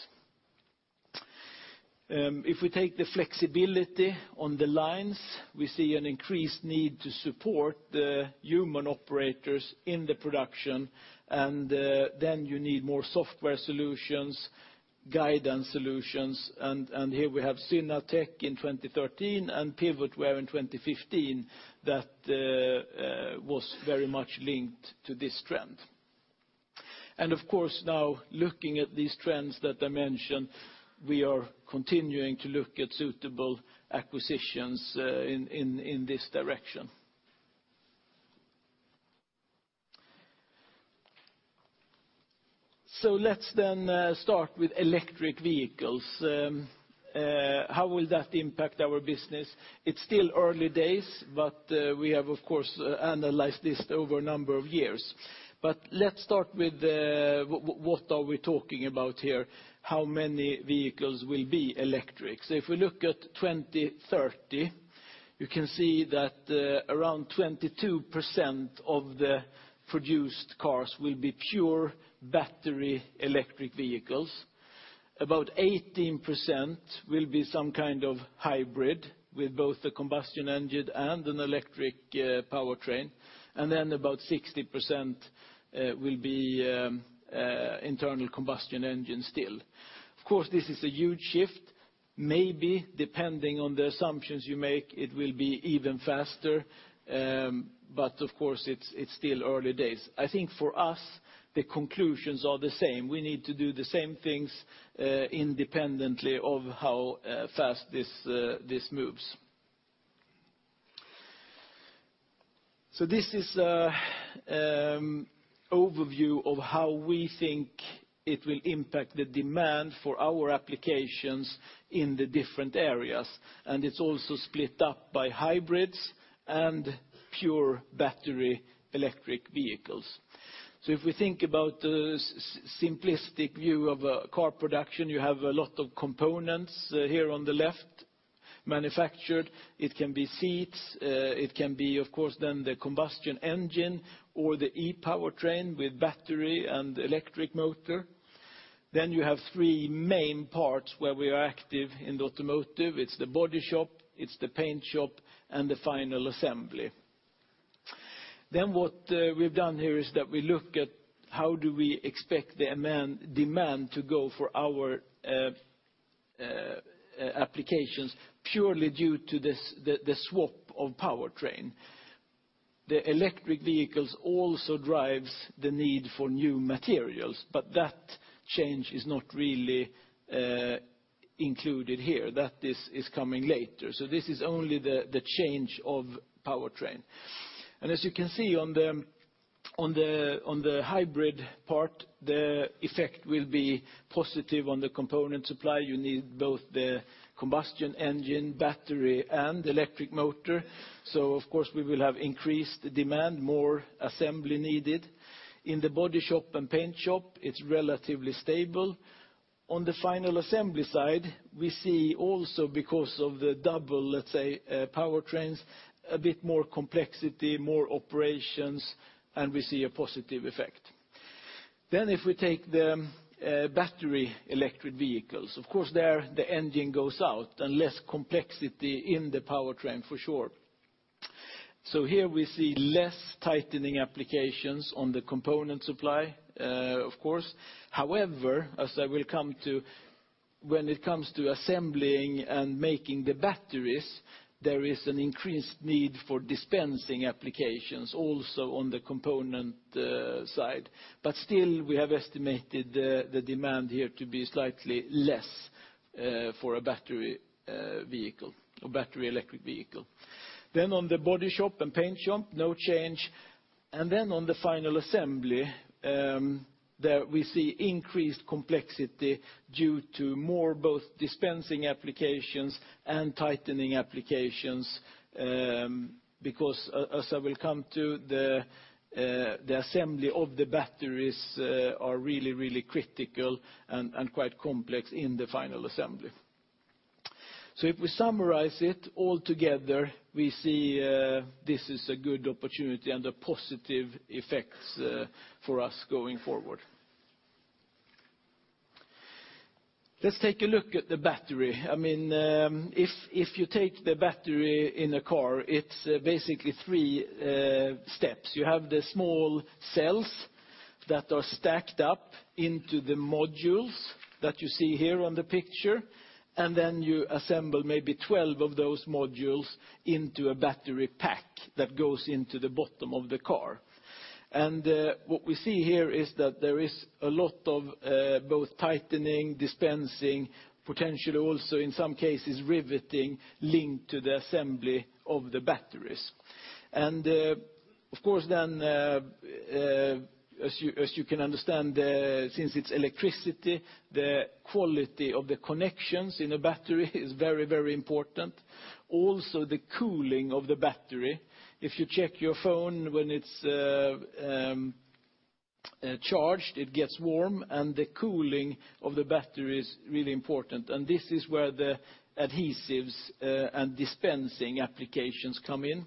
If we take the flexibility on the lines, we see an increased need to support the human operators in the production. You need more software solutions, guidance solutions. Here we have Synatec in 2013 and Pivotware in 2015 that was very much linked to this trend. Of course now, looking at these trends that I mentioned, we are continuing to look at suitable acquisitions in this direction. Let's then start with electric vehicles. How will that impact our business? It's still early days. We have, of course, analyzed this over a number of years. Let's start with what are we talking about here, how many vehicles will be electric. If we look at 2030, you can see that around 22% of the produced cars will be pure battery electric vehicles. About 18% will be some kind of hybrid with both a combustion engine and an electric powertrain. About 60% will be internal combustion engine still. This is a huge shift. Maybe, depending on the assumptions you make, it will be even faster. It's still early days. I think for us, the conclusions are the same. We need to do the same things independently of how fast this moves. This is an overview of how we think it will impact the demand for our applications in the different areas, and it's also split up by hybrids and pure battery electric vehicles. If we think about the simplistic view of car production, you have a lot of components here on the left manufactured. It can be seats, it can be, of course, then the combustion engine or the e-powertrain with battery and electric motor. You have three main parts where we are active in the automotive. It's the body shop, it's the paint shop, and the final assembly. What we've done here is that we look at how do we expect the demand to go for our applications purely due to the swap of powertrain. The electric vehicles also drives the need for new materials, but that change is not really included here, that is coming later. This is only the change of powertrain. As you can see on the hybrid part, the effect will be positive on the component supply. You need both the combustion engine, battery, and electric motor. Of course, we will have increased demand, more assembly needed. In the body shop and paint shop, it's relatively stable. On the final assembly side, we see also because of the double, let's say, powertrains, a bit more complexity, more operations, and we see a positive effect. If we take the battery electric vehicles, of course there, the engine goes out and less complexity in the powertrain for sure. Here we see less tightening applications on the component supply, of course. However, as I will come to, when it comes to assembling and making the batteries, there is an increased need for dispensing applications also on the component side. Still, we have estimated the demand here to be slightly less for a battery electric vehicle. On the body shop and paint shop, no change. On the final assembly, there we see increased complexity due to more both dispensing applications and tightening applications, because, as I will come to, the assembly of the batteries are really critical and quite complex in the final assembly. If we summarize it all together, we see this is a good opportunity and a positive effect for us going forward. Let's take a look at the battery. If you take the battery in a car, it's basically three steps. You have the small cells that are stacked up into the modules that you see here on the picture, you assemble maybe 12 of those modules into a battery pack that goes into the bottom of the car. What we see here is that there is a lot of both tightening, dispensing, potentially also in some cases riveting linked to the assembly of the batteries. Of course then, as you can understand, since it's electricity, the quality of the connections in a battery is very important. Also, the cooling of the battery. If you check your phone when it's charged, it gets warm, and the cooling of the battery is really important. This is where the adhesives and dispensing applications come in.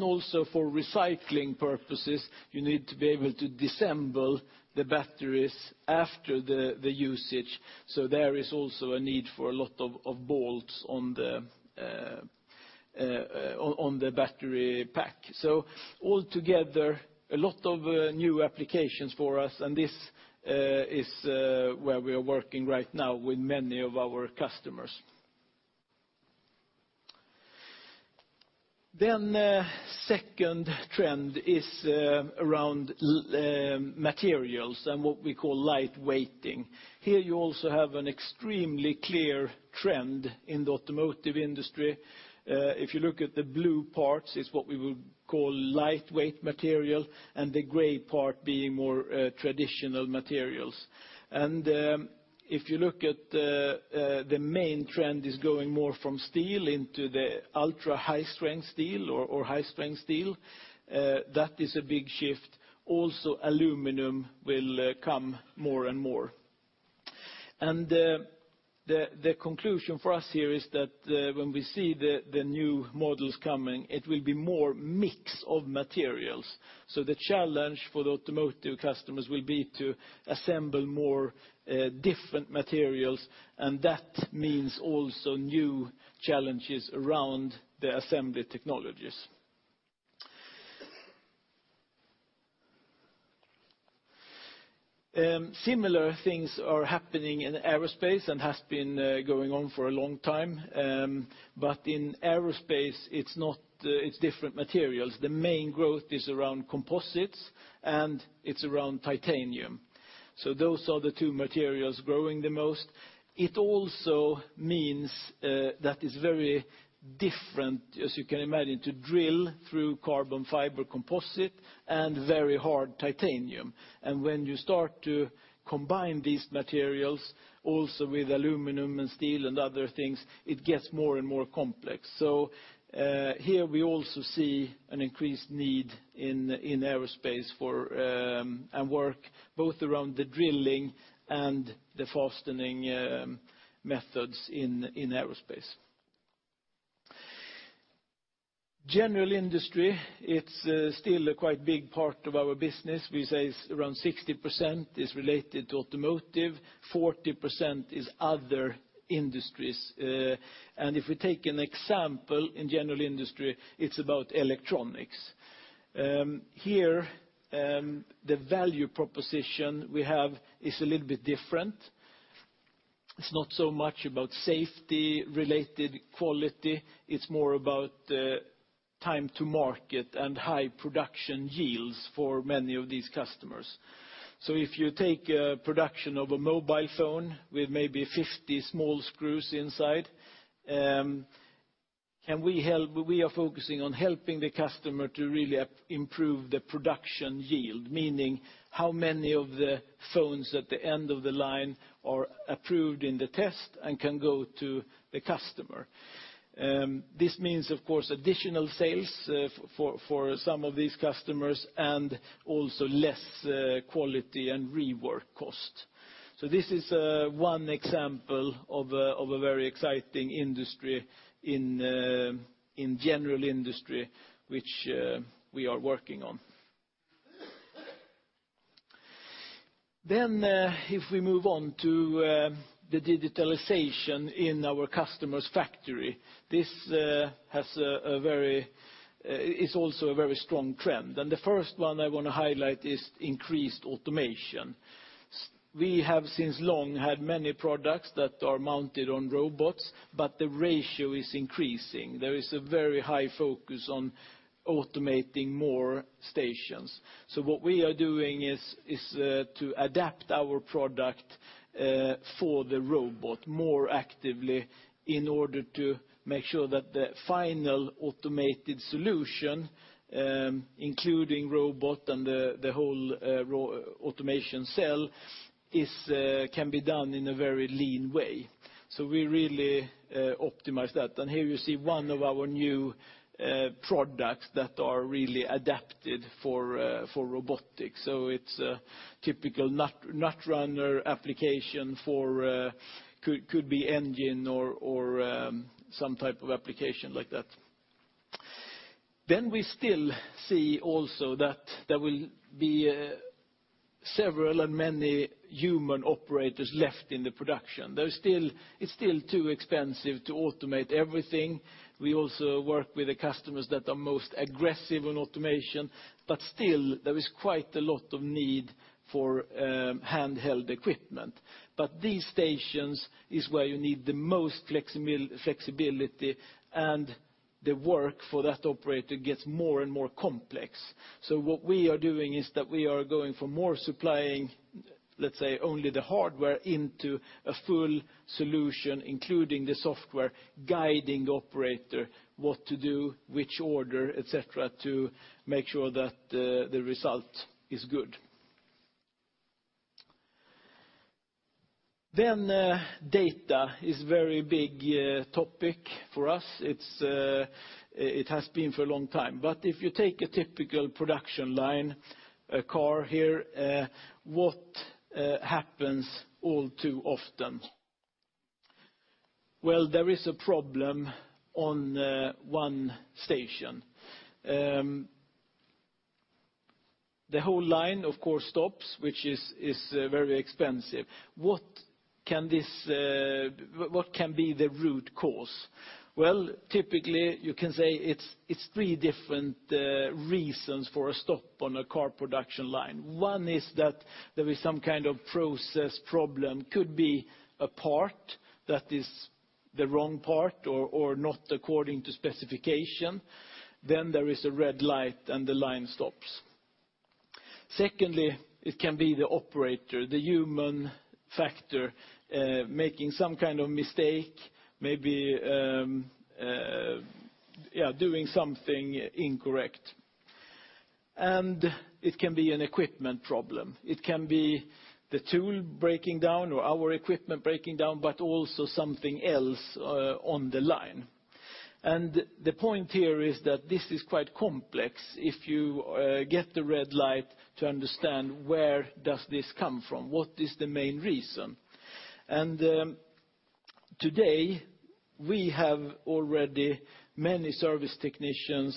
Also for recycling purposes, you need to be able to dissemble the batteries after the usage. There is also a need for a lot of bolts on the battery pack. Altogether, a lot of new applications for us, and this is where we are working right now with many of our customers. Second trend is around materials and what we call light-weighting. Here you also have an extremely clear trend in the automotive industry. If you look at the blue parts, it's what we would call lightweight material, and the gray part being more traditional materials. If you look at the main trend is going more from steel into the ultra-high-strength steel or high-strength steel. That is a big shift. Also, aluminum will come more and more. The conclusion for us here is that when we see the new models coming, it will be more mix of materials. The challenge for the automotive customers will be to assemble more different materials, and that means also new challenges around the assembly technologies. Similar things are happening in aerospace and has been going on for a long time. In aerospace, it's different materials. The main growth is around composites and it's around titanium. Those are the two materials growing the most. It also means that it's very different, as you can imagine, to drill through carbon fiber composite and very hard titanium. When you start to combine these materials also with aluminum and steel and other things, it gets more and more complex. Here we also see an increased need in aerospace. Work both around the drilling and the fastening methods in aerospace. General industry, it's still a quite big part of our business. We say it's around 60% is related to automotive, 40% is other industries. If we take an example in general industry, it's about electronics. Here, the value proposition we have is a little bit different. It's not so much about safety-related quality, it's more about time to market and high production yields for many of these customers. If you take a production of a mobile phone with maybe 50 small screws inside, we are focusing on helping the customer to really improve the production yield, meaning how many of the phones at the end of the line are approved in the test and can go to the customer. This means, of course, additional sales for some of these customers and also less quality and rework cost. This is one example of a very exciting industry in general industry which we are working on. If we move on to the digitalization in our customer's factory, it's also a very strong trend. The first one I want to highlight is increased automation. We have since long had many products that are mounted on robots, but the ratio is increasing. There is a very high focus on automating more stations. What we are doing is to adapt our product for the robot more actively in order to make sure that the final automated solution, including robot and the whole automation cell, can be done in a very lean way. We really optimize that. Here you see one of our new products that are really adapted for robotics. It's a typical nut runner application for could be engine or some type of application like that. We still see also that there will be several and many human operators left in the production. It's still too expensive to automate everything. We also work with the customers that are most aggressive on automation, but still, there is quite a lot of need for handheld equipment. These stations is where you need the most flexibility, and the work for that operator gets more and more complex. What we are doing is that we are going for more supplying, let's say, only the hardware into a full solution, including the software, guiding the operator, what to do, which order, etcetra, to make sure that the result is good. Data is very big topic for us. It has been for a long time. If you take a typical production line, a car here, what happens all too often? Well, there is a problem on one station. The whole line, of course, stops, which is very expensive. What can be the root cause? Well, typically, you can say it's three different reasons for a stop on a car production line. One is that there is some kind of process problem. Could be a part that is the wrong part or not according to specification, then there is a red light and the line stops. Secondly, it can be the operator, the human factor, making some kind of mistake, maybe doing something incorrect. It can be an equipment problem. It can be the tool breaking down or our equipment breaking down, but also something else on the line. The point here is that this is quite complex. If you get the red light, to understand where does this come from? What is the main reason? Today, we have already many service technicians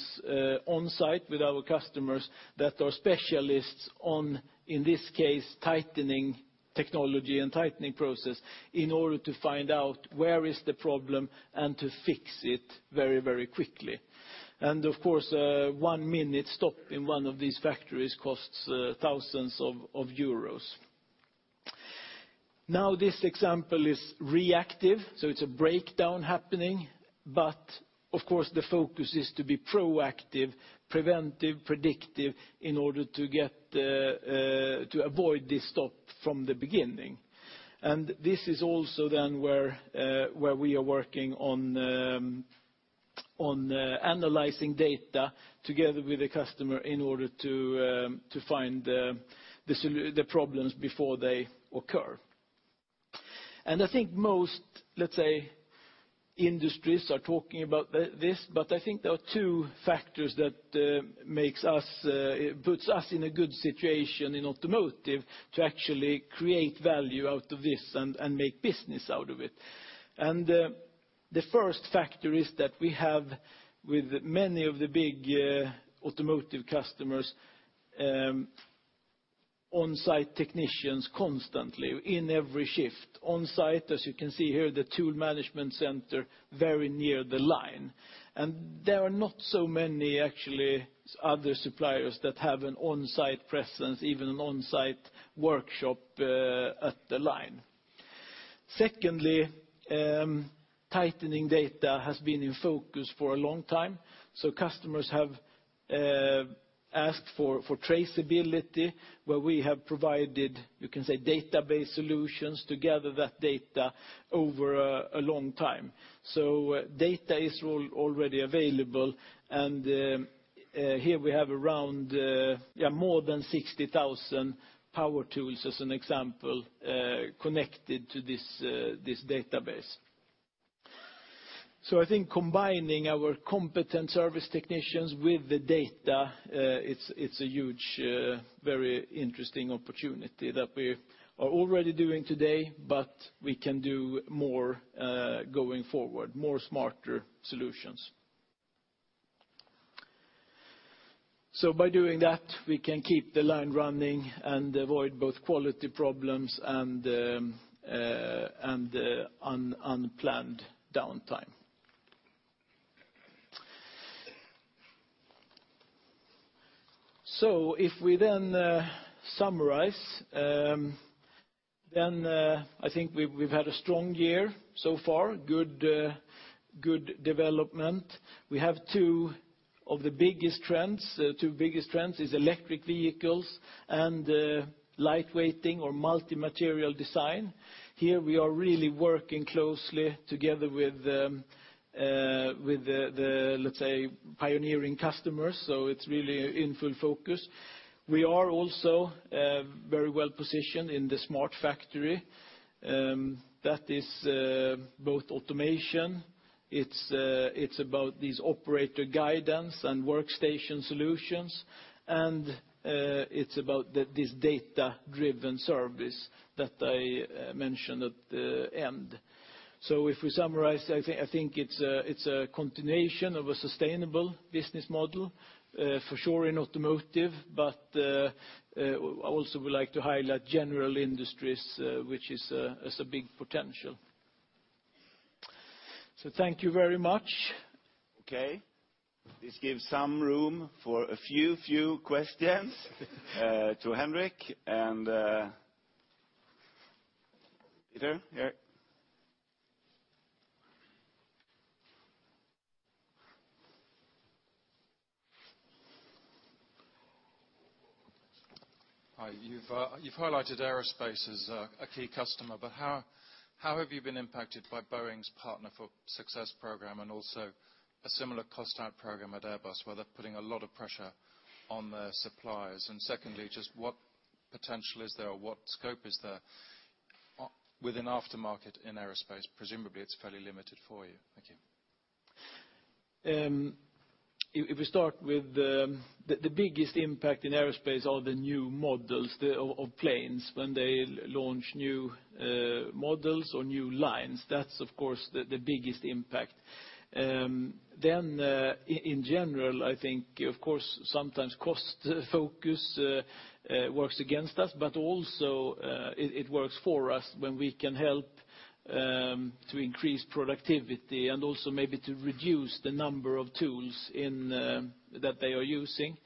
on-site with our customers that are specialists on, in this case, tightening technology and tightening process in order to find out where is the problem and to fix it very quickly. Of course, one-minute stop in one of these factories costs thousands of EUR. Now, this example is reactive, so it's a breakdown happening. Of course, the focus is to be proactive, preventive, predictive in order to avoid this stop from the beginning. This is also then where we are working on analyzing data together with the customer in order to find the problems before they occur. I think most, let's say, industries are talking about this, but I think there are two factors that puts us in a good situation in automotive to actually create value out of this and make business out of it. The first factor is that we have, with many of the big automotive customers, on-site technicians constantly in every shift. On-site, as you can see here, the tool management center, very near the line. There are not so many, actually, other suppliers that have an on-site presence, even an on-site workshop at the line. Secondly, tightening data has been in focus for a long time, customers have asked for traceability, where we have provided, you can say, database solutions to gather that data over a long time. Data is already available, and here we have more than 60,000 power tools, as an example, connected to this database. I think combining our competent service technicians with the data, it's a huge, very interesting opportunity that we are already doing today, but we can do more going forward, more smarter solutions. By doing that, we can keep the line running and avoid both quality problems and unplanned downtime. If we then summarize, then I think we've had a strong year so far, good development. We have two of the biggest trends. Two biggest trends is electric vehicles and light weighting or multi-material design. Here we are really working closely together with the, let's say, pioneering customers, it's really in full focus. We are also very well-positioned in the smart factory. That is both automation, it's about these operator guidance and workstation solutions, and it's about this data-driven service that I mentioned at the end. If we summarize, I think it's a continuation of a sustainable business model, for sure in automotive, but I also would like to highlight general industries, which has a big potential. Thank you very much. This gives some room for a few questions to Henrik. Peter, here. Hi. You've highlighted aerospace as a key customer, how have you been impacted by Boeing's Partnering for Success program, and also a similar cost-out program at Airbus, where they're putting a lot of pressure on their suppliers? Secondly, just what potential is there, or what scope is there within aftermarket in aerospace? Presumably, it's fairly limited for you. Thank you. If we start with the biggest impact in aerospace are the new models of planes when they launch new models or new lines. That's, of course, the biggest impact. In general, I think of course sometimes cost focus works against us, but also it works for us when we can help to increase productivity and also maybe to reduce the number of tools that they are using.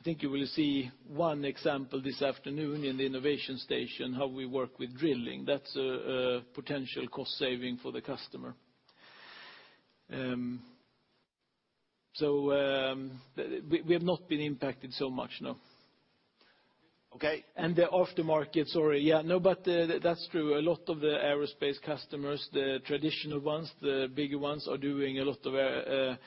I think you will see one example this afternoon in the innovation station, how we work with drilling. That's a potential cost saving for the customer. We have not been impacted so much, no. Okay. The aftermarket. Sorry. Yeah. That's true. A lot of the aerospace customers, the traditional ones, the bigger ones, are doing a lot of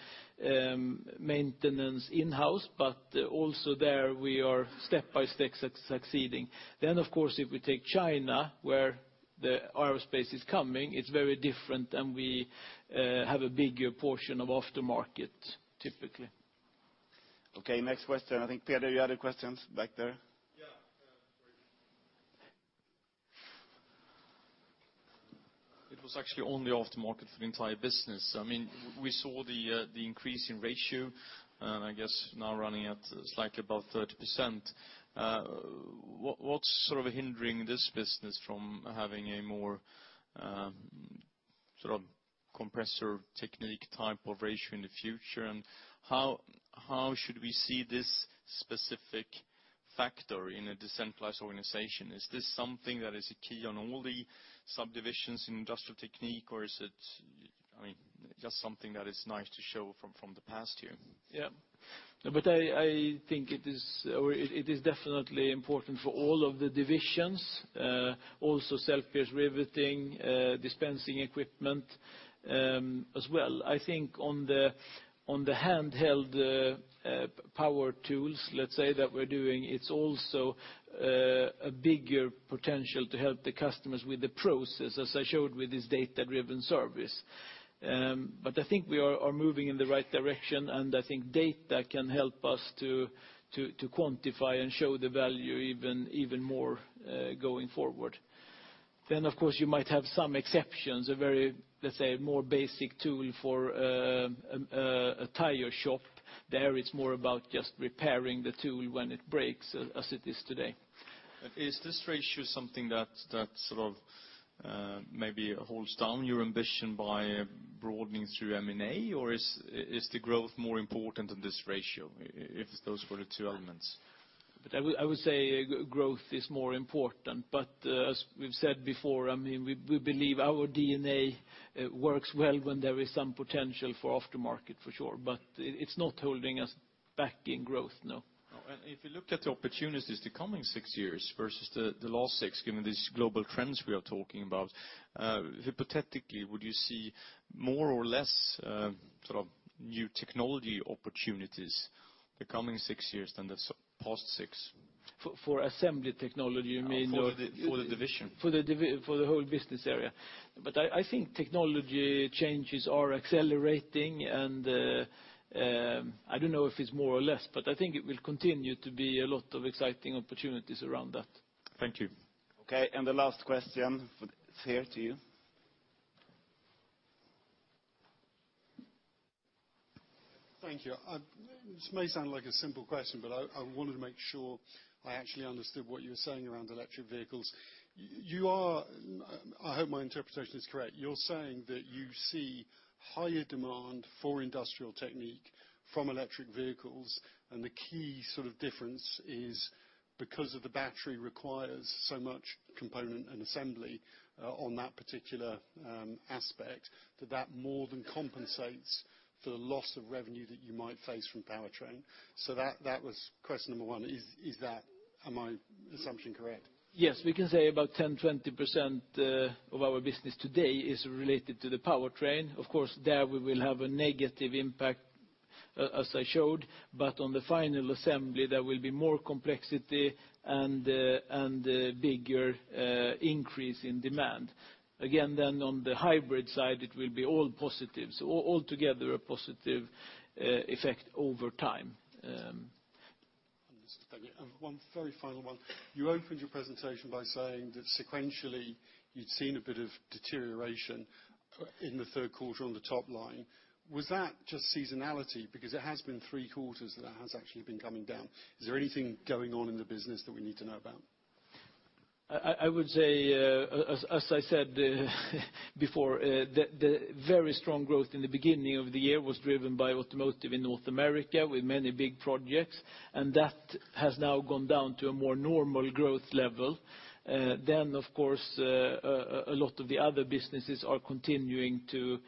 maintenance in-house, but also there we are step by step succeeding. Of course, if we take China, where the aerospace is coming, it's very different and we have a bigger portion of aftermarket, typically. Okay, next question. I think, Peter, you had a question back there? Yeah. It was actually only aftermarket for the entire business. We saw the increase in ratio, I guess now running at slightly above 30%. What's sort of hindering this business from having a more sort of Compressor Technique type of ratio in the future? How should we see this specific factor in a decentralized organization? Is this something that is a key on all the subdivisions in Industrial Technique, or is it just something that is nice to show from the past year? Yeah. I think it is definitely important for all of the divisions, also Self-pierce riveting, dispensing equipment, as well. I think on the handheld power tools, let's say, that we're doing, it's also a bigger potential to help the customers with the process, as I showed with this data-driven service. I think we are moving in the right direction, and I think data can help us to quantify and show the value even more going forward. Of course, you might have some exceptions, a very, let's say, more basic tool for a tire shop. There it's more about just repairing the tool when it breaks, as it is today. Is this ratio something that sort of maybe holds down your ambition by broadening through M&A? Is the growth more important than this ratio, if those were the two elements? I would say growth is more important, as we've said before, we believe our DNA works well when there is some potential for aftermarket for sure. It's not holding us back in growth, no. If you look at the opportunities the coming six years versus the last six, given these global trends we are talking about, hypothetically, would you see more or less sort of new technology opportunities the coming six years than the past six? For assembly technology, you mean? For the division. For the whole business area. I think technology changes are accelerating, I don't know if it's more or less, I think it will continue to be a lot of exciting opportunities around that. Thank you. Okay, the last question, here to you. Thank you. This may sound like a simple question, I wanted to make sure I actually understood what you were saying around electric vehicles. I hope my interpretation is correct. You're saying that you see higher demand for Industrial Technique from electric vehicles, the key sort of difference is because of the battery requires so much component and assembly on that particular aspect, that that more than compensates for the loss of revenue that you might face from powertrain. That was question number one. Is my assumption correct? Yes. We can say about 10, 20% of our business today is related to the powertrain. Of course, there we will have a negative impact, as I showed. On the final assembly, there will be more complexity and a bigger increase in demand. On the hybrid side, it will be all positive. Altogether, a positive effect over time. Understood. Thank you. One very final one. You opened your presentation by saying that sequentially you'd seen a bit of deterioration in the third quarter on the top line. Was that just seasonality? It has been three quarters that it has actually been coming down. Is there anything going on in the business that we need to know about? I would say, as I said before, the very strong growth in the beginning of the year was driven by automotive in North America with many big projects, and that has now gone down to a more normal growth level. Of course, a lot of the other businesses are continuing to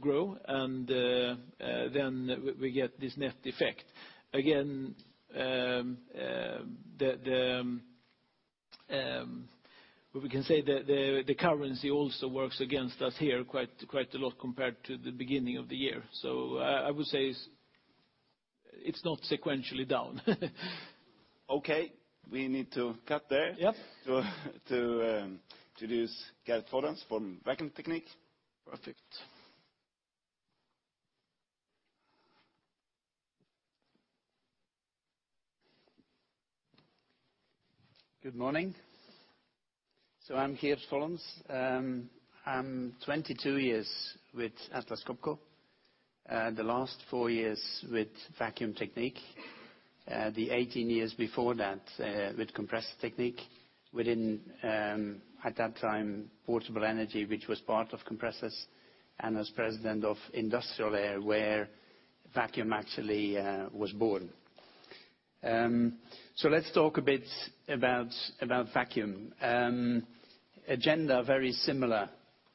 grow, and then we get this net effect. Again, we can say that the currency also works against us here quite a lot compared to the beginning of the year. I would say it's not sequentially down. Okay, we need to cut there. Yep to introduce Geert Follens from Vacuum Technique. Perfect. Good morning. I'm Geert Follens. I'm 22 years with Atlas Copco. The last 4 years with Vacuum Technique, the 18 years before that with Compressor Technique within, at that time, Portable Energy, which was part of Compressors, and as President of Industrial Air, where Vacuum actually was born. Let's talk a bit about Vacuum. Agenda very similar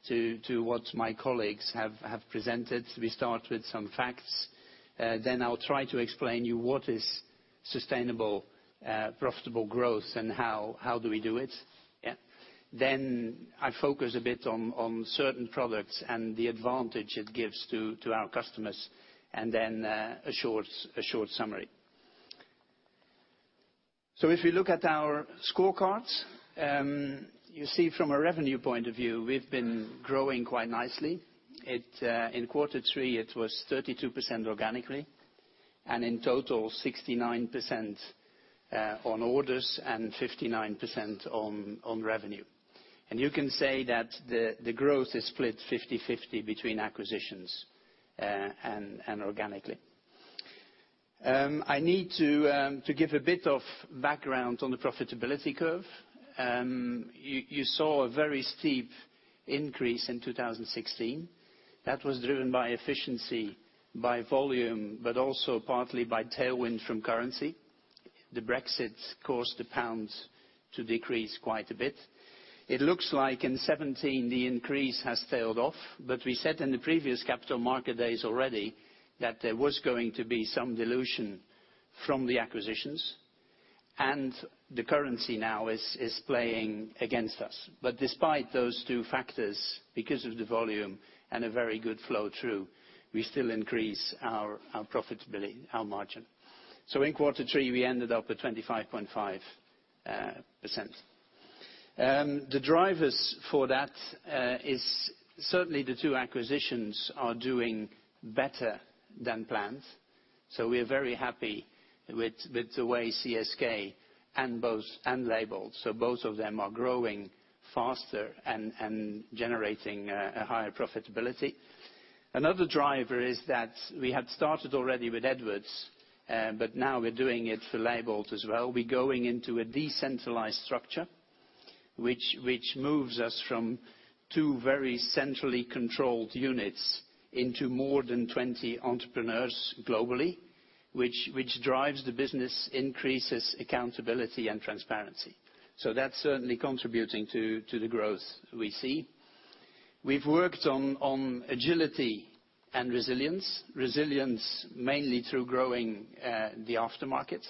to what my colleagues have presented. We start with some facts. I'll try to explain you what is sustainable, profitable growth and how do we do it. Yeah. I focus a bit on certain products and the advantage it gives to our customers, and then a short summary. If you look at our scorecards, you see from a revenue point of view, we've been growing quite nicely. In quarter three, it was 32% organically, and in total, 69% on orders and 59% on revenue. You can say that the growth is split 50/50 between acquisitions and organically. I need to give a bit of background on the profitability curve. You saw a very steep increase in 2016. That was driven by efficiency, by volume, but also partly by tailwind from currency. The Brexit caused the pound to decrease quite a bit. It looks like in 2017 the increase has tailed off, but we said in the previous Capital Markets Days already that there was going to be some dilution from the acquisitions, and the currency now is playing against us. Despite those two factors, because of the volume and a very good flow-through, we still increase our profitability, our margin. In quarter three, we ended up at 25.5%. The drivers for that is certainly the two acquisitions are doing better than planned. We're very happy with the way CSK and Leybold, both of them are growing faster and generating a higher profitability. Another driver is that we had started already with Edwards, but now we're doing it for Leybold as well. We're going into a decentralized structure, which moves us from two very centrally controlled units into more than 20 entrepreneurs globally, which drives the business, increases accountability and transparency. That's certainly contributing to the growth we see. We've worked on agility and resilience mainly through growing the aftermarket.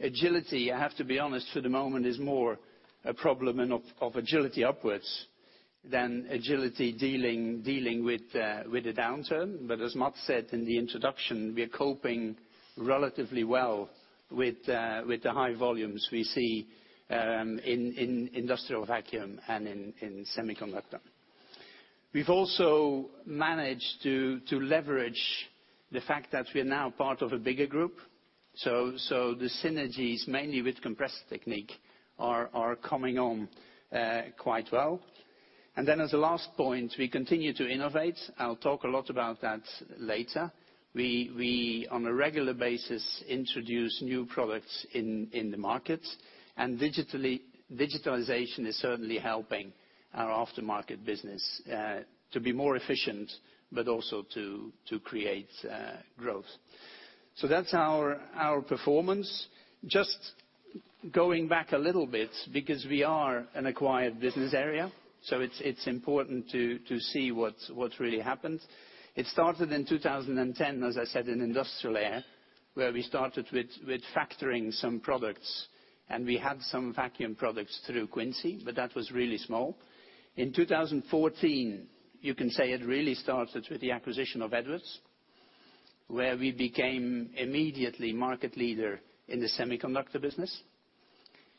Agility, I have to be honest, for the moment is more a problem of agility upwards than agility dealing with the downturn. As Mats said in the introduction, we are coping relatively well with the high volumes we see in industrial vacuum and in semiconductor. We've also managed to leverage the fact that we are now part of a bigger group. The synergies, mainly with Compressor Technique, are coming on quite well. As a last point, we continue to innovate. I'll talk a lot about that later. We, on a regular basis, introduce new products in the market. Digitalization is certainly helping our aftermarket business to be more efficient, but also to create growth. That's our performance. Just going back a little bit, because we are an acquired business area, it's important to see what really happened. It started in 2010, as I said, in Industrial Air, where we started with factoring some products, and we had some vacuum products through Quincy, but that was really small. In 2014, you can say it really started with the acquisition of Edwards, where we became immediately market leader in the semiconductor business.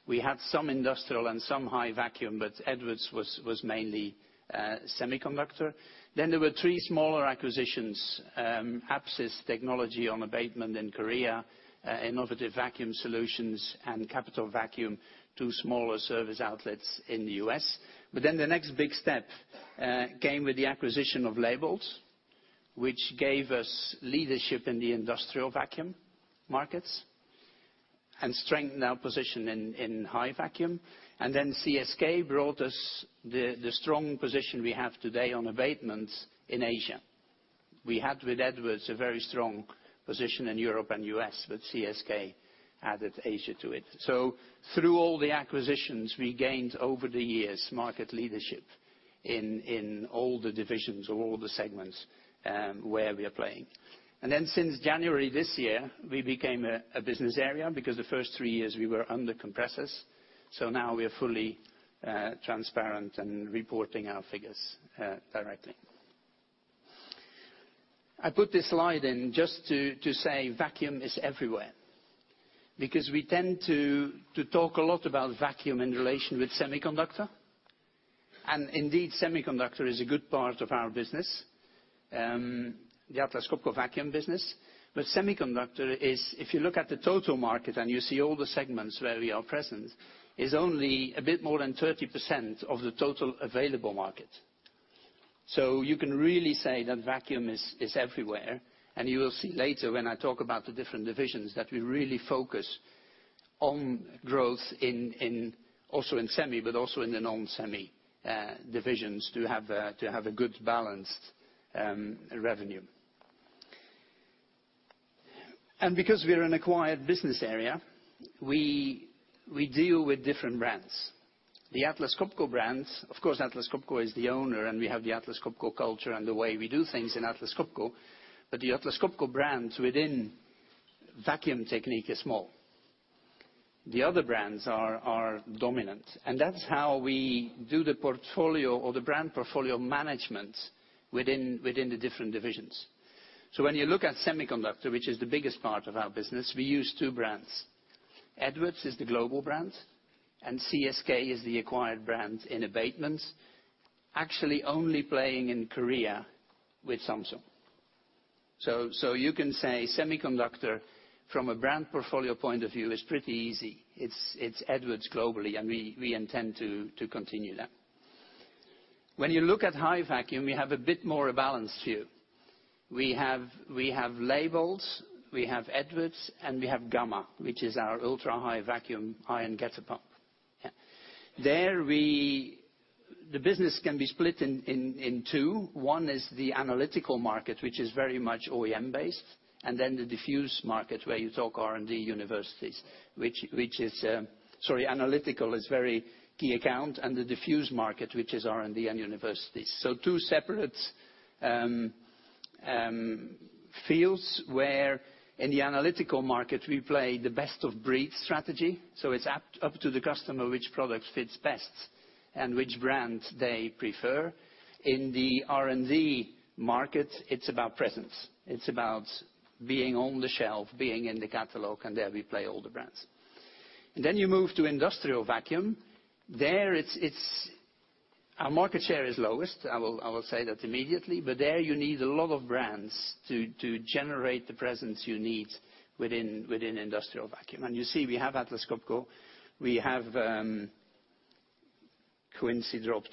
We had some industrial and some high vacuum, but Edwards was mainly semiconductor. There were three smaller acquisitions, AP&S on abatement in Korea, Innovative Vacuum Solutions and Capitol Vacuum, two smaller service outlets in the U.S. The next big step came with the acquisition of Leybold, which gave us leadership in the industrial vacuum markets and strengthened our position in high vacuum. CSK brought us the strong position we have today on abatements in Asia. We had with Edwards a very strong position in Europe and U.S., but CSK added Asia to it. Through all the acquisitions, we gained over the years market leadership in all the divisions or all the segments where we are playing. Then since January this year, we became a business area because the first three years we were under Compressors. Now we are fully transparent and reporting our figures directly. I put this slide in just to say vacuum is everywhere, because we tend to talk a lot about vacuum in relation with semiconductor. Indeed, semiconductor is a good part of our business, the Atlas Copco vacuum business. Semiconductor is, if you look at the total market and you see all the segments where we are present, is only a bit more than 30% of the total available market. You can really say that vacuum is everywhere, and you will see later when I talk about the different divisions that we really focus on growth also in semi, but also in the non-semi divisions to have a good balanced revenue. Because we are an acquired business area, we deal with different brands. The Atlas Copco brands, of course, Atlas Copco is the owner and we have the Atlas Copco culture and the way we do things in Atlas Copco, but the Atlas Copco brands within Vacuum Technique is small. The other brands are dominant. That's how we do the portfolio or the brand portfolio management within the different divisions. When you look at semiconductor, which is the biggest part of our business, we use two brands. Edwards is the global brand, and CSK is the acquired brand in abatements, actually only playing in Korea with Samsung. You can say semiconductor, from a brand portfolio point of view, is pretty easy. It's Edwards globally, and we intend to continue that. When you look at high vacuum, we have a bit more a balanced view. We have Leybold, we have Edwards, and we have Gamma, which is our ultra-high vacuum ion getter pump. There, the business can be split in two. One is the analytical market, which is very much OEM-based, and then the diffuse market where you talk R&D universities. Sorry, analytical is very key account, and the diffuse market, which is R&D and universities. Two separate fields where in the analytical market we play the best of breed strategy. It's up to the customer which product fits best and which brand they prefer. In the R&D market, it's about presence. It's about being on the shelf, being in the catalog, and there we play all the brands. Then you move to industrial vacuum. There, our market share is lowest, I will say that immediately, but there you need a lot of brands to generate the presence you need within industrial vacuum. You see we have Atlas Copco, we have Quincy, we have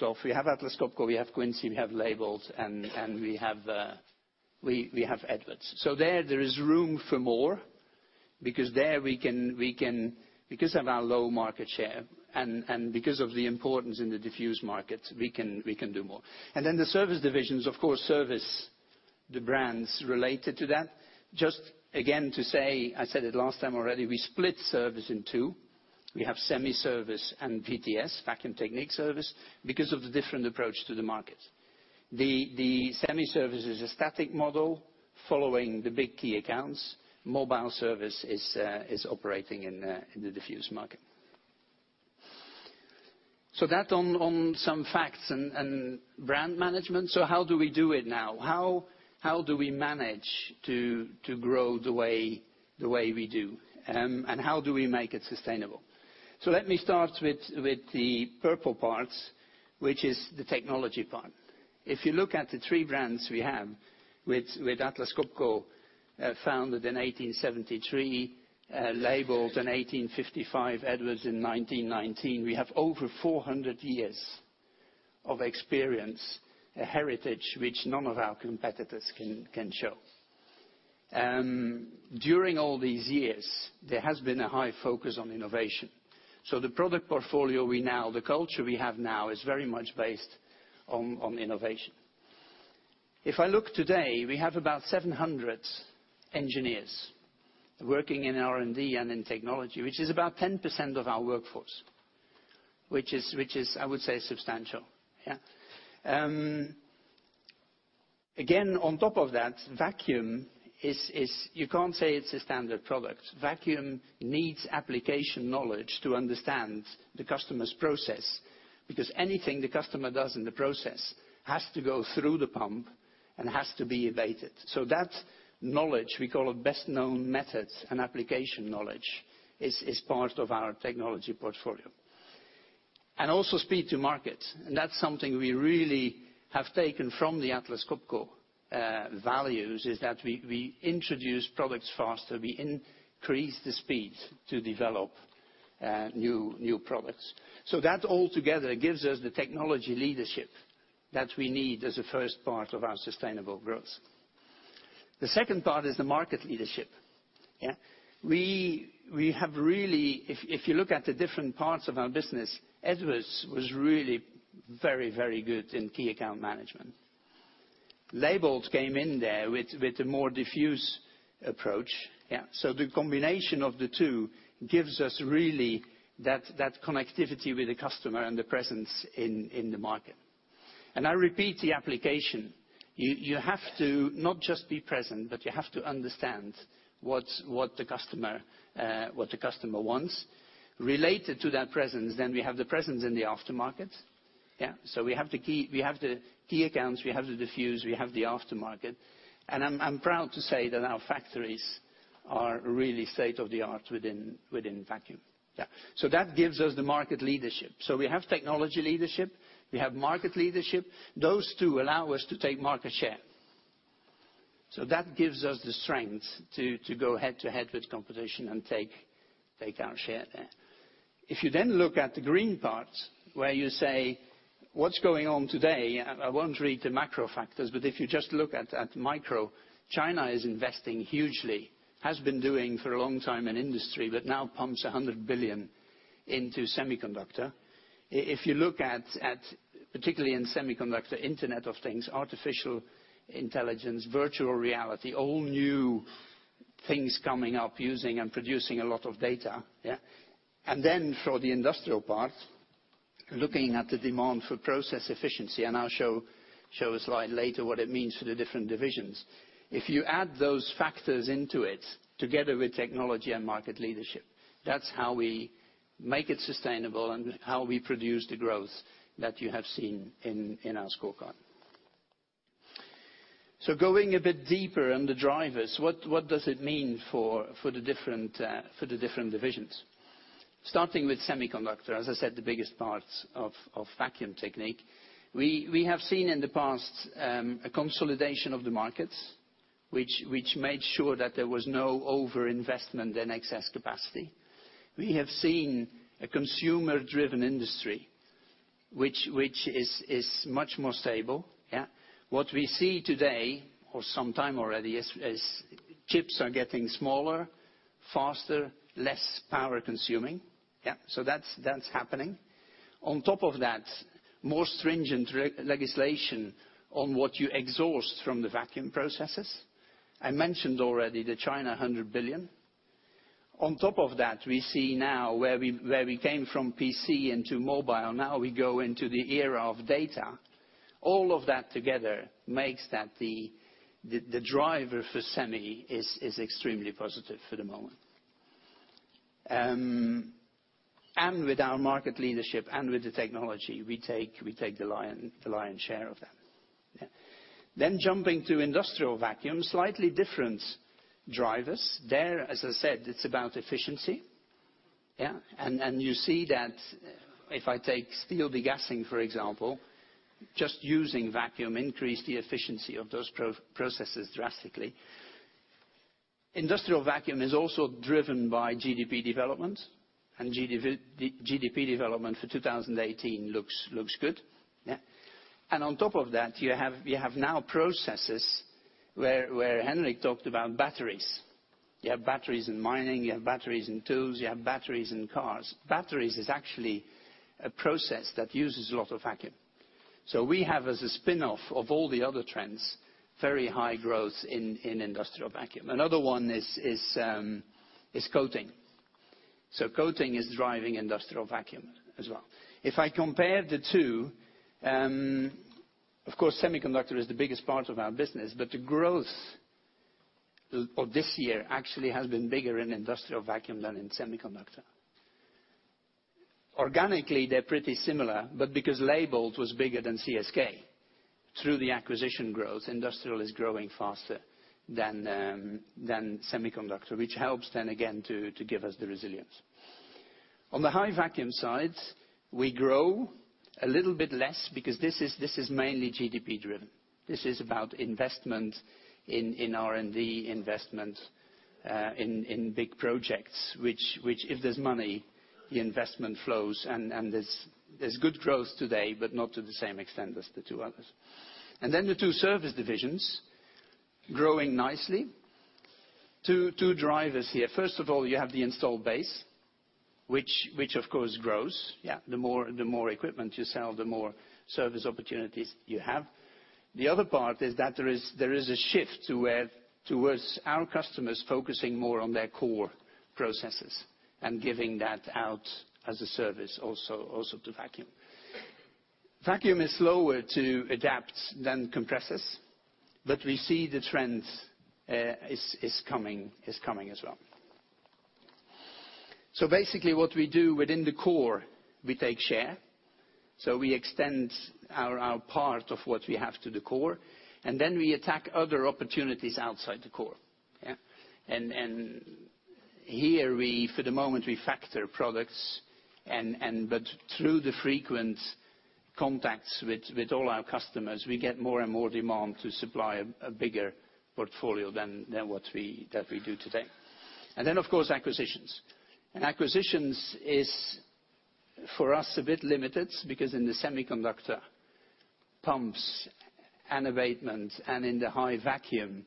Leybold, and we have Edwards. There, there is room for more, because there, because of our low market share and because of the importance in the diffuse market, we can do more. Then the service divisions, of course, service the brands related to that. Just again to say, I said it last time already, we split service in two. We have semi service and VTS, vacuum technique service, because of the different approach to the market. The semi service is a static model following the big key accounts. Mobile service is operating in the diffuse market. That on some facts and brand management. How do we do it now? How do we manage to grow the way we do? How do we make it sustainable? Let me start with the purple parts, which is the technology part. If you look at the three brands we have with Atlas Copco, founded in 1873, Leybold in 1855, Edwards in 1919. We have over 400 years of experience, a heritage which none of our competitors can show. During all these years, there has been a high focus on innovation. The product portfolio we now, the culture we have now is very much based on innovation. If I look today, we have about 700 engineers working in R&D and in technology, which is about 10% of our workforce, which is, I would say, substantial. Again, on top of that, vacuum is, you can't say it's a standard product. Vacuum needs application knowledge to understand the customer's process, because anything the customer does in the process has to go through the pump and has to be abated. That knowledge, we call it best known methods and application knowledge, is part of our technology portfolio. Also speed to market. That's something we really have taken from the Atlas Copco values, is that we introduce products faster. We increase the speed to develop new products. That all together gives us the technology leadership that we need as a first part of our sustainable growth. The second part is the market leadership. If you look at the different parts of our business, Edwards was really very good in key account management. Leybold came in there with a more diffuse approach. The combination of the two gives us really that connectivity with the customer and the presence in the market. I repeat the application. You have to not just be present, but you have to understand what the customer wants. Related to that presence, then we have the presence in the aftermarket. We have the key accounts, we have the diffuse, we have the aftermarket, and I'm proud to say that our factories are really state-of-the-art within vacuum. That gives us the market leadership. We have technology leadership, we have market leadership. Those two allow us to take market share. That gives us the strength to go head-to-head with competition and take our share there. If you then look at the green parts, where you say, "What's going on today?" I won't read the macro factors, but if you just look at micro, China is investing hugely, has been doing for a long time in industry, but now pumps $100 billion into semiconductor. Then for the industrial part, looking at the demand for process efficiency, and I'll show a slide later what it means for the different divisions. If you add those factors into it, together with technology and market leadership, that's how we make it sustainable and how we produce the growth that you have seen in our scorecard. Going a bit deeper in the drivers, what does it mean for the different divisions? Starting with semiconductor, as I said, the biggest part of Vacuum Technique. We have seen in the past a consolidation of the markets, which made sure that there was no overinvestment and excess capacity. We have seen a consumer-driven industry, which is much more stable. What we see today, or some time already, is chips are getting smaller, faster, less power-consuming. That's happening. On top of that, more stringent legislation on what you exhaust from the vacuum processes. I mentioned already the China $100 billion. On top of that, we see now where we came from PC into mobile, now we go into the era of data. All of that together makes that the driver for semi is extremely positive for the moment. With our market leadership and with the technology, we take the lion's share of that. Jumping to industrial vacuum, slightly different drivers. There, as I said, it's about efficiency. You see that if I take steel degassing, for example, just using vacuum increased the efficiency of those processes drastically. Industrial vacuum is also driven by GDP development, and GDP development for 2018 looks good. On top of that, you have now processes where Henrik talked about batteries. You have batteries in mining, you have batteries in tools, you have batteries in cars. Batteries is actually a process that uses a lot of vacuum. We have as a spinoff of all the other trends, very high growth in industrial vacuum. Another one is coating. Coating is driving industrial vacuum as well. If I compare the two, of course, semiconductor is the biggest part of our business, but the growth of this year actually has been bigger in industrial vacuum than in semiconductor. Organically, they're pretty similar, but because Leybold was bigger than CSK, through the acquisition growth, industrial is growing faster than semiconductor, which helps then again to give us the resilience. On the high vacuum side, we grow a little bit less because this is mainly GDP driven. This is about investment in R&D, investment in big projects, which if there's money, the investment flows, and there's good growth today, but not to the same extent as the two others. The two service divisions, growing nicely. Two drivers here. First of all, you have the installed base, which of course grows. The more equipment you sell, the more service opportunities you have. The other part is that there is a shift towards our customers focusing more on their core processes and giving that out as a service also to vacuum. Vacuum is slower to adapt than compressors, we see the trend is coming as well. Basically what we do within the core, we take share. We extend our part of what we have to the core, then we attack other opportunities outside the core. Here, for the moment, we factor products, but through the frequent contacts with all our customers, we get more and more demand to supply a bigger portfolio than what we do today. Of course, acquisitions. Acquisitions is, for us, a bit limited because in the semiconductor pumps and abatement and in the high vacuum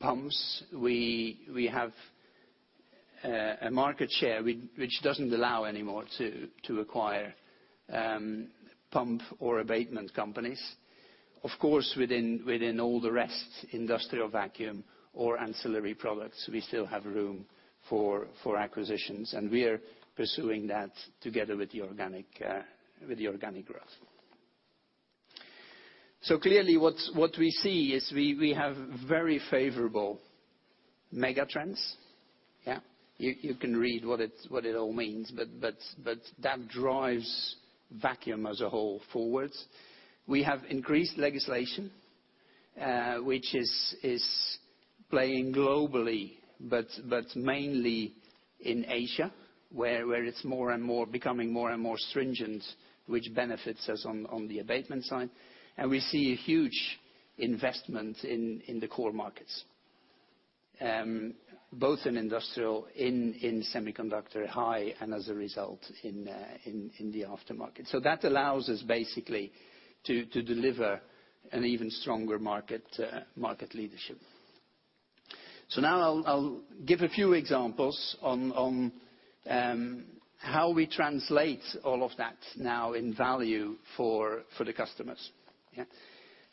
pumps, we have a market share which doesn't allow anymore to acquire pump or abatement companies. Of course, within all the rest, industrial vacuum or ancillary products, we still have room for acquisitions, and we are pursuing that together with the organic growth. Clearly what we see is we have very favorable megatrends. You can read what it all means, that drives vacuum as a whole forwards. We have increased legislation, which is playing globally, but mainly in Asia, where it's becoming more and more stringent, which benefits us on the abatement side. We see a huge investment in the core markets, both in industrial, in semiconductor high, and as a result in the aftermarket. That allows us basically to deliver an even stronger market leadership. Now I'll give a few examples on how we translate all of that now in value for the customers.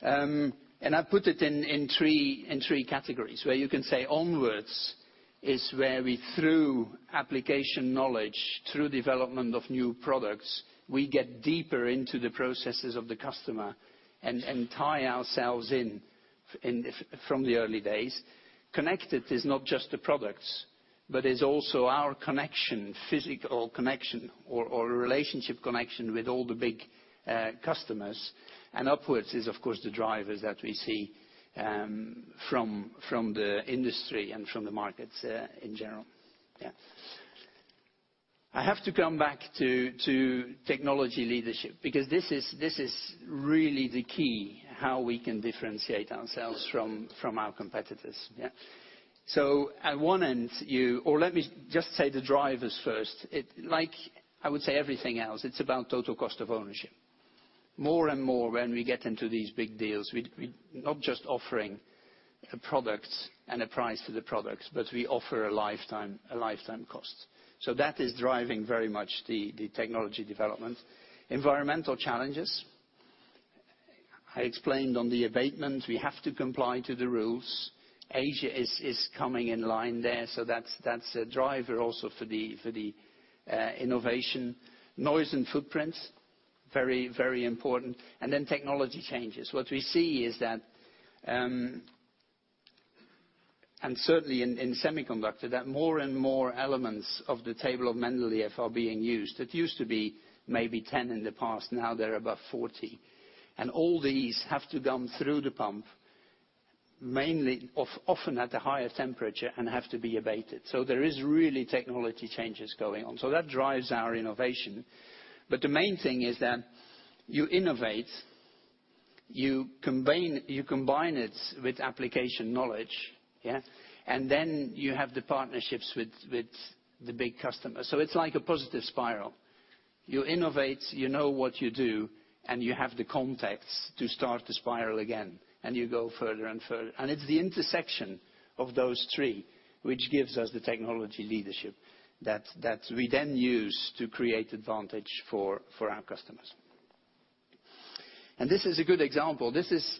I put it in three categories where you can say onwards is where we, through application knowledge, through development of new products, we get deeper into the processes of the customer and tie ourselves in from the early days. Connected is not just the products, but is also our connection, physical connection or a relationship connection with all the big customers. Upwards is, of course, the drivers that we see from the industry and from the markets in general. I have to come back to technology leadership, because this is really the key, how we can differentiate ourselves from our competitors. At one end let me just say the drivers first. I would say everything else, it's about total cost of ownership. More and more when we get into these big deals, we're not just offering a product and a price for the product, but we offer a lifetime cost. That is driving very much the technology development. Environmental challenges. I explained on the abatement, we have to comply to the rules. Asia is coming in line there. That's a driver also for the innovation. Noise and footprint, very important. Technology changes. What we see is that, certainly in semiconductor, that more and more elements of the Table of Mendeleev are being used. It used to be maybe 10 in the past, now they're above 40. All these have to come through the pump, often at a higher temperature, and have to be abated. There is really technology changes going on. That drives our innovation. The main thing is that you innovate, you combine it with application knowledge, you have the partnerships with the big customer. It's like a positive spiral. You innovate, you know what you do, you have the contacts to start the spiral again, you go further and further. It's the intersection of those three which gives us the technology leadership that we then use to create advantage for our customers. This is a good example. This is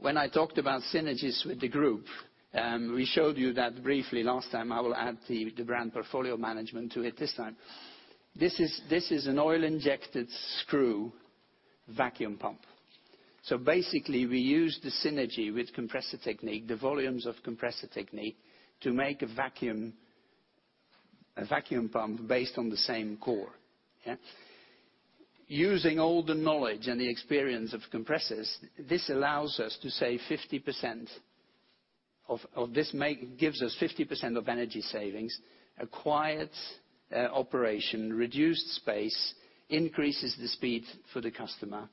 when I talked about synergies with the group. We showed you that briefly last time. I will add the brand portfolio management to it this time. This is an oil-injected screw vacuum pump. Basically, we use the synergy with Compressor Technique, the volumes of Compressor Technique, to make a vacuum pump based on the same core. Using all the knowledge and the experience of compressors, this gives us 50% of energy savings, a quiet operation, reduced space, increases the speed for the customer,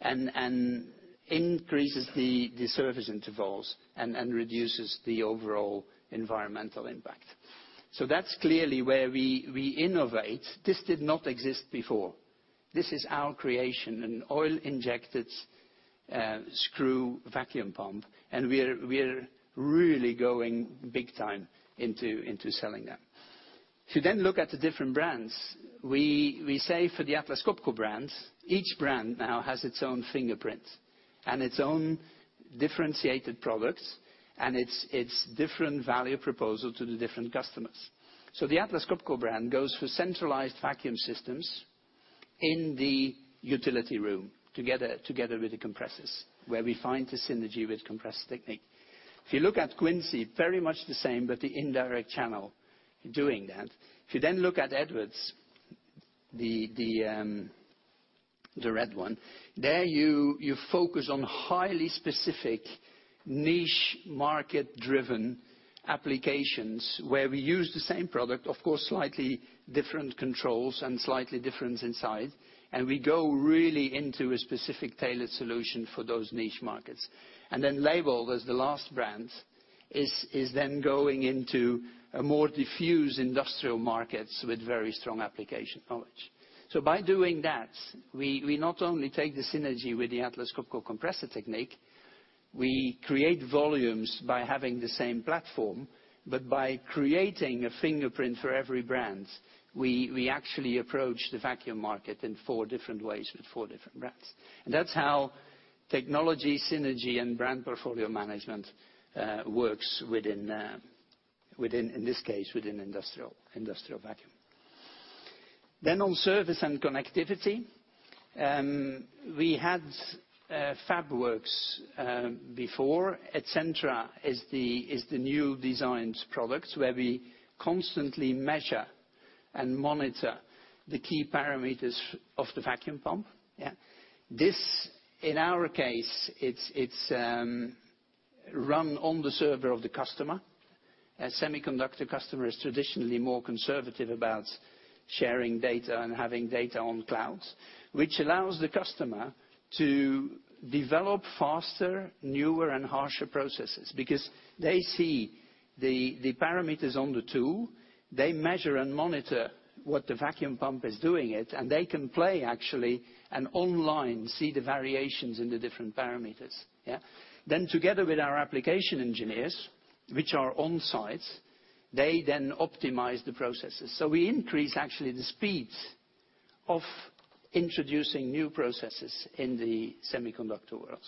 and increases the service intervals, and reduces the overall environmental impact. That's clearly where we innovate. This did not exist before. This is our creation, an oil-injected screw vacuum pump, we are really going big time into selling that. If you then look at the different brands, we say for the Atlas Copco brands, each brand now has its own fingerprint and its own differentiated products and its different value proposal to the different customers. The Atlas Copco brand goes for centralized vacuum systems in the utility room together with the compressors, where we find the synergy with Compressor Technique. If you look at Quincy, very much the same, but the indirect channel doing that. If you then look at Edwards, the red one, there you focus on highly specific niche market-driven applications where we use the same product, of course, slightly different controls and slightly different inside. We go really into a specific tailored solution for those niche markets. Leybold, as the last brand, is then going into a more diffuse industrial markets with very strong application knowledge. By doing that, we not only take the synergy with the Atlas Copco Compressor Technique. We create volumes by having the same platform, but by creating a fingerprint for every brand, we actually approach the vacuum market in four different ways with four different brands. That's how technology synergy and brand portfolio management works, in this case, within industrial vacuum. On service and connectivity. We had FabWorks before. EdCentra is the new designed product, where we constantly measure and monitor the key parameters of the vacuum pump. This, in our case, it's run on the server of the customer. A semiconductor customer is traditionally more conservative about sharing data and having data on clouds, which allows the customer to develop faster, newer, and harsher processes. Because they see the parameters on the tool, they measure and monitor what the vacuum pump is doing, they can play actually, and online, see the variations in the different parameters. Together with our application engineers, which are on-site, they then optimize the processes. We increase actually the speed of introducing new processes in the semiconductor world.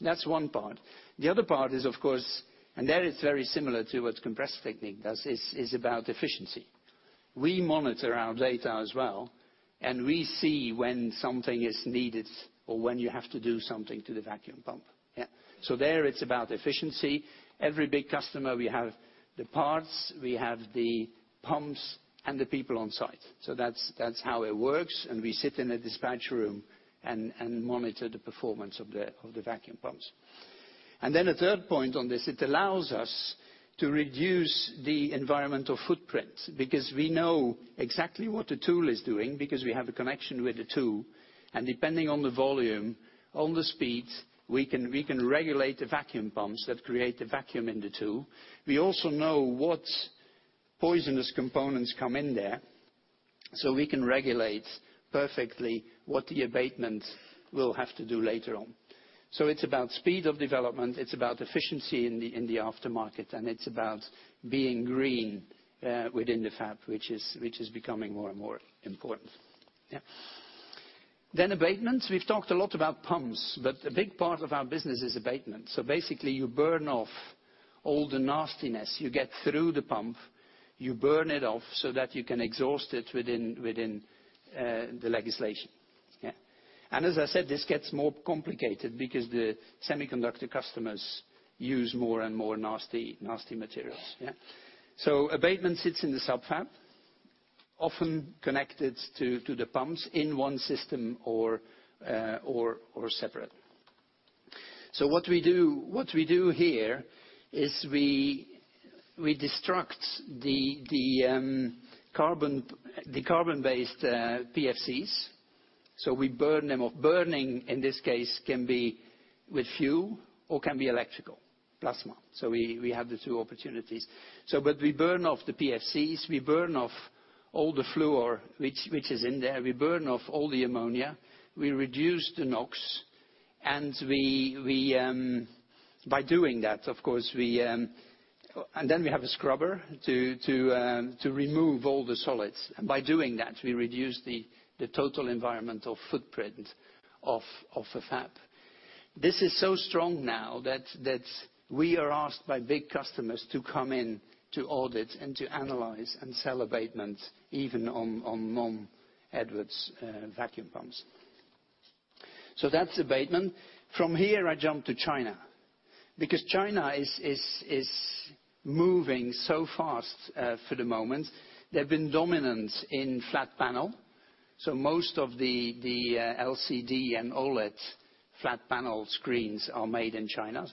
That's one part. The other part is, of course, that is very similar to what Compressor Technique does, is about efficiency. We monitor our data as well, we see when something is needed or when you have to do something to the vacuum pump. There it's about efficiency. Every big customer, we have the parts, we have the pumps, and the people on-site. That's how it works, we sit in a dispatch room and monitor the performance of the vacuum pumps. A third point on this, it allows us to reduce the environmental footprint because we know exactly what the tool is doing because we have a connection with the tool, depending on the volume, on the speed, we can regulate the vacuum pumps that create the vacuum in the tool. We also know what poisonous components come in there, we can regulate perfectly what the abatement will have to do later on. It's about speed of development, it's about efficiency in the aftermarket, it's about being green within the fab, which is becoming more and more important. Abatements. We've talked a lot about pumps, a big part of our business is abatement. Basically, you burn off all the nastiness. You get through the pump, you burn it off so that you can exhaust it within the legislation. As I said, this gets more complicated because the semiconductor customers use more and more nasty materials. Abatement sits in the sub-fab, often connected to the pumps in one system or separate. What we do here is we destruct the carbon-based PFCs. We burn them off. Burning, in this case, can be with fuel or can be electrical plasma. We have the two opportunities. We burn off the PFCs, we burn off all the fluor which is in there. We burn off all the ammonia, we reduce the NOx, and then we have a scrubber to remove all the solids. By doing that, we reduce the total environmental footprint of a fab. This is so strong now that we are asked by big customers to come in to audit and to analyze and sell abatement even on non-Edwards vacuum pumps. That's abatement. From here, I jump to China, because China is moving so fast for the moment. They've been dominant in flat panel. Most of the LCD and OLED flat panel screens are made in China.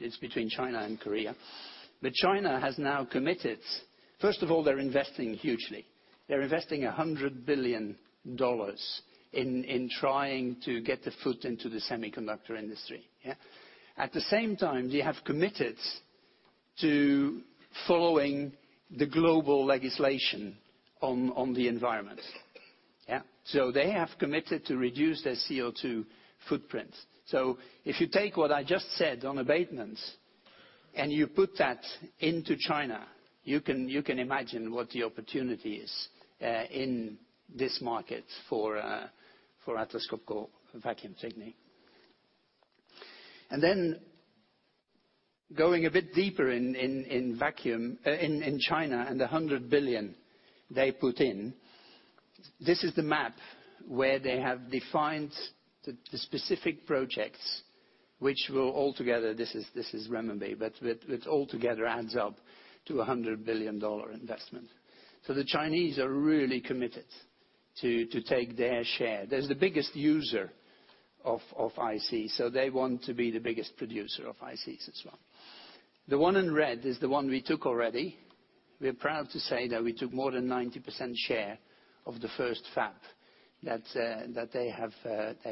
It's between China and Korea. China has now committed. First of all, they're investing hugely. They're investing $100 billion in trying to get the foot into the semiconductor industry. At the same time, they have committed to following the global legislation on the environment. They have committed to reduce their CO2 footprint. If you take what I just said on abatements and you put that into China, you can imagine what the opportunity is in this market for Atlas Copco Vacuum Technique. Going a bit deeper in China and the $100 billion they put in, this is the map where they have defined the specific projects which will altogether, this is renminbi, but it altogether adds up to a $100 billion investment. The Chinese are really committed to take their share. They're the biggest user of IC, they want to be the biggest producer of ICs as well. The one in red is the one we took already. We're proud to say that we took more than 90% share of the first fab that they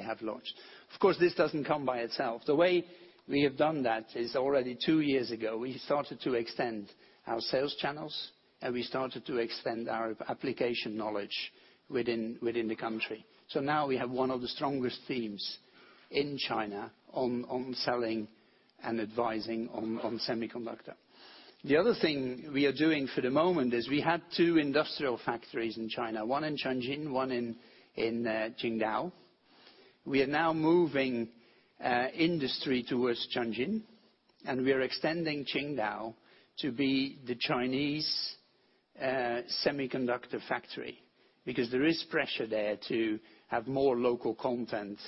have launched. Of course, this doesn't come by itself. The way we have done that is already two years ago, we started to extend our sales channels, and we started to extend our application knowledge within the country. Now we have one of the strongest teams in China on selling and advising on semiconductor. The other thing we are doing for the moment is we had two industrial factories in China, one in Changchun, one in Qingdao. We are now moving industry towards Changchun, and we are extending Qingdao to be the Chinese semiconductor factory, because there is pressure there to have more local content,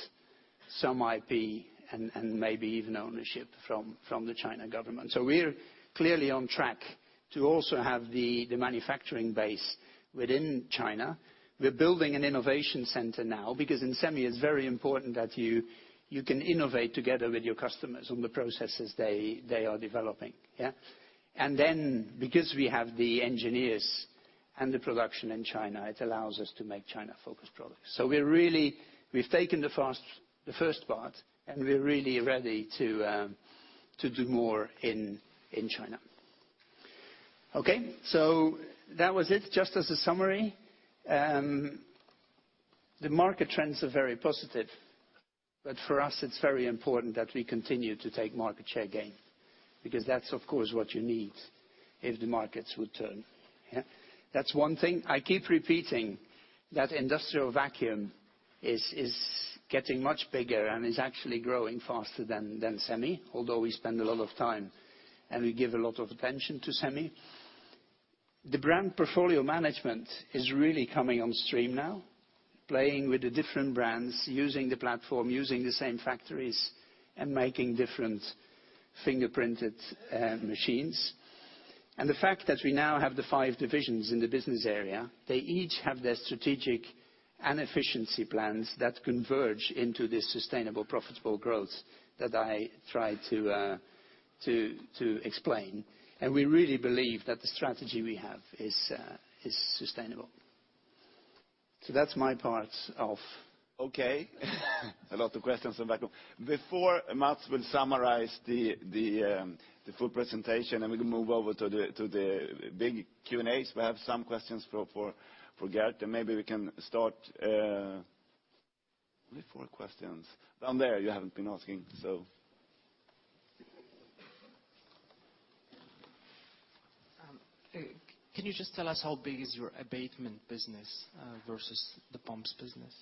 some IP, and maybe even ownership from the China government. We're clearly on track to also have the manufacturing base within China. We're building an innovation center now, because in semi, it's very important that you can innovate together with your customers on the processes they are developing. Because we have the engineers and the production in China, it allows us to make China-focused products. We've taken the first part, we're really ready to do more in China. Okay. That was it. Just as a summary, the market trends are very positive, for us, it's very important that we continue to take market share gain, because that's, of course, what you need if the markets would turn. That's one thing. I keep repeating that industrial vacuum is getting much bigger and is actually growing faster than semi, although we spend a lot of time and we give a lot of attention to semi. The brand portfolio management is really coming on stream now, playing with the different brands, using the platform, using the same factories, and making different fingerprinted machines. The fact that we now have the five divisions in the business area, they each have their strategic and efficiency plans that converge into this sustainable, profitable growth that I tried to explain. We really believe that the strategy we have is sustainable. That's my part of- Okay. A lot of questions at the back. Before Mats will summarize the full presentation and we can move over to the big Q&As, we have some questions for Geert, maybe we can start with four questions. Down there. You haven't been asking. Can you just tell us how big is your abatement business versus the pumps business?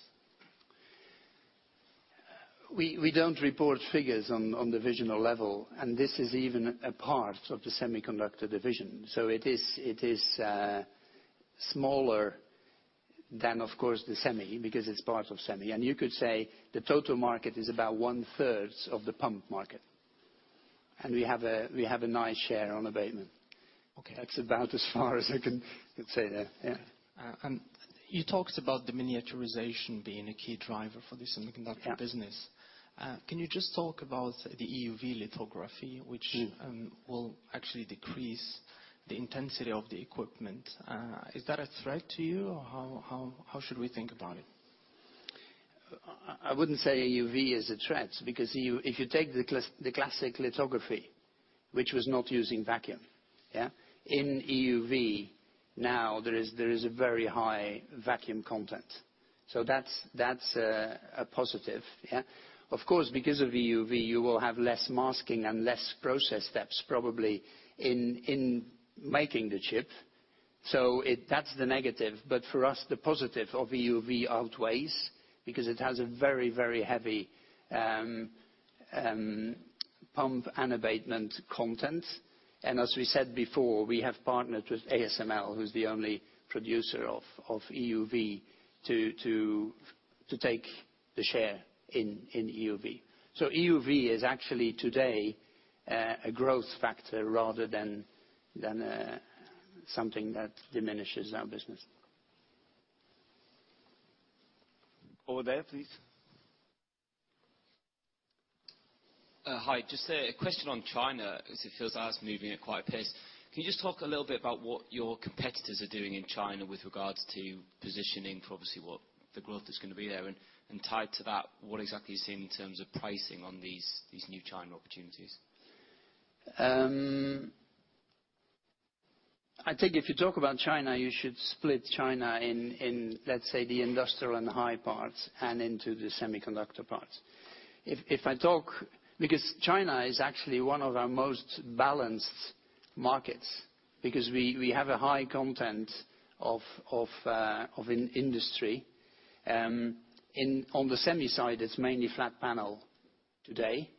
We don't report figures on divisional level. This is even a part of the semiconductor division. It is smaller than, of course, the semi, because it's part of semi. You could say the total market is about one-third of the pump market. We have a nice share on abatement. Okay. That's about as far as I can say there. Yeah. You talked about the miniaturization being a key driver for the semiconductor business. Yeah. Can you just talk about the EUV lithography- which will actually decrease the intensity of the equipment. Is that a threat to you, or how should we think about it? I wouldn't say EUV is a threat, because if you take the classic lithography, which was not using vacuum. In EUV, now there is a very high vacuum content. That's a positive. Of course, because of EUV, you will have less masking and less process steps, probably, in making the chip. That's the negative, but for us, the positive of EUV outweighs, because it has a very heavy pump and abatement content. As we said before, we have partnered with ASML, who's the only producer of EUV, to take the share in EUV. EUV is actually today a growth factor rather than something that diminishes our business. Over there, please. Hi, just a question on China, as it feels like it's moving at quite a pace. Can you just talk a little bit about what your competitors are doing in China with regards to positioning for, obviously, what the growth is going to be there? Tied to that, what exactly are you seeing in terms of pricing on these new China opportunities? I think if you talk about China, you should split China in, let's say, the industrial and high parts and into the semiconductor parts. China is actually one of our most balanced markets, because we have a high content of industry. On the semi side, it's mainly flat panel today.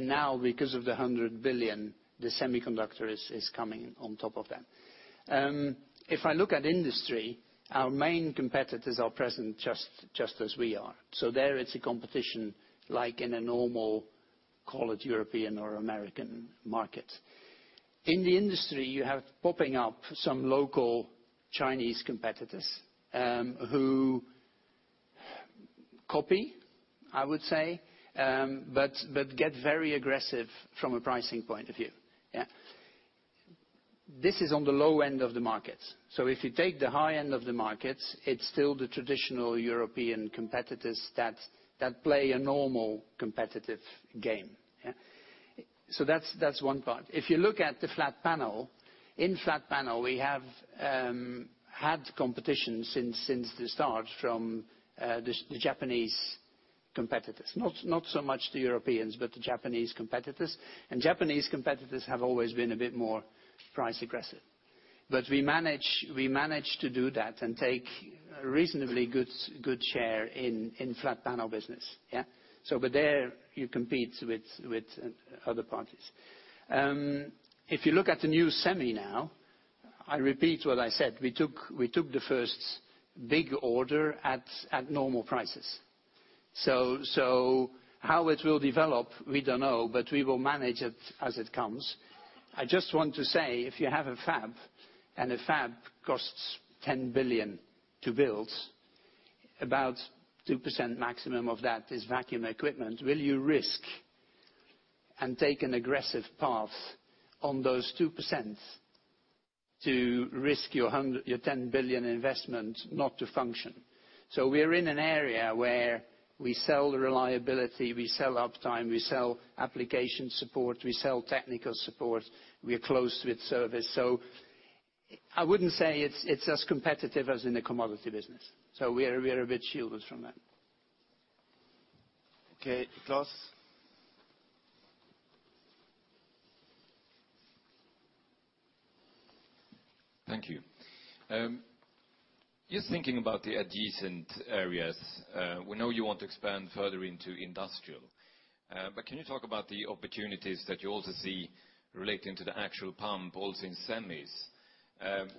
Now because of the $100 billion, the semiconductor is coming on top of that. If I look at industry, our main competitors are present just as we are. There, it's a competition like in a normal, call it European or American market. In the industry, you have popping up some local Chinese competitors, who copy, I would say, but get very aggressive from a pricing point of view. This is on the low end of the market. If you take the high end of the market, it's still the traditional European competitors that play a normal competitive game. That's one part. If you look at the flat panel, in flat panel, we have had competition since the start from the Japanese competitors. Not so much the Europeans, but the Japanese competitors. Japanese competitors have always been a bit more price-aggressive. We managed to do that and take a reasonably good share in flat panel business, yeah. There you compete with other parties. If you look at the new semi now, I repeat what I said, we took the first big order at normal prices. How it will develop, we don't know, but we will manage it as it comes. I just want to say, if you have a fab, and a fab costs $10 billion to build, about 2% maximum of that is vacuum equipment. Will you risk and take an aggressive path on those 2% to risk your $10 billion investment not to function? We are in an area where we sell reliability, we sell uptime, we sell application support, we sell technical support. We are close with service. I wouldn't say it's as competitive as in the commodity business. We are a bit shielded from that. Okay. Claus? Thank you. Just thinking about the adjacent areas, we know you want to expand further into industrial. Can you talk about the opportunities that you also see relating to the actual pump, also in semis?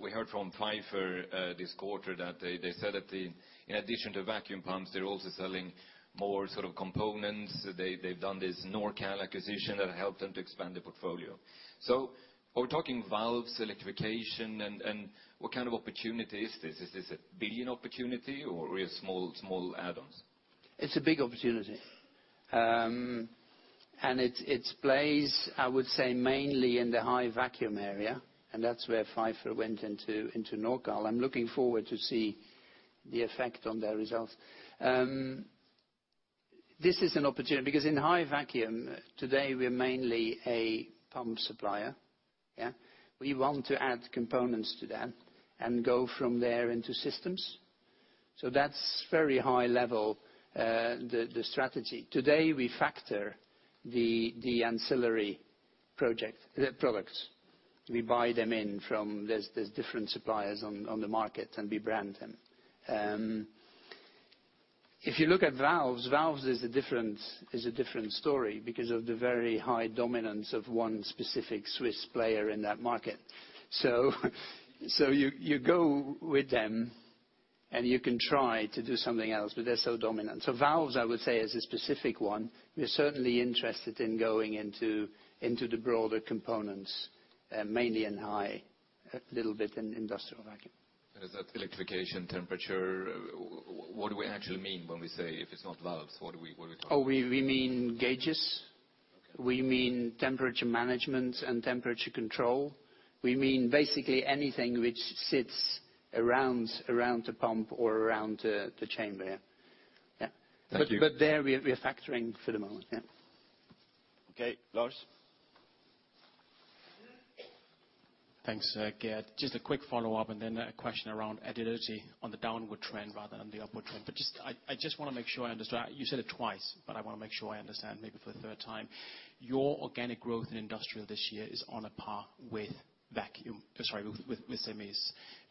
We heard from Pfeiffer Vacuum this quarter that they said that in addition to vacuum pumps, they're also selling more sort of components. They've done this Nor-Cal Products acquisition that helped them to expand their portfolio. Are we talking valves, electrification, and what kind of opportunity is this? Is this a 1 billion opportunity or real small add-ons? It's a big opportunity. It plays, I would say, mainly in the high vacuum area, and that's where Pfeiffer Vacuum went into Nor-Cal Products. I'm looking forward to see the effect on their results. This is an opportunity because in high vacuum, today, we're mainly a pump supplier. Yeah. We want to add components to that and go from there into systems. That's very high level, the strategy. Today, we factor the ancillary products. We buy them in. There's different suppliers on the market, and we brand them. If you look at valves is a different story because of the very high dominance of one specific Swiss player in that market. You go with them, and you can try to do something else, but they're so dominant. Valves, I would say, is a specific one. We're certainly interested in going into the broader components, mainly in high, a little bit in industrial vacuum. Is that electrification, temperature? What do we actually mean when we say if it's not valves? What are we talking about? We mean gauges. Okay. We mean temperature management and temperature control. We mean basically anything which sits around the pump or around the chamber. Yeah. Thank you. There we are factoring for the moment. Yeah. Okay. Lars? Thanks, Geert. Just a quick follow-up, then a question around agility on the downward trend rather than the upward trend. I just want to make sure I understand. You said it twice, but I want to make sure I understand, maybe for the third time. Your organic growth in industrial this year is on a par with vacuum, sorry, with semis.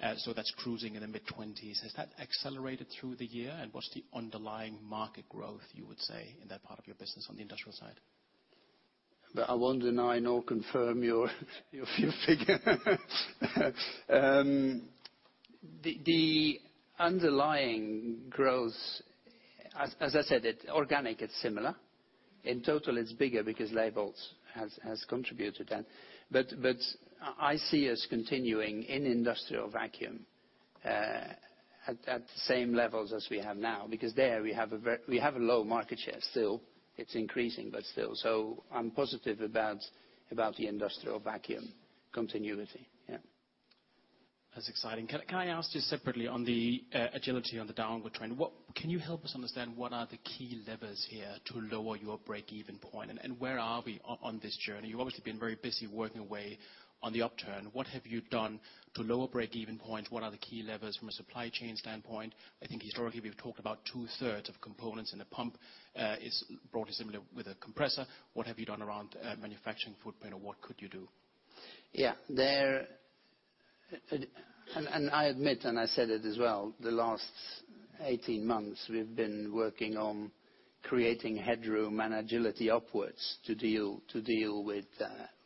That's cruising in the mid-20s. Has that accelerated through the year? What's the underlying market growth, you would say, in that part of your business on the industrial side? I won't deny nor confirm your figure. The underlying growth, as I said, organic, it's similar. In total, it's bigger because Leybold has contributed to that. I see us continuing in industrial vacuum at the same levels as we have now, because there we have a low market share still. It's increasing, but still. I'm positive about the industrial vacuum continuity. Yeah. That's exciting. Can I ask just separately on the agility on the downward trend, can you help us understand what are the key levers here to lower your break-even point? Where are we on this journey? You've obviously been very busy working away on the upturn. What have you done to lower break-even points? What are the key levers from a supply chain standpoint? I think historically, we've talked about two-thirds of components in a pump is broadly similar with a compressor. What have you done around manufacturing footprint, or what could you do? Yeah. I admit, and I said it as well, the last 18 months, we've been working on creating headroom and agility upwards to deal with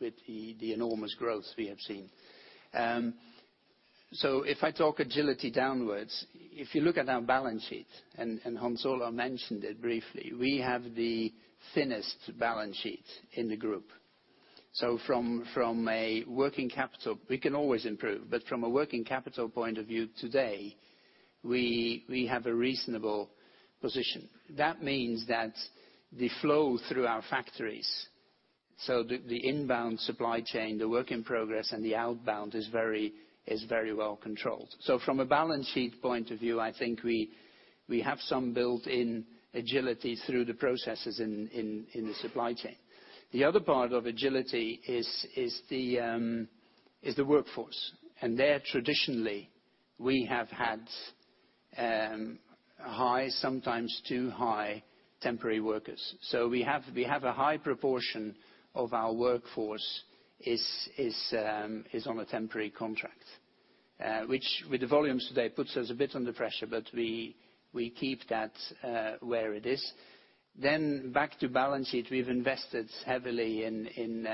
the enormous growth we have seen. If I talk agility downwards, if you look at our balance sheet, and Hans Ola mentioned it briefly, we have the thinnest balance sheet in the group. From a working capital, we can always improve. From a working capital point of view today, we have a reasonable position. That means that the flow through our factories, so the inbound supply chain, the work in progress, and the outbound is very well controlled. From a balance sheet point of view, I think we have some built-in agility through the processes in the supply chain. The other part of agility is the workforce, and there traditionally, we have had high, sometimes too high temporary workers. We have a high proportion of our workforce is on a temporary contract, which with the volumes today puts us a bit under pressure, but we keep that where it is. Back to balance sheet, we've invested heavily in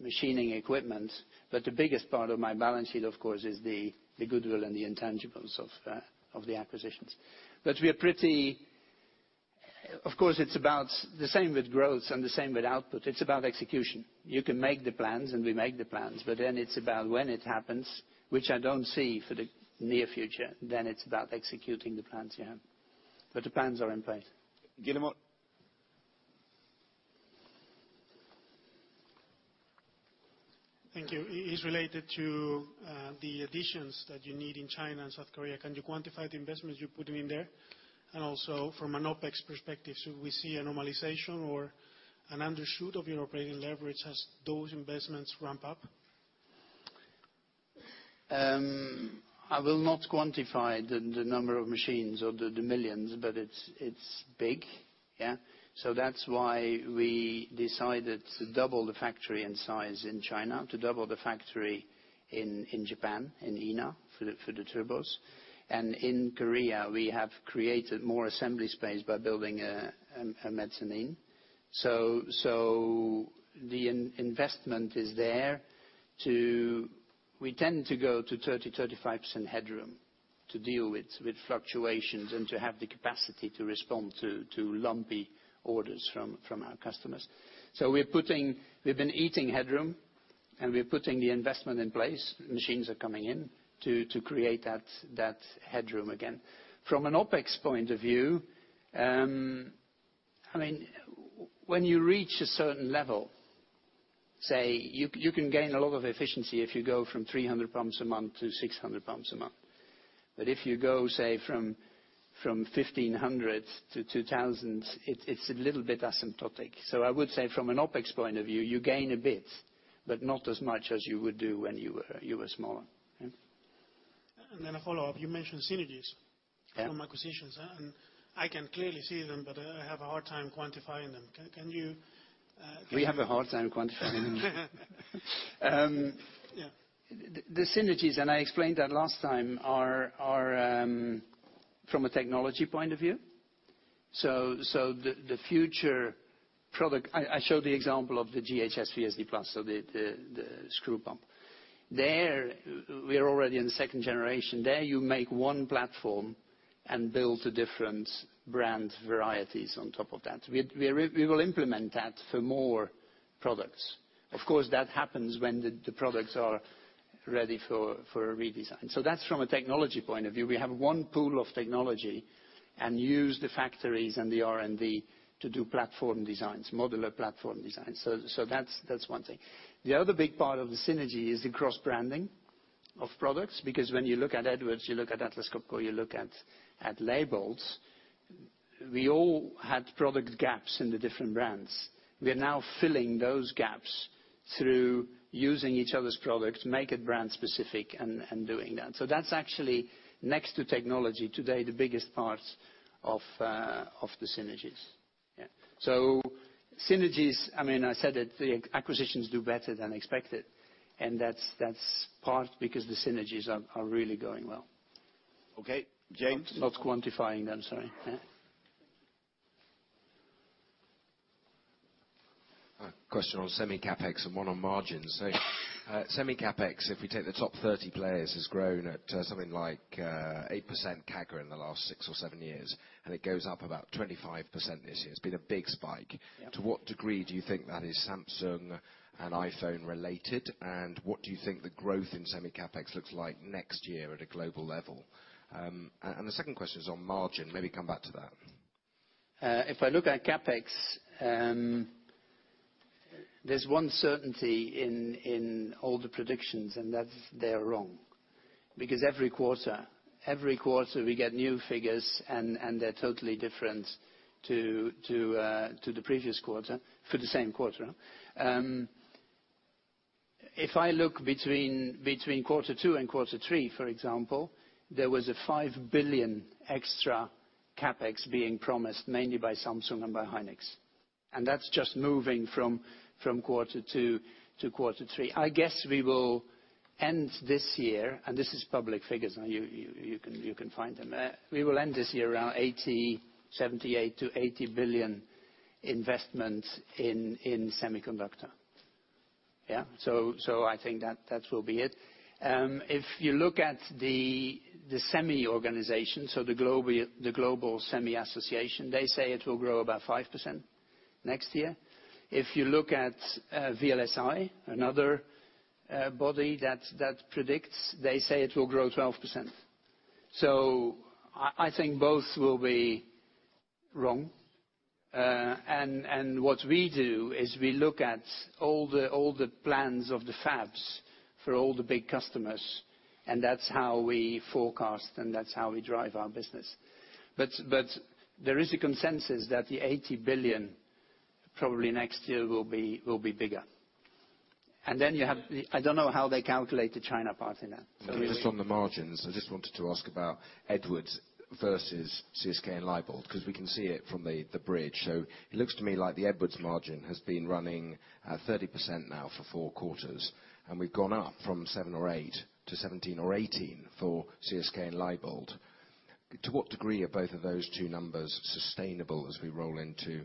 machining equipment, but the biggest part of my balance sheet, of course, is the goodwill and the intangibles of the acquisitions. Of course, it's about the same with growth and the same with output. It's about execution. You can make the plans, and we make the plans, but then it's about when it happens, which I don't see for the near future, then it's about executing the plans you have. The plans are in place. Guillermo. Thank you. It's related to the additions that you need in China and South Korea. Can you quantify the investments you're putting in there? Also from an OpEx perspective, should we see a normalization or an undershoot of your operating leverage as those investments ramp up? I will not quantify the number of machines or the millions, but it's big. That's why we decided to double the factory in size in China, to double the factory in Japan, in Hino for the turbos. In Korea, we have created more assembly space by building a mezzanine. The investment is there. We tend to go to 30%-35% headroom to deal with fluctuations and to have the capacity to respond to lumpy orders from our customers. We've been eating headroom, and we're putting the investment in place. Machines are coming in to create that headroom again. From an OpEx point of view, when you reach a certain level, say, you can gain a lot of efficiency if you go from 300 pumps a month to 600 pumps a month. If you go, say, from 1,500 to 2,000, it's a little bit asymptotic. I would say from an OpEx point of view, you gain a bit, but not as much as you would do when you were smaller. A follow-up. You mentioned synergies- Yeah from acquisitions, and I can clearly see them, but I have a hard time quantifying them. Can you- We have a hard time quantifying them. Yeah. The synergies, and I explained that last time, are from a technology point of view. The future product, I showed the example of the GHS VSD+, the screw pump. There we are already in the second generation. There you make one platform and build the different brand varieties on top of that. We will implement that for more products. Of course, that happens when the products are ready for a redesign. That's from a technology point of view. We have one pool of technology and use the factories and the R&D to do platform designs, modular platform designs. That's one thing. The other big part of the synergy is the cross-branding of products. When you look at Edwards, you look at Atlas Copco, you look at Leybold, we all had product gaps in the different brands. We are now filling those gaps through using each other's products, make it brand specific and doing that. That's actually next to technology today, the biggest parts of the synergies. Synergies, I said it, the acquisitions do better than expected, and that's part because the synergies are really going well. Okay. James. Not quantifying them, sorry. Yeah. A question on semi-CapEx and one on margins. Semi CapEx, if we take the top 30 players, has grown at something like 8% CAGR in the last six or seven years, and it goes up about 25% this year. It's been a big spike. Yeah. To what degree do you think that is Samsung and iPhone related, what do you think the growth in semi CapEx looks like next year at a global level? The second question is on margin. Maybe come back to that. If I look at CapEx, there's one certainty in all the predictions, and that's they're wrong. Every quarter, we get new figures, and they're totally different to the previous quarter, for the same quarter. If I look between quarter two and quarter three, for example, there was a $5 billion extra CapEx being promised, mainly by Samsung and by SK hynix. That's just moving from quarter to quarter three. I guess we will end this year, and this is public figures, you can find them. We will end this year around $80 billion, $78 billion-$80 billion investment in semiconductor. I think that will be it. If you look at the semi organization, the Global Semiconductor Alliance, they say it will grow about 5% next year. If you look at VLSIresearch, another body that predicts, they say it will grow 12%. I think both will be wrong. What we do is we look at all the plans of the fabs for all the big customers, and that's how we forecast, and that's how we drive our business. There is a consensus that the $80 billion probably next year will be bigger. I don't know how they calculate the China part in that. Just on the margins, I just wanted to ask about Edwards versus CSK and Leybold, because we can see it from the bridge. It looks to me like the Edwards margin has been running at 30% now for four quarters, and we've gone up from 7% or 8% to 17% or 18% for CSK and Leybold. To what degree are both of those two numbers sustainable as we roll into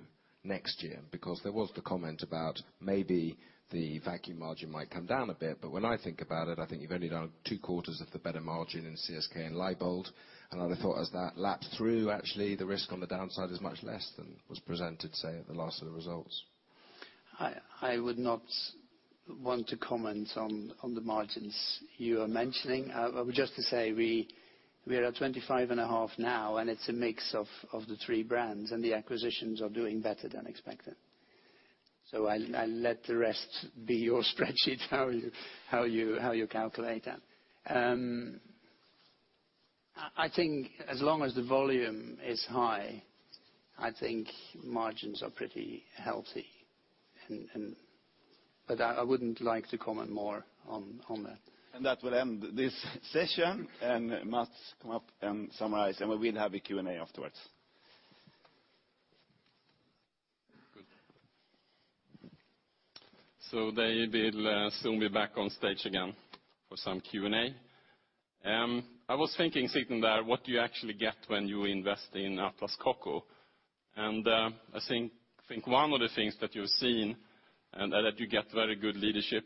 next year? There was the comment about maybe the vacuum margin might come down a bit, but when I think about it, I think you've only done two quarters of the better margin in CSK and Leybold. I'd have thought as that lapsed through, actually, the risk on the downside is much less than was presented, say, at the last of the results. I would not want to comment on the margins you are mentioning. Just to say, we are at 25.5% now, and it's a mix of the three brands, and the acquisitions are doing better than expected. I'll let the rest be your spreadsheet, how you calculate that. I think as long as the volume is high, I think margins are pretty healthy. I wouldn't like to comment more on that. That will end this session. Mats, come up and summarize. We'll have a Q&A afterwards. Good. They will soon be back on stage again for some Q&A. I was thinking, sitting there, what do you actually get when you invest in Atlas Copco? I think one of the things that you've seen, that you get very good leadership,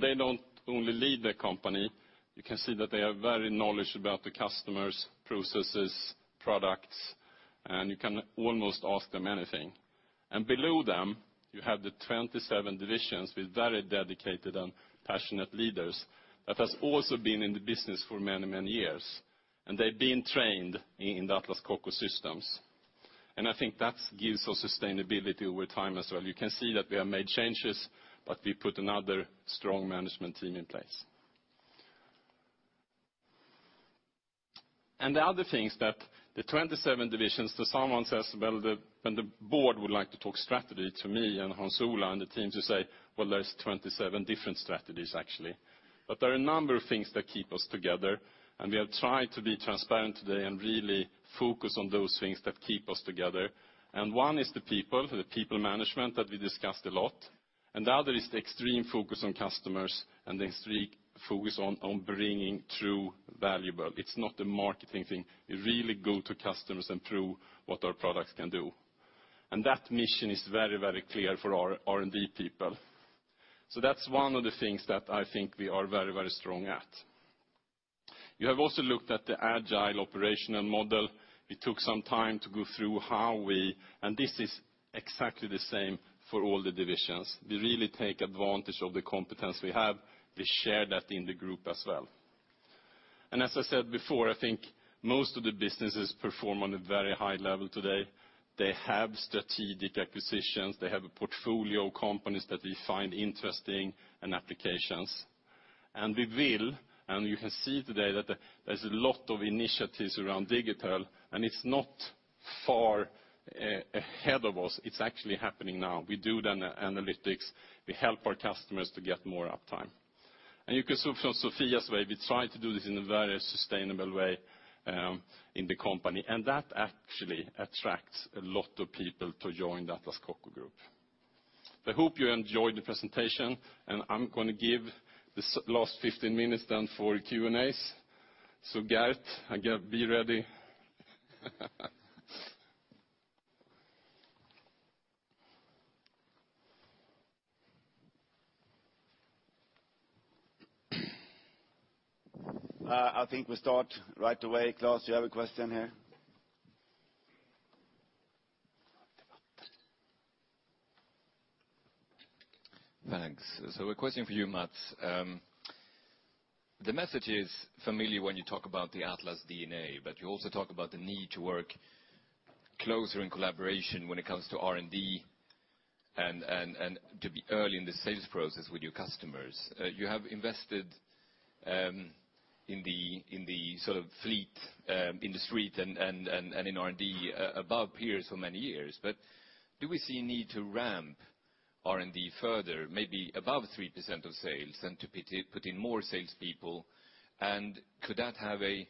they don't only lead the company, you can see that they are very knowledgeable about the customers, processes, products, you can almost ask them anything. Below them, you have the 27 divisions with very dedicated and passionate leaders that has also been in the business for many years. They've been trained in the Atlas Copco systems. I think that gives us sustainability over time as well. You can see that we have made changes, but we put another strong management team in place. The other thing is that the 27 divisions, someone says, well, when the board would like to talk strategy to me and Hans Ola and the team, you say, well, there's 27 different strategies, actually. There are a number of things that keep us together, we have tried to be transparent today and really focus on those things that keep us together. One is the people, the people management that we discussed a lot, the other is the extreme focus on customers and the extreme focus on bringing true valuable. It's not a marketing thing. You really go to customers and prove what our products can do. That mission is very clear for our R&D people. That's one of the things that I think we are very strong at. You have also looked at the agile operational model. We took some time to go through. This is exactly the same for all the divisions. We really take advantage of the competence we have. We share that in the group as well. As I said before, I think most of the businesses perform on a very high level today. They have strategic acquisitions. They have a portfolio of companies that we find interesting and applications. We will, you can see today that there's a lot of initiatives around digital, it's not far ahead of us. It's actually happening now. We do the analytics. We help our customers to get more uptime. You can see from Sofia's way, we try to do this in a very sustainable way in the company, that actually attracts a lot of people to join the Atlas Copco Group. I hope you enjoyed the presentation. I'm going to give this last 15 minutes then for Q&As. Geert, be ready. I think we start right away. Claes, you have a question here? Thanks. A question for you, Mats. The message is familiar when you talk about the Atlas DNA, but you also talk about the need to work closer in collaboration when it comes to R&D and to be early in the sales process with your customers. You have invested in the fleet, in the street, and in R&D above peers for many years. Do we see a need to ramp R&D further, maybe above 3% of sales, and to put in more salespeople? Could that have a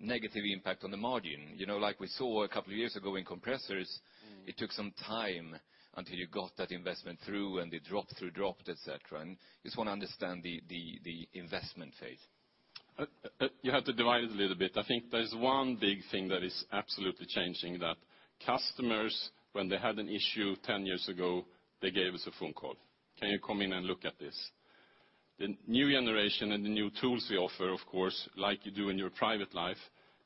negative impact on the margin? Like we saw a couple of years ago in compressors, it took some time until you got that investment through and the drop-through dropped, etcetera. I just want to understand the investment phase. You have to divide it a little bit. I think there's one big thing that is absolutely changing, that customers, when they had an issue 10 years ago, they gave us a phone call. "Can you come in and look at this?" The new generation and the new tools we offer, of course, like you do in your private life,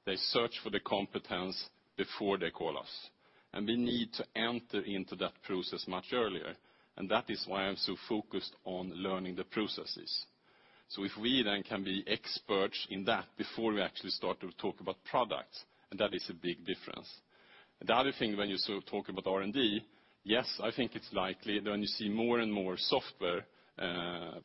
they search for the competence before they call us. We need to enter into that process much earlier. That is why I'm so focused on learning the processes. If we then can be experts in that before we actually start to talk about products, that is a big difference. The other thing, when you talk about R&D, yes, I think it's likely that when you see more and more software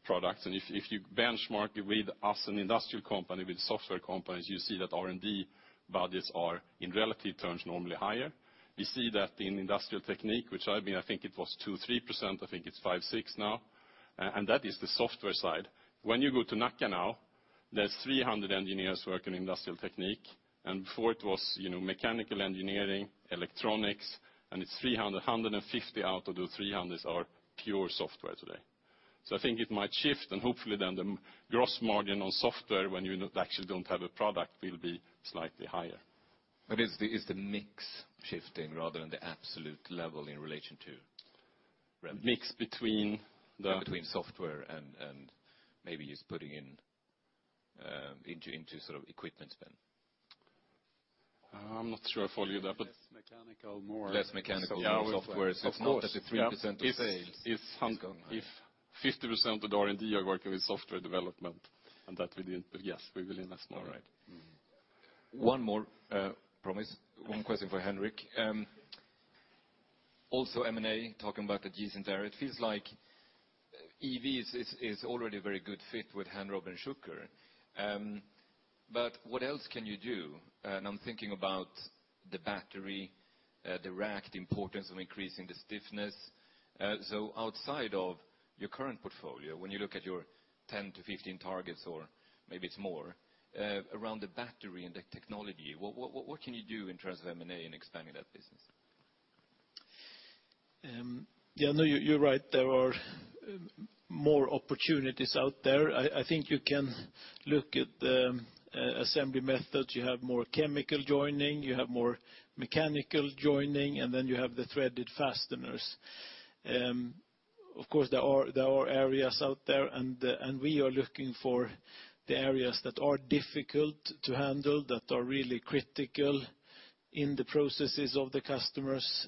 products, and if you benchmark with us, an industrial company, with software companies, you see that R&D budgets are, in relative terms, normally higher. We see that in Industrial Technique, which I think it was 2%-3%. I think it's 5%-6% now. That is the software side. When you go to Nacka now, there's 300 engineers working in Industrial Technique, and before it was mechanical engineering, electronics, and it's 300. 150 out of the 300 are pure software today. I think it might shift, and hopefully then the gross margin on software, when you actually don't have a product, will be slightly higher. Is the mix shifting rather than the absolute level in relation to revenue? Mix between the. Between software and maybe it's putting into sort of equipment spend. I'm not sure I follow you there. Less mechanical, more software. Less mechanical, more software. Of course. It's not at the 3% of sales. If 50% of R&D are working with software development, and that we didn't. Yes, we will invest more. All right. One more promise. One question for Henrik. Also M&A, talking about adjacent areas. It feels like EV is already a very good fit with Henrob and Schucker. What else can you do? I'm thinking about the battery, the rack, the importance of increasing the stiffness. Outside of your current portfolio, when you look at your 10-15 targets, or maybe it's more, around the battery and the technology, what can you do in terms of M&A and expanding that business? Yeah, no, you're right. There are more opportunities out there. I think you can look at the assembly method. You have more chemical joining, you have more mechanical joining. You have the threaded fasteners. Of course, there are areas out there. We are looking for the areas that are difficult to handle, that are really critical in the processes of the customers.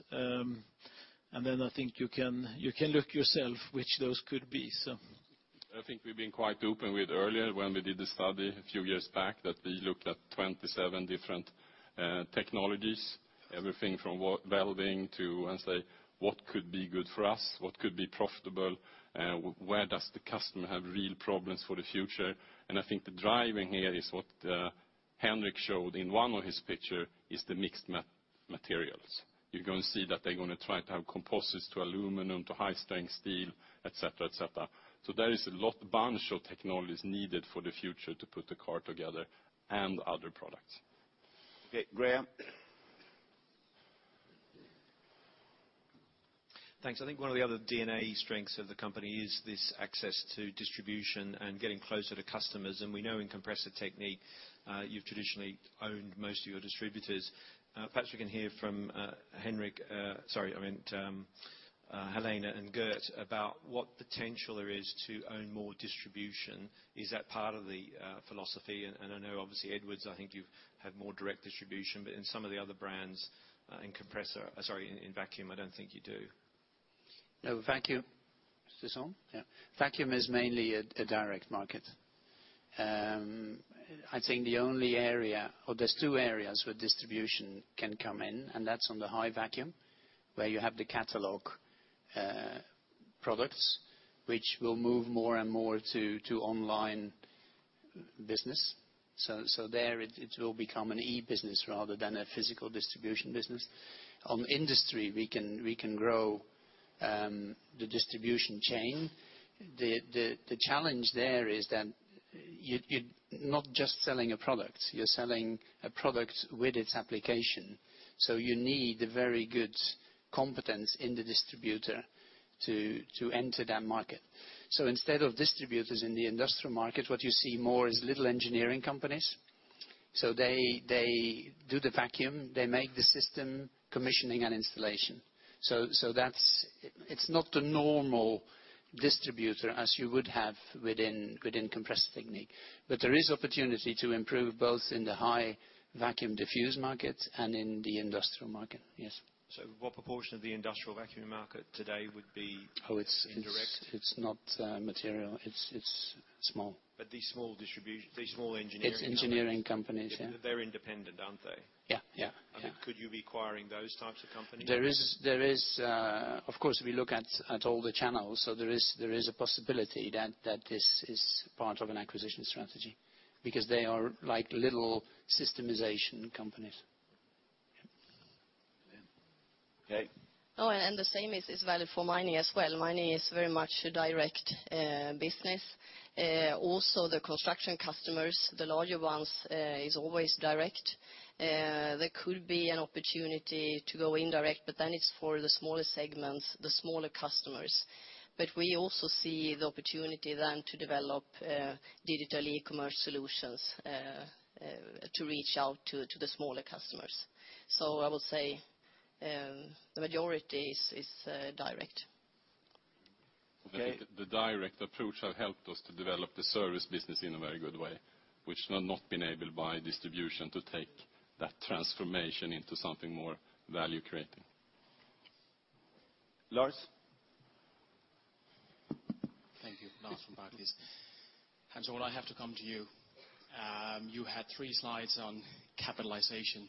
I think you can look yourself, which those could be. I think we've been quite open with earlier when we did the study a few years back, that we looked at 27 different technologies, everything from welding to Say, what could be good for us, what could be profitable? Where does the customer have real problems for the future? I think the driving here is what Henrik showed in one of his picture, is the mixed materials. You're going to see that they're going to try to have composites to aluminum, to high-strength steel, etcetera. There is a lot bunch of technologies needed for the future to put the car together, and other products. Okay, Graham. Thanks. I think one of the other DNA strengths of the company is this access to distribution and getting closer to customers, and we know in Compressor Technique, you've traditionally owned most of your distributors. Perhaps we can hear from Helena and Geert about what potential there is to own more distribution. Is that part of the philosophy? I know obviously Edwards, I think you've had more direct distribution, but in some of the other brands in Vacuum, I don't think you do. No, Vacuum Is this on? Yeah. Vacuum is mainly a direct market. I think the only area-- or there's two areas where distribution can come in, that's on the high vacuum, where you have the catalog products, which will move more and more to online business. There, it will become an e-business rather than a physical distribution business. On industry, we can grow the distribution chain. The challenge there is that you're not just selling a product, you're selling a product with its application. You need a very good competence in the distributor to enter that market. Instead of distributors in the industrial market, what you see more is little engineering companies. They do the vacuum, they make the system commissioning and installation. It's not the normal distributor as you would have within Compressor Technique. There is opportunity to improve both in the high vacuum diffuse market and in the industrial market, yes. What proportion of the industrial vacuum market today would be indirect? Oh, it's not material. It's small. These small engineering companies. It's engineering companies, yeah. They're independent, aren't they? Yeah. I mean, could you be acquiring those types of companies? Of course, we look at all the channels, there is a possibility that this is part of an acquisition strategy, because they are like little systemization companies. Okay. The same is valid for Mining as well. Mining is very much a direct business. Also the construction customers, the larger ones, is always direct. There could be an opportunity to go indirect, it's for the smaller segments, the smaller customers. We also see the opportunity to develop digital e-commerce solutions to reach out to the smaller customers. I would say the majority is direct. Okay. The direct approach have helped us to develop the service business in a very good way, which had not been able by distribution to take that transformation into something more value creating. Lars. Thank you. Lars from Barclays. Hans Ola, I have to come to you. You had three slides on capitalization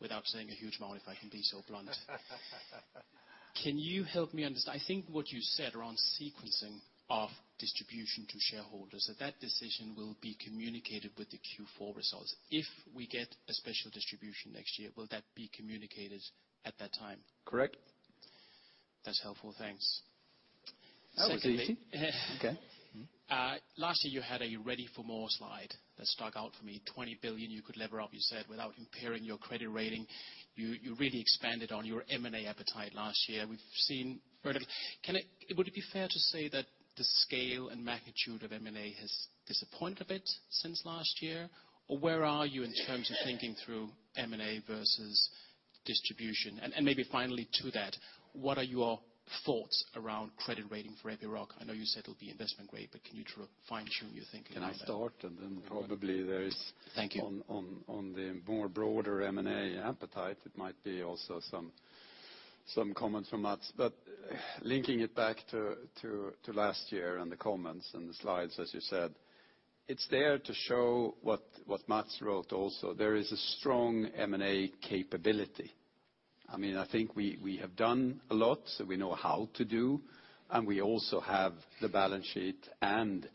without saying a huge amount, if I can be so blunt. Can you help me understand what you said around sequencing of distribution to shareholders, that decision will be communicated with the Q4 results. If we get a special distribution next year, will that be communicated at that time? Correct. That's helpful. Thanks. That was easy. Secondly- Okay, mm-hmm last year you had a ready for more slide that stuck out for me, 20 billion you could lever up, you said, without impairing your credit rating. You really expanded on your M&A appetite last year. We've seen part of it. Would it be fair to say that the scale and magnitude of M&A has disappointed a bit since last year? Where are you in terms of thinking through M&A versus distribution? Maybe finally to that, what are your thoughts around credit rating for Epiroc? I know you said it'll be investment grade, can you fine-tune your thinking on that? Can I start. Thank you On the more broader M&A appetite, it might be also some comments from Mats. Linking it back to last year and the comments and the slides, as you said, it's there to show what Mats wrote also. There is a strong M&A capability. I think we have done a lot, so we know how to do, and we also have the balance sheet and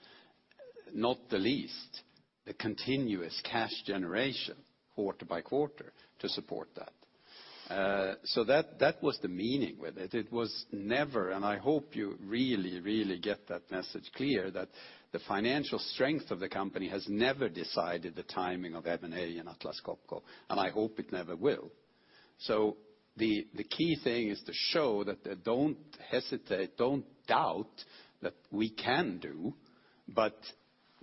not the least, the continuous cash generation quarter by quarter to support that. That was the meaning with it. It was never, and I hope you really, really get that message clear, that the financial strength of the company has never decided the timing of M&A in Atlas Copco, and I hope it never will. The key thing is to show that don't hesitate, don't doubt that we can do.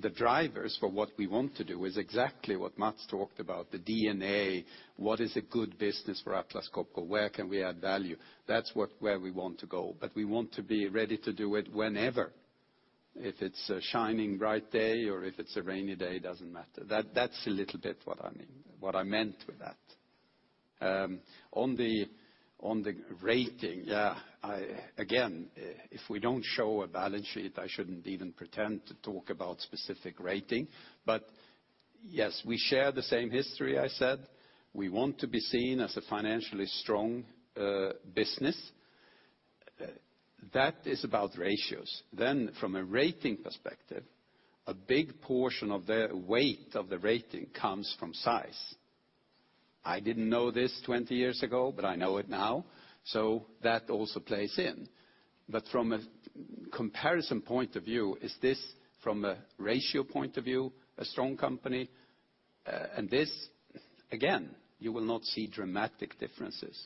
The drivers for what we want to do is exactly what Mats talked about, the DNA. What is a good business for Atlas Copco? Where can we add value? That's where we want to go. We want to be ready to do it whenever. If it's a shining bright day or if it's a rainy day, doesn't matter. That's a little bit what I meant with that. On the rating, again, if we don't show a balance sheet, I shouldn't even pretend to talk about specific rating. Yes, we share the same history I said. We want to be seen as a financially strong business. That is about ratios. From a rating perspective, a big portion of the weight of the rating comes from size. I didn't know this 20 years ago, but I know it now. That also plays in. From a comparison point of view, is this from a ratio point of view, a strong company? This, again, you will not see dramatic differences.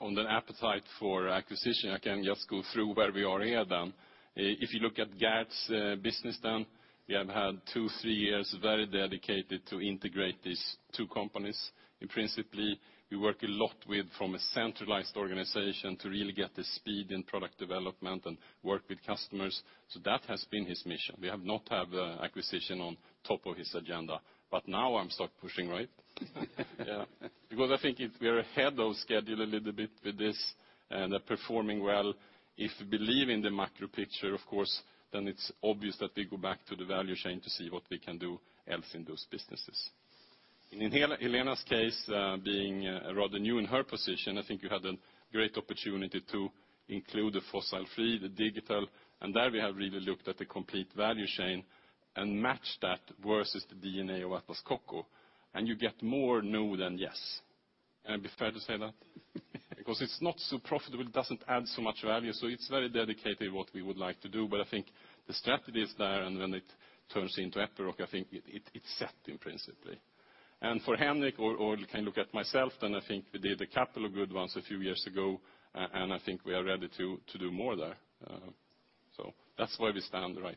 On the appetite for acquisition, I can just go through where we are here then. If you look at Geert's business then, we have had two, three years very dedicated to integrate these two companies. In principle, we work a lot with from a centralized organization to really get the speed in product development and work with customers. That has been his mission. We have not had the acquisition on top of his agenda, but now I'm start pushing, right? Yeah. I think if we are ahead of schedule a little bit with this and are performing well, if we believe in the macro picture of course, then it's obvious that we go back to the value chain to see what we can do else in those businesses. In Helena's case, being rather new in her position, I think we had a great opportunity to include the fossil-free, the digital, there we have really looked at the complete value chain and matched that versus the DNA of Atlas Copco, and you get more no than yes. Can I be fair to say that? It's not so profitable, it doesn't add so much value, so it's very dedicated what we would like to do. I think the strategy is there, and when it turns into Epiroc, I think it's set in principle. For Henrik or look at myself then I think we did a couple of good ones a few years ago, and I think we are ready to do more there. That's where we stand right now.